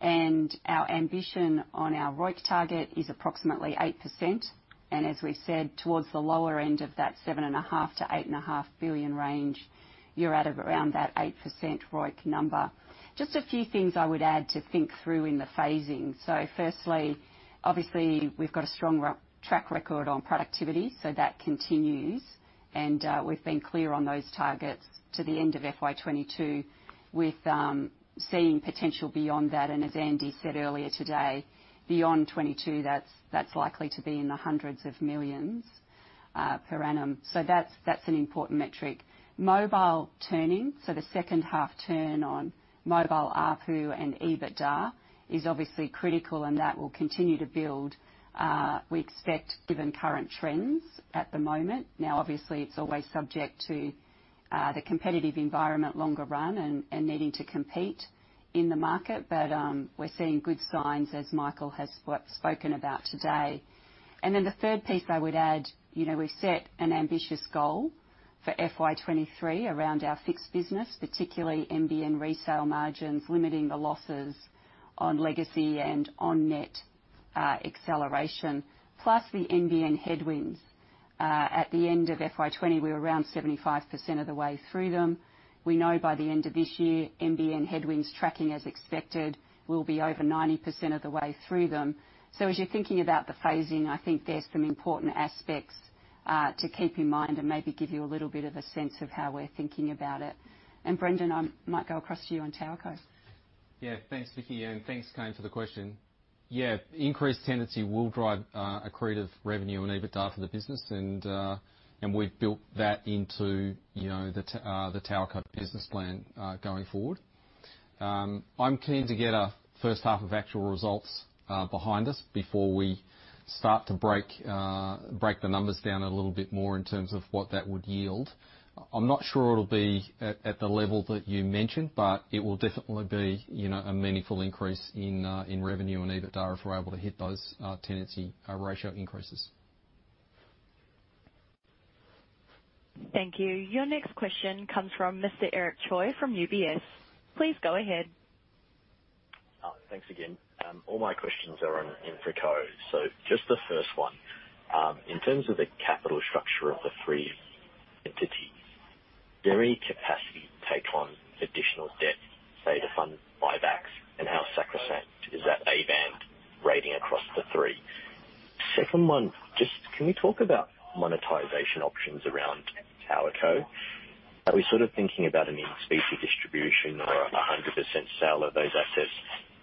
and our ambition on our ROIC target is approximately 8%. And as we said, towards the lower end of that 7.5 billion-8.5 billion range, you're at around that 8% ROIC number. Just a few things I would add to think through in the phasing. So firstly, obviously we've got a strong track record on productivity, so that continues. And we've been clear on those targets to the end of FY2022 with seeing potential beyond that. And as Andy said earlier today, beyond 2022, that's likely to be AUD hundreds of millions per annum. So that's an important metric. Mobile turning, so the second half turn on mobile ARPU and EBITDA is obviously critical, and that will continue to build. We expect, given current trends at the moment. Now, obviously, it's always subject to the competitive environment longer run and needing to compete in the market, but we're seeing good signs as Michael has spoken about today. And then the third piece I would add, we've set an ambitious goal for FY2023 around our fixed business, particularly NBN resale margins, limiting the losses on legacy and on-net acceleration, plus the NBN headwinds. At the end of FY2020, we were around 75% of the way through them. We know by the end of this year, NBN headwinds tracking as expected will be over 90% of the way through them. So as you're thinking about the phasing, I think there's some important aspects to keep in mind and maybe give you a little bit of a sense of how we're thinking about it. And Brendon, I might go across to you on TowerCo. Yeah, thanks, Vicki, and thanks, Kane, for the question. Yeah, increased tenancy will drive accretive revenue and EBITDA for the business, and we've built that into the TowerCo business plan going forward. I'm keen to get a first half of actual results behind us before we start to break the numbers down a little bit more in terms of what that would yield. I'm not sure it'll be at the level that you mentioned, but it will definitely be a meaningful increase in revenue and EBITDA if we're able to hit those tenancy ratio increases. Thank you. Your next question comes from Mr. Eric Choi from UBS. Please go ahead. Thanks again. All my questions are in three codes. So just the first one. In terms of the capital structure of the three entities, their capacity to take on additional debt, say to fund buybacks, and how sacrosanct is that A-band rating across the three? Second one, just can we talk about monetization options around TowerCo? Are we sort of thinking about an in specie distribution or a 100% sale of those assets?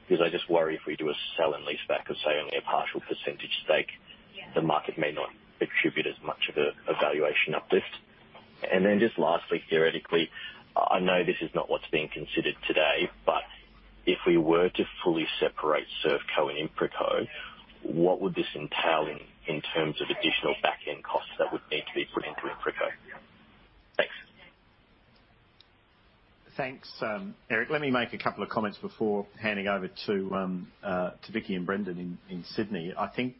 Because I just worry if we do a sell and lease back of, say, only a partial percentage stake, the market may not attribute as much of a valuation uplift. And then just lastly, theoretically, I know this is not what's being considered today, but if we were to fully separate ServeCo and InfraCo, what would this entail in terms of additional back-end costs that would need to be put into InfraCo? Thanks. Thanks, Eric. Let me make a couple of comments before handing over to Vicki and Brendon in Sydney. I think,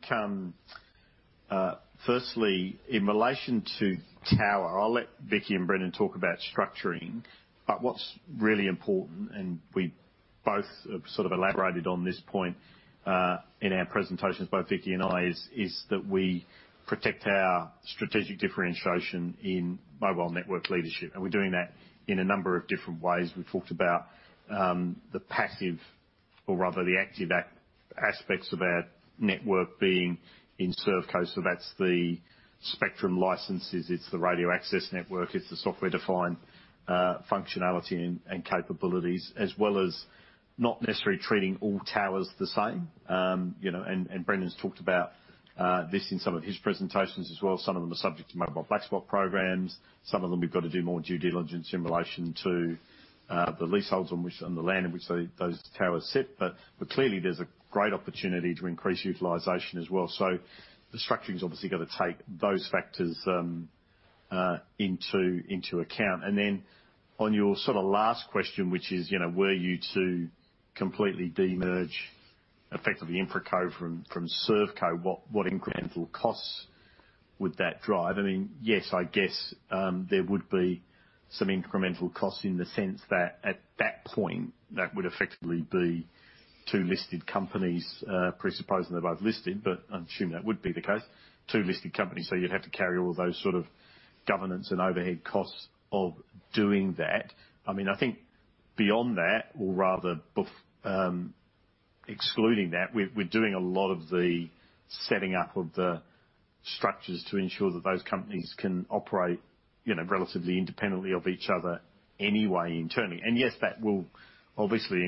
firstly, in relation to tower, I'll let Vicki and Brendon talk about structuring, but what's really important, and we both have sort of elaborated on this point in our presentations, both Vicki and I, is that we protect our strategic differentiation in mobile network leadership. And we're doing that in a number of different ways. We've talked about the passive, or rather the active aspects of our network being in ServeCo. So that's the spectrum licenses, it's the radio access network, it's the software-defined functionality and capabilities, as well as not necessarily treating all towers the same. And Brendon's talked about this in some of his presentations as well. Some of them are subject to mobile black spot programs. Some of them we've got to do more due diligence in relation to the leaseholds and the land in which those towers sit. But clearly, there's a great opportunity to increase utilization as well. So the structuring's obviously got to take those factors into account. And then on your sort of last question, which is, were you to completely de-merge effectively InfraCo from ServeCo, what incremental costs would that drive? I mean, yes, I guess there would be some incremental costs in the sense that at that point, that would effectively be two listed companies, presupposing they're both listed, but I assume that would be the case. Two listed companies, so you'd have to carry all those sort of governance and overhead costs of doing that. I mean, I think beyond that, or rather excluding that, we're doing a lot of the setting up of the structures to ensure that those companies can operate relatively independently of each other anyway internally. Yes, that will obviously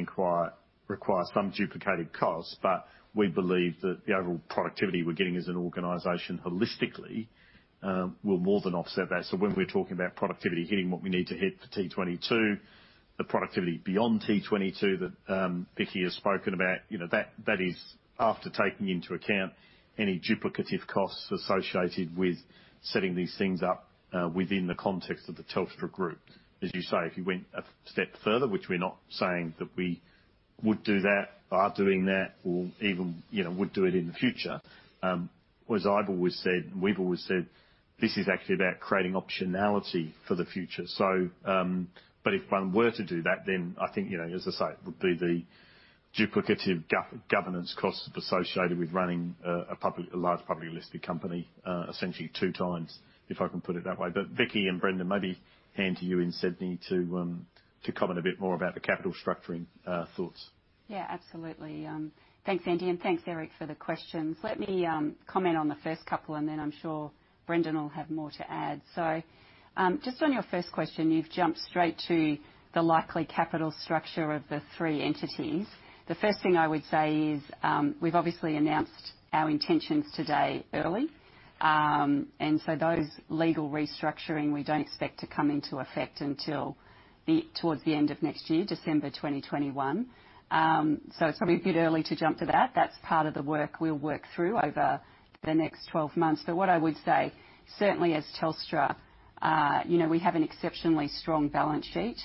require some duplicated costs, but we believe that the overall productivity we're getting as an organization holistically will more than offset that. So when we're talking about productivity hitting what we need to hit for T22, the productivity beyond T22 that Vicki has spoken about, that is after taking into account any duplicative costs associated with setting these things up within the context of the Telstra Group. As you say, if you went a step further, which we're not saying that we would do that, are doing that, or even would do it in the future, as I've always said, and we've always said, this is actually about creating optionality for the future. But if one were to do that, then I think, as I say, it would be the duplicative governance costs associated with running a large publicly listed company, essentially two times, if I can put it that way. But Vicki and Brendon, maybe hand to you in Sydney to comment a bit more about the capital structuring thoughts. Yeah, absolutely. Thanks, Andy, and thanks, Eric, for the questions. Let me comment on the first couple, and then I'm sure Brendon will have more to add. So just on your first question, you've jumped straight to the likely capital structure of the three entities. The first thing I would say is we've obviously announced our intentions today early. And so those legal restructuring, we don't expect to come into effect until towards the end of next year, December 2021. So it's probably a bit early to jump to that. That's part of the work we'll work through over the next 12 months. But what I would say, certainly as Telstra, we have an exceptionally strong balance sheet,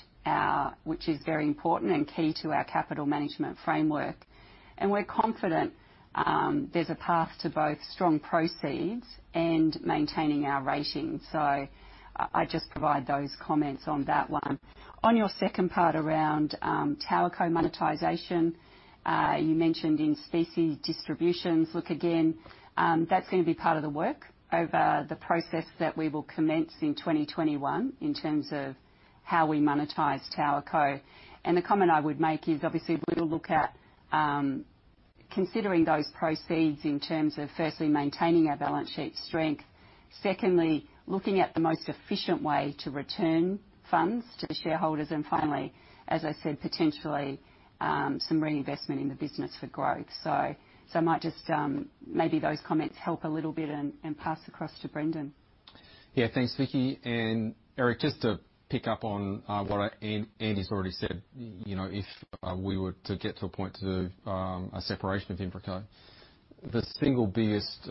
which is very important and key to our capital management framework. And we're confident there's a path to both strong proceeds and maintaining our rating. So I just provide those comments on that one. On your second part around TowerCo monetization, you mentioned in-specie distributions. Look again, that's going to be part of the work over the process that we will commence in 2021 in terms of how we monetize TowerCo. And the comment I would make is obviously we'll look at considering those proceeds in terms of firstly maintaining our balance sheet strength, secondly looking at the most efficient way to return funds to shareholders, and finally, as I said, potentially some reinvestment in the business for growth. So I might just maybe those comments help a little bit and pass across to Brendon. Yeah, thanks, Vicki. Eric, just to pick up on what Andy's already said, if we were to get to a point to do a separation of InfraCo, the single biggest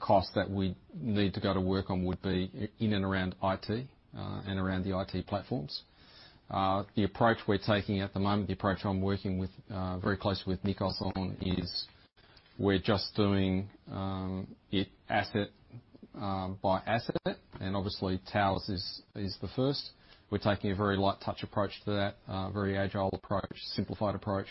cost that we need to go to work on would be in and around IT and around the IT platforms. The approach we're taking at the moment, the approach I'm working very closely with Nikos on, is we're just doing it asset by asset, and obviously Towers is the first. We're taking a very light touch approach to that, a very agile approach, simplified approach.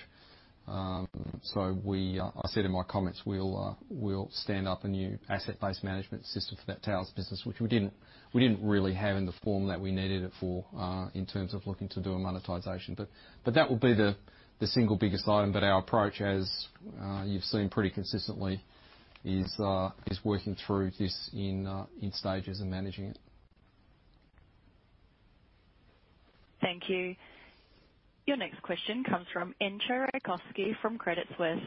So I said in my comments we'll stand up a new asset-based management system for that Towers business, which we didn't really have in the form that we needed it for in terms of looking to do a monetization. But that will be the single biggest item. But our approach, as you've seen pretty consistently, is working through this in stages and managing it. Thank you. Your next question comes from Entcho Raykovski from Credit Suisse.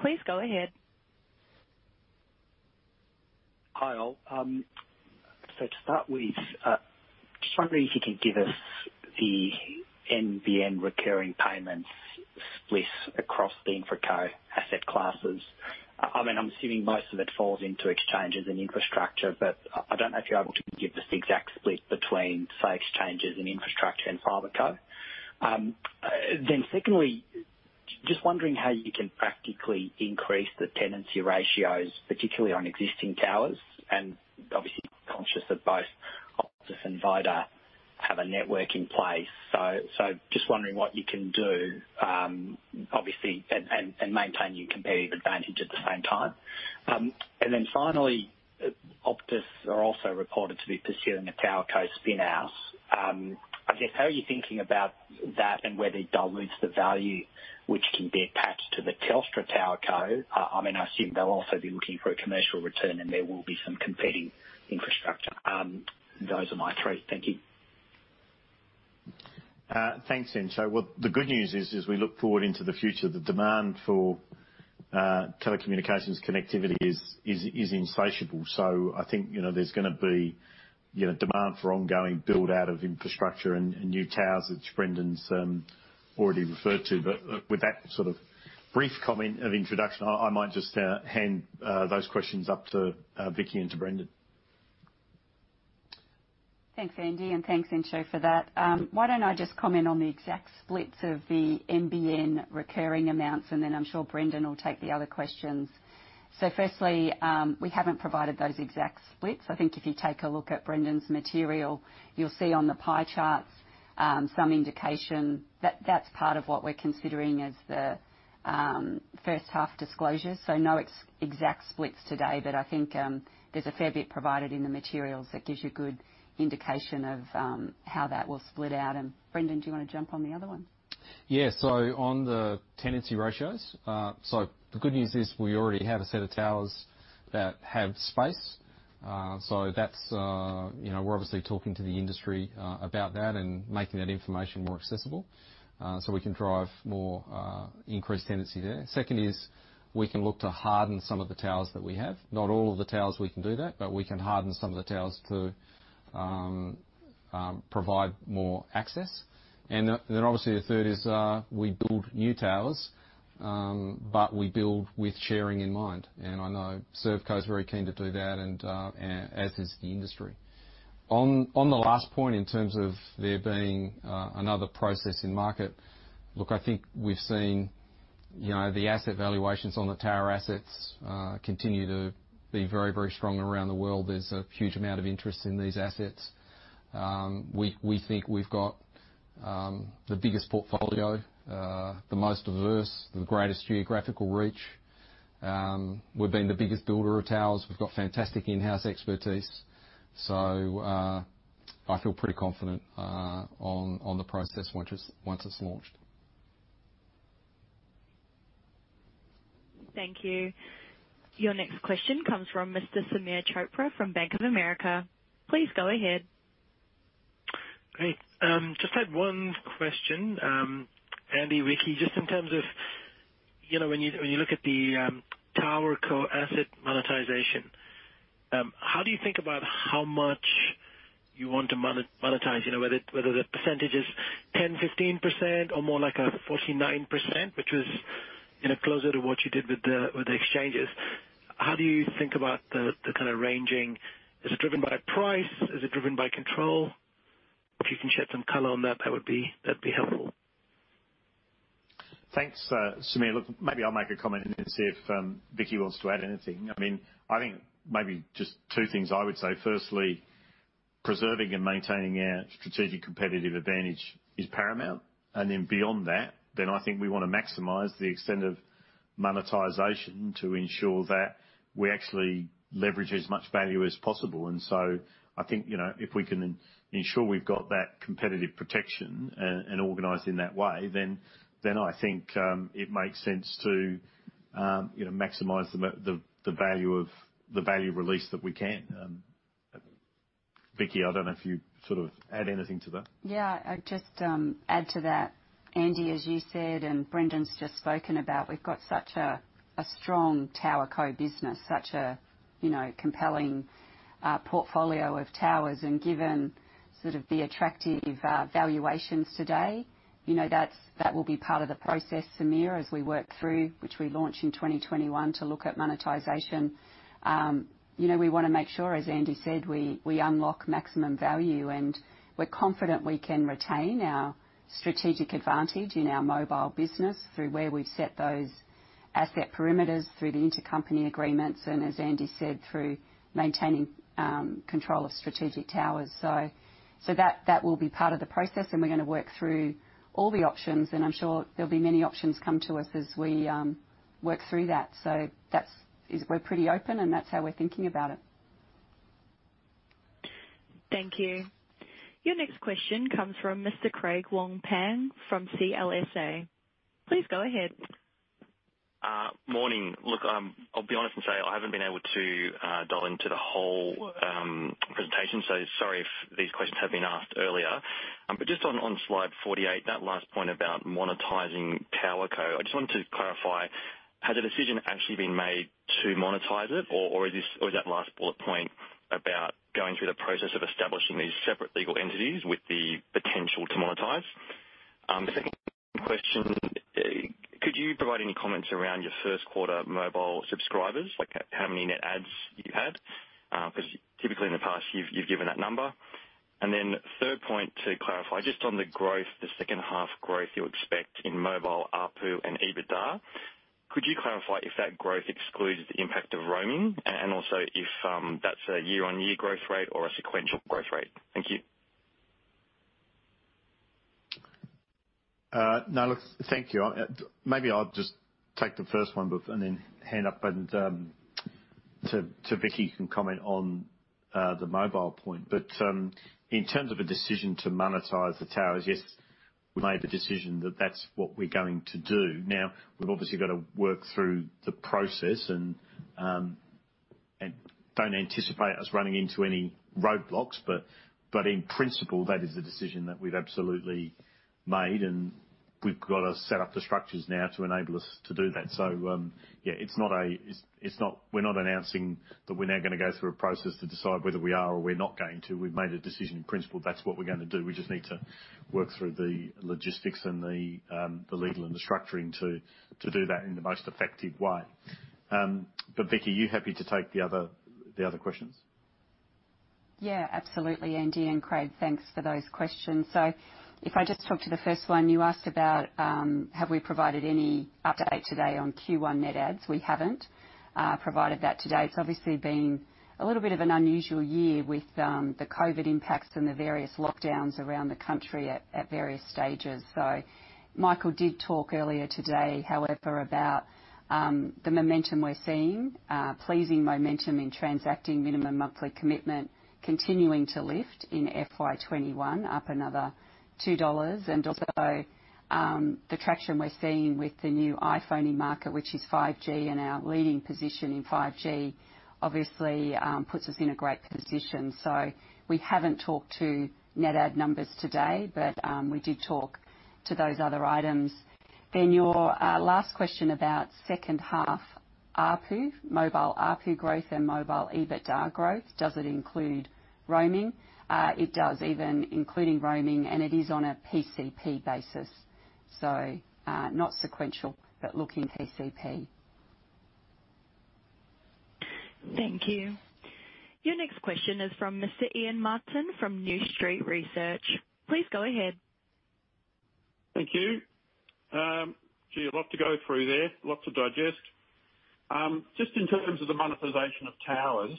Please go ahead. Hi, all. So to start with, just wondering if you can give us the NBN recurring payments split across the InfraCo asset classes. I mean, I'm assuming most of it falls into exchanges and infrastructure, but I don't know if you're able to give us the exact split between, say, exchanges and infrastructure and FibreCo. Then secondly, just wondering how you can practically increase the tenancy ratios, particularly on existing towers, and obviously conscious that both Optus and Vodafone have a network in place. So just wondering what you can do, obviously, and maintain your competitive advantage at the same time. And then finally, Optus are also reported to be pursuing a TowerCo spin-out. I guess, how are you thinking about that and whether it dilutes the value, which can be attached to the Telstra TowerCo? I mean, I assume they'll also be looking for a commercial return, and there will be some competing infrastructure. Those are my three. Thank you. Thanks, Entcho. Well, the good news is, as we look forward into the future, the demand for telecommunications connectivity is insatiable. So I think there's going to be demand for ongoing build-out of infrastructure and new towers, which Brendon's already referred to. But with that sort of brief comment of introduction, I might just hand those questions up to Vicki and to Brendon. Thanks, Andy, and thanks, Entcho, for that. Why don't I just comment on the exact splits of the NBN recurring amounts, and then I'm sure Brendon will take the other questions. So firstly, we haven't provided those exact splits. I think if you take a look at Brendon's material, you'll see on the pie charts some indication that that's part of what we're considering as the first half disclosures. So no exact splits today, but I think there's a fair bit provided in the materials that gives you a good indication of how that will split out. And Brendon, do you want to jump on the other one? Yeah, so on the tenancy ratios, so the good news is we already have a set of towers that have space. So we're obviously talking to the industry about that and making that information more accessible so we can drive more increased tenancy there. Second is we can look to harden some of the towers that we have. Not all of the towers we can do that, but we can harden some of the towers to provide more access. And then obviously the third is we build new towers, but we build with sharing in mind. And I know ServeCo is very keen to do that, and as is the industry. On the last point in terms of there being another process in market, look, I think we've seen the asset valuations on the tower assets continue to be very, very strong around the world. There's a huge amount of interest in these assets. We think we've got the biggest portfolio, the most diverse, the greatest geographical reach. We've been the biggest builder of towers. We've got fantastic in-house expertise. So I feel pretty confident on the process once it's launched. Thank you. Your next question comes from Mr. Sameer Chopra from Bank of America. Please go ahead. Great. Just had one question, Andy, Vicki, just in terms of when you look at the TowerCo asset monetization, how do you think about how much you want to monetize, whether the percentage is 10%, 15%, or more like a 49%, which was closer to what you did with the exchanges? How do you think about the kind of ranging? Is it driven by price? Is it driven by control? If you can shed some color on that, that would be helpful. Thanks, Sameer. Look, maybe I'll make a comment and then see if Vicki wants to add anything. I mean, I think maybe just two things I would say. Firstly, preserving and maintaining our strategic competitive advantage is paramount. And then beyond that, then I think we want to maximize the extent of monetization to ensure that we actually leverage as much value as possible. And so I think if we can ensure we've got that competitive protection and organized in that way, then I think it makes sense to maximize the value release that we can. Vicki, I don't know if you sort of add anything to that. Yeah, I'd just add to that. Andy, as you said, and Brendon's just spoken about, we've got such a strong TowerCo business, such a compelling portfolio of towers. And given sort of the attractive valuations today, that will be part of the process, Sameer, as we work through, which we launched in 2021 to look at monetization. We want to make sure, as Andy said, we unlock maximum value. And we're confident we can retain our strategic advantage in our mobile business through where we've set those asset perimeters, through the intercompany agreements, and as Andy said, through maintaining control of strategic towers. So that will be part of the process, and we're going to work through all the options. And I'm sure there'll be many options come to us as we work through that. So we're pretty open, and that's how we're thinking about it. Thank you. Your next question comes from Mr. Craig Wong-Pan from CLSA. Please go ahead. Morning. Look, I'll be honest and say I haven't been able to dial into the whole presentation, so sorry if these questions have been asked earlier. But just on slide 48, that last point about monetizing TowerCo, I just wanted to clarify, has a decision actually been made to monetize it, or is that last bullet point about going through the process of establishing these separate legal entities with the potential to monetize? Second question, could you provide any comments around your first quarter mobile subscribers, like how many net adds you had? Because typically in the past, you've given that number. And then third point to clarify, just on the growth, the second half growth you expect in mobile APU and EBITDA, could you clarify if that growth excludes the impact of roaming, and also if that's a year-on-year growth rate or a sequential growth rate? Thank you. No, look, thank you. Maybe I'll just take the first one and then hand over to Vicki who can comment on the mobile point. But in terms of a decision to monetize the towers, yes, we made the decision that that's what we're going to do. Now, we've obviously got to work through the process, and don't anticipate us running into any roadblocks, but in principle, that is the decision that we've absolutely made, and we've got to set up the structures now to enable us to do that. So yeah, it's not we're not announcing that we're now going to go through a process to decide whether we are or we're not going to. We've made a decision in principle that's what we're going to do. We just need to work through the logistics and the legal and the structuring to do that in the most effective way. But Vicki, are you happy to take the other questions? Yeah, absolutely. Andy and Craig, thanks for those questions. So if I just talk to the first one, you asked about have we provided any update today on Q1 net adds. We haven't provided that today. It's obviously been a little bit of an unusual year with the COVID impacts and the various lockdowns around the country at various stages. So Michael did talk earlier today, however, about the momentum we're seeing, pleasing momentum in transacting minimum monthly commitment continuing to lift in FY2021, up another $2. And also the traction we're seeing with the new iPhone in market, which is 5G, and our leading position in 5G obviously puts us in a great position. So we haven't talked to net ad numbers today, but we did talk to those other items. Then your last question about second half APU, mobile APU growth and mobile EBITDA growth, does it include roaming? It does, even including roaming, and it is on a PCP basis. So not sequential, but looking PCP. Thank you. Your next question is from Mr. Ian Martin from New Street Research. Please go ahead. Thank you. Gee, a lot to go through there, a lot to digest. Just in terms of the monetization of towers,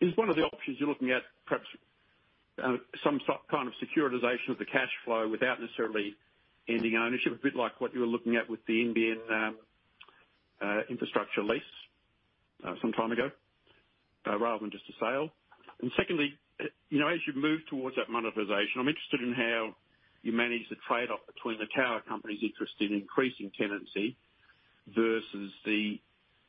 is one of the options you're looking at perhaps some kind of securitization of the cash flow without necessarily ending ownership, a bit like what you were looking at with the NBN infrastructure lease some time ago, rather than just a sale? And secondly, as you move towards that monetization, I'm interested in how you manage the trade-off between the tower company's interest in increasing tenancy versus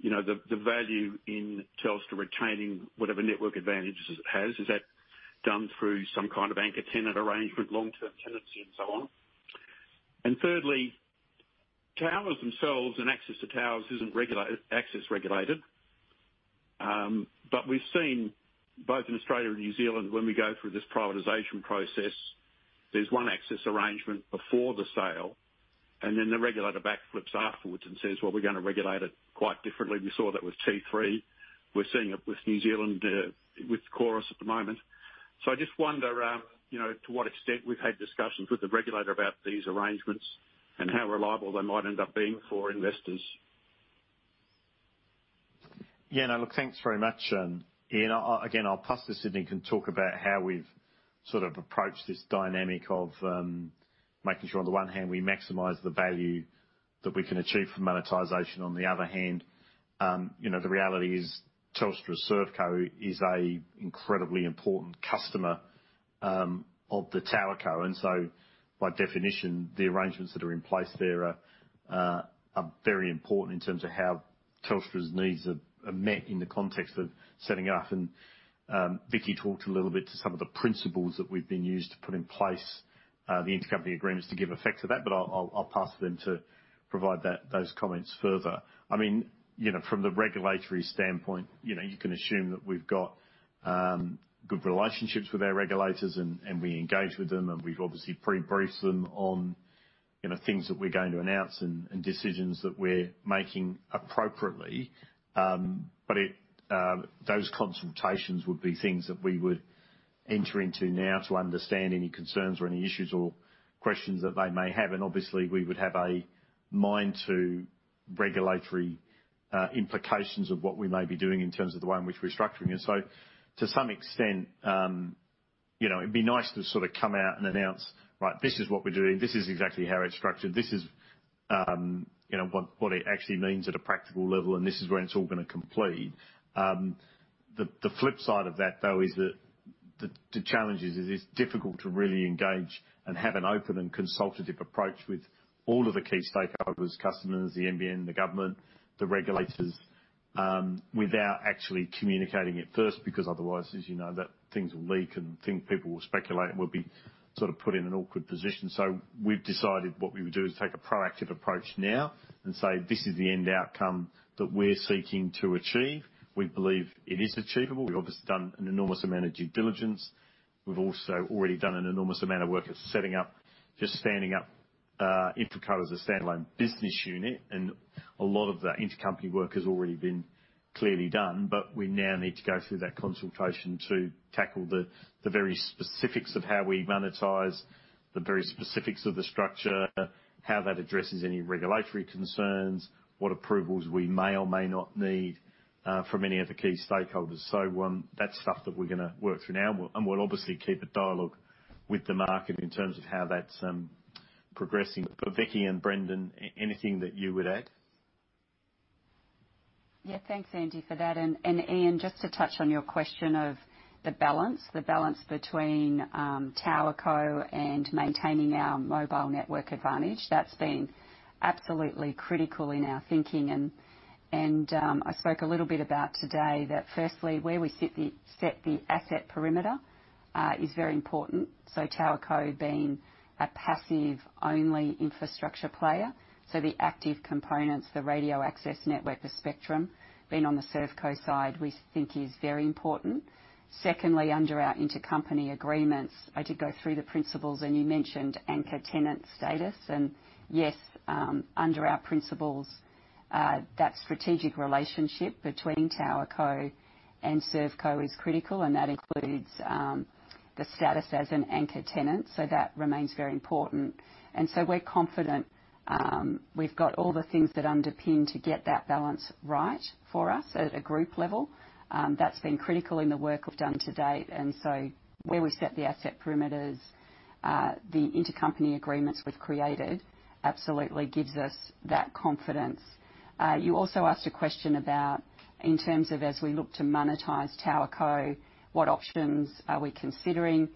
the value in Telstra retaining whatever network advantages it has. Is that done through some kind of anchor tenant arrangement, long-term tenancy, and so on? And thirdly, towers themselves and access to towers isn't access regulated? But we've seen both in Australia and New Zealand, when we go through this privatization process, there's one access arrangement before the sale, and then the regulator backflips afterwards and says, "Well, we're going to regulate it quite differently." We saw that with T3. We're seeing it with New Zealand, with Chorus at the moment. So I just wonder to what extent we've had discussions with the regulator about these arrangements and how reliable they might end up being for investors. Yeah, no, look, thanks very much, Ian. Again, I'll pass this and then can talk about how we've sort of approached this dynamic of making sure on the one hand we maximize the value that we can achieve from monetization, on the other hand, the reality is Telstra ServeCo is an incredibly important customer of the TowerCo. So by definition, the arrangements that are in place there are very important in terms of how Telstra's needs are met in the context of setting up. Vicki talked a little bit to some of the principles that we've been used to put in place the intercompany agreements to give effect to that, but I'll pass them to provide those comments further. I mean, from the regulatory standpoint, you can assume that we've got good relationships with our regulators and we engage with them, and we've obviously pre-briefed them on things that we're going to announce and decisions that we're making appropriately. Those consultations would be things that we would enter into now to understand any concerns or any issues or questions that they may have. Obviously, we would have a mind to regulatory implications of what we may be doing in terms of the way in which we're structuring. So to some extent, it'd be nice to sort of come out and announce, "Right, this is what we're doing. This is exactly how it's structured. This is what it actually means at a practical level, and this is where it's all going to complete." The flip side of that, though, is that the challenge is it's difficult to really engage and have an open and consultative approach with all of the key stakeholders, customers, the NBN, the government, the regulators without actually communicating at first, because otherwise, as you know, things will leak and people will speculate and will be sort of put in an awkward position. So we've decided what we would do is take a proactive approach now and say, "This is the end outcome that we're seeking to achieve. We believe it is achievable." We've obviously done an enormous amount of due diligence. We've also already done an enormous amount of work at setting up, just standing up InfraCo as a standalone business unit. And a lot of the intercompany work has already been clearly done, but we now need to go through that consultation to tackle the very specifics of how we monetize, the very specifics of the structure, how that addresses any regulatory concerns, what approvals we may or may not need from any of the key stakeholders. So that's stuff that we're going to work through now. And we'll obviously keep a dialogue with the market in terms of how that's progressing. But Vicki and Brendon, anything that you would add? Yeah, thanks, Andy, for that. Ian, just to touch on your question of the balance, the balance between TowerCo and maintaining our mobile network advantage, that's been absolutely critical in our thinking. I spoke a little bit about today that firstly, where we set the asset perimeter is very important. TowerCo being a passive-only infrastructure player. The active components, the radio access network, the spectrum, being on the ServeCo side, we think is very important. Secondly, under our intercompany agreements, I did go through the principles and you mentioned anchor tenant status. Yes, under our principles, that strategic relationship between TowerCo and ServeCo is critical, and that includes the status as an anchor tenant. That remains very important. We're confident we've got all the things that underpin to get that balance right for us at a group level. That's been critical in the work we've done to date. And so where we set the asset parameters, the intercompany agreements we've created absolutely gives us that confidence. You also asked a question about in terms of as we look to monetize TowerCo, what options are we considering?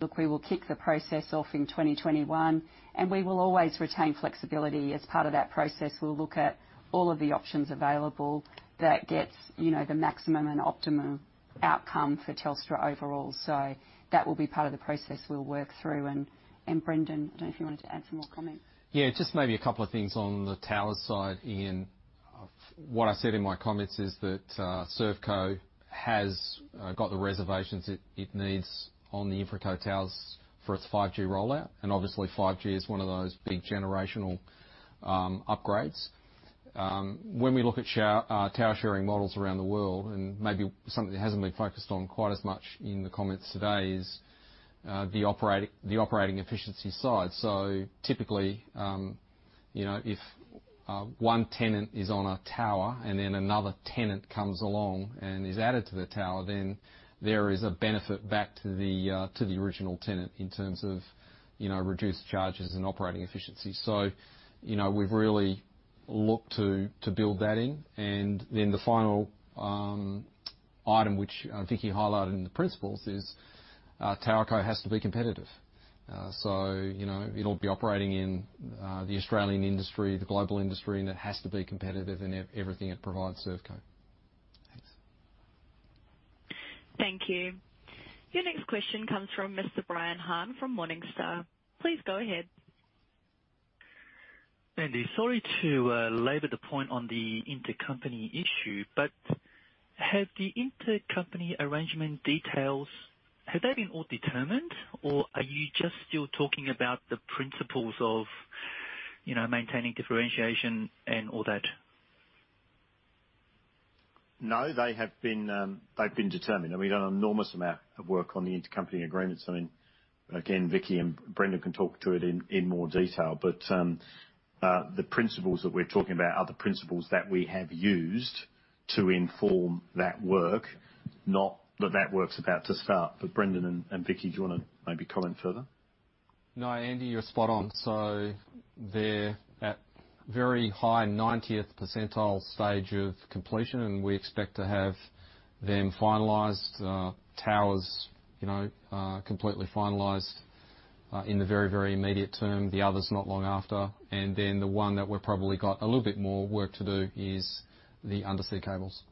Look, we will kick the process off in 2021, and we will always retain flexibility. As part of that process, we'll look at all of the options available that gets the maximum and optimum outcome for Telstra overall. So that will be part of the process we'll work through. And Brendon, I don't know if you wanted to add some more comments. Yeah, just maybe a couple of things on the tower side, Ian. What I said in my comments is that ServeCo has got the reservations it needs on the InfraCo towers for its 5G rollout. Obviously, 5G is one of those big generational upgrades. When we look at tower sharing models around the world, and maybe something that hasn't been focused on quite as much in the comments today is the operating efficiency side. So typically, if one tenant is on a tower and then another tenant comes along and is added to the tower, then there is a benefit back to the original tenant in terms of reduced charges and operating efficiency. So we've really looked to build that in. Then the final item, which Vicki highlighted in the principles, is TowerCo has to be competitive. So it'll be operating in the Australian industry, the global industry, and it has to be competitive in everything it provides ServeCo. Thanks. Thank you. Your next question comes from Mr. Brian Han from Morningstar. Please go ahead. Andy, sorry to labor the point on the intercompany issue, but have the intercompany arrangement details, have they been all determined, or are you just still talking about the principles of maintaining differentiation and all that? No, they have been determined. And we've done an enormous amount of work on the intercompany agreements. I mean, again, Vicki and Brendon can talk to it in more detail, but the principles that we're talking about are the principles that we have used to inform that work, not that that work's about to start. But Brendon and Vicki, do you want to maybe comment further? No, Andy, you're spot on. So they're at very high 90th percentile stage of completion, and we expect to have them finalized, towers completely finalized in the very, very immediate term, the others not long after. And then the one that we've probably got a little bit more work to do is the undersea cables.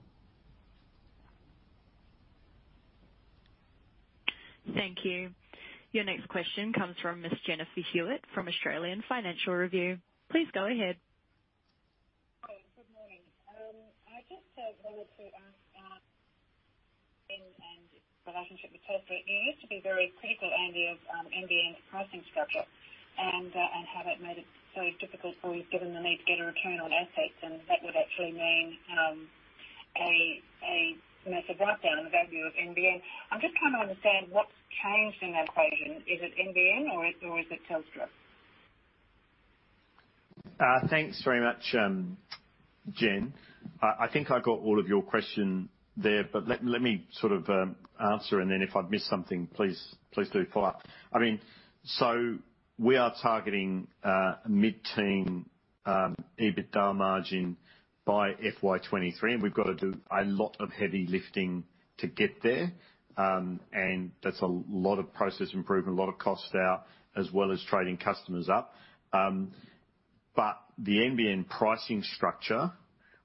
Thank you. Your next question comes from Ms. Jennifer Hewett from The Australian Financial Review. Please go ahead. Hi, good morning. I just wanted to ask about the relationship with Telstra. You used to be very critical, Andy, of NBN's pricing structure and how that made it so difficult for you given the need to get a return on assets, and that would actually mean a massive write-down of the value of NBN. I'm just trying to understand what's changed in that equation. Is it NBN, or is it Telstra? Thanks very much, Jen. I think I got all of your questions there, but let me sort of answer, and then if I've missed something, please do follow up.I mean, so we are targeting mid-teen EBITDA margin by FY2023, and we've got to do a lot of heavy lifting to get there. And that's a lot of process improvement, a lot of cost out, as well as trading customers up. But the NBN pricing structure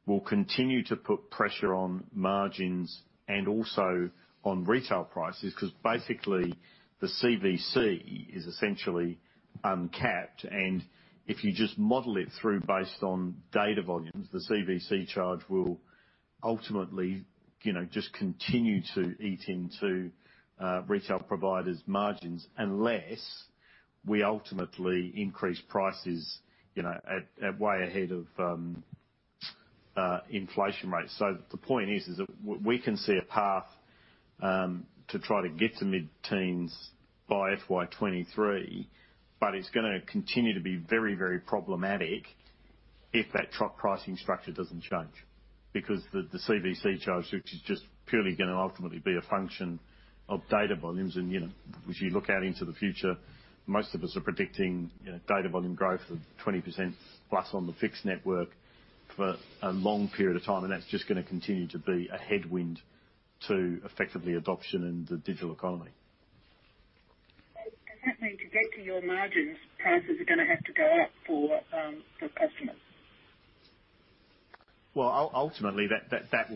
will continue to put pressure on margins and also on retail prices because basically the CVC is essentially uncapped. And if you just model it through based on data volumes, the CVC charge will ultimately just continue to eat into retail providers' margins unless we ultimately increase prices way ahead of inflation rates. So the point is that we can see a path to try to get to mid-teens by FY2023, but it's going to continue to be very, very problematic if that NBN pricing structure doesn't change because the CVC charge, which is just purely going to ultimately be a function of data volumes. As you look out into the future, most of us are predicting data volume growth of 20%+ on the fixed network for a long period of time, and that's just going to continue to be a headwind to effectively adoption in the digital economy. Does that mean to get to your margins, prices are going to have to go up for customers? Well, ultimately, that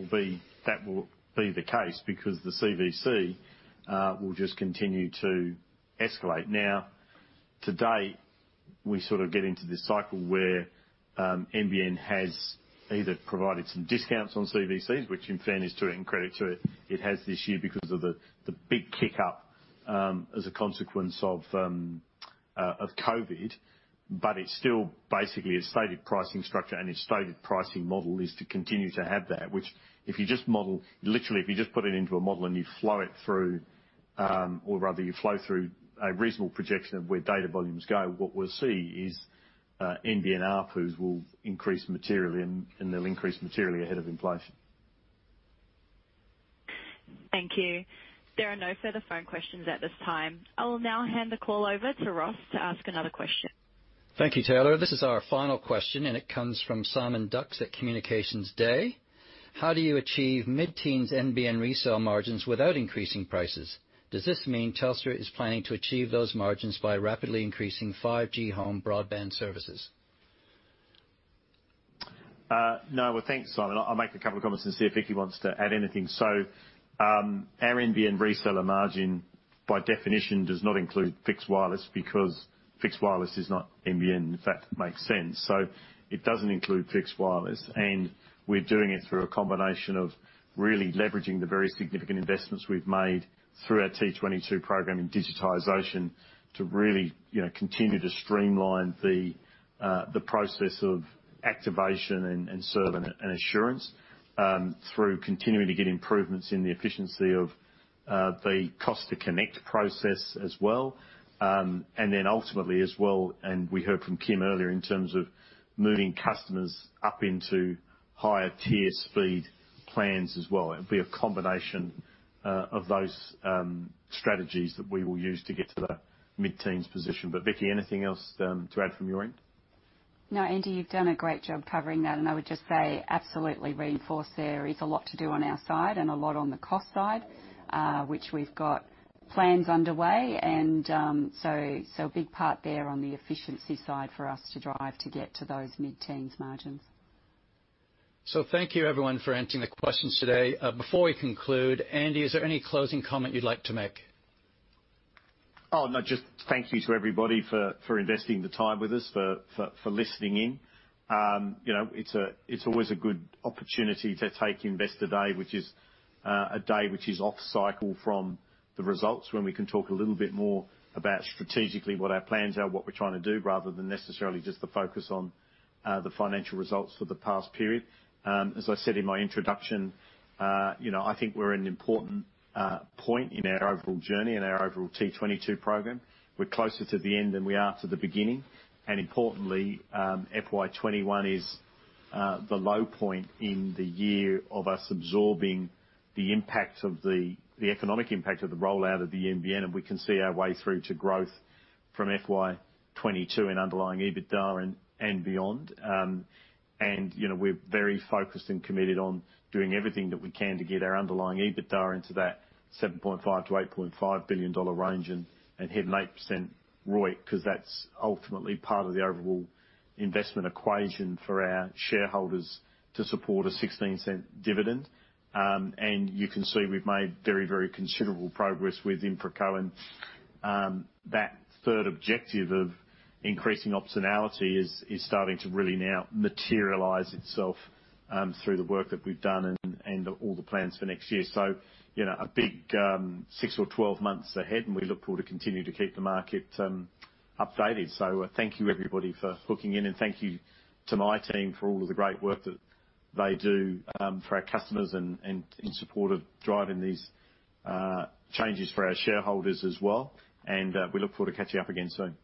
will be the case because the CVC will just continue to escalate. Now, today, we sort of get into this cycle where NBN has either provided some discounts on CVCs, which in fairness to it and credit to it, it has this year because of the big kick-up as a consequence of COVID. But it's still basically a stated pricing structure, and its stated pricing model is to continue to have that, which if you just model literally, if you just put it into a model and you flow it through, or rather you flow through a reasonable projection of where data volumes go, what we'll see is NBN ARPUs will increase materially, and they'll increase materially ahead of inflation. Thank you. There are no further phone questions at this time. I will now hand the call over to Ross to ask another question. Thank you, Taylor. This is our final question, and it comes from Simon Dux at Communications Day. How do you achieve mid-teens NBN resale margins without increasing prices? Does this mean Telstra is planning to achieve those margins by rapidly increasing 5G home broadband services? No, well, thanks, Simon. I'll make a couple of comments and see if Vicki wants to add anything. So our NBN reseller margin, by definition, does not include fixed wireless because fixed wireless is not NBN. In fact, it makes sense. So it doesn't include fixed wireless, and we're doing it through a combination of really leveraging the very significant investments we've made through our T22 program in digitization to really continue to streamline the process of activation and service assurance through continuing to get improvements in the efficiency of the cost-to-connect process as well. And then ultimately as well, and we heard from Kim earlier in terms of moving customers up into higher tier speed plans as well. It'll be a combination of those strategies that we will use to get to the mid-teens position. But Vicki, anything else to add from your end? No, Andy, you've done a great job covering that, and I would just say absolutely reinforce there. It's a lot to do on our side and a lot on the cost side, which we've got plans underway. And so a big part there on the efficiency side for us to drive to get to those mid-teens margins. So thank you, everyone, for answering the questions today. Before we conclude, Andy, is there any closing comment you'd like to make? Oh, no, just thank you to everybody for investing the time with us, for listening in. It's always a good opportunity to take Investor Day, which is a day which is off-cycle from the results when we can talk a little bit more about strategically what our plans are, what we're trying to do, rather than necessarily just the focus on the financial results for the past period. As I said in my introduction, I think we're at an important point in our overall journey and our overall T22 program. We're closer to the end than we are to the beginning. And importantly, FY2021 is the low point in the year of us absorbing the impact of the economic impact of the rollout of the NBN, and we can see our way through to growth from FY2022 and underlying EBITDA and beyond. We're very focused and committed on doing everything that we can to get our underlying EBITDA into that 7.5 billion-8.5 billion dollar range and hit an 8% ROIC because that's ultimately part of the overall investment equation for our shareholders to support a 0.16 dividend. You can see we've made very, very considerable progress with InfraCo, and that third objective of increasing optionality is starting to really now materialize itself through the work that we've done and all the plans for next year. A big six or 12 months ahead, and we look forward to continue to keep the market updated. Thank you, everybody, for hooking in, and thank you to my team for all of the great work that they do for our customers and in support of driving these changes for our shareholders as well. We look forward to catching up again soon.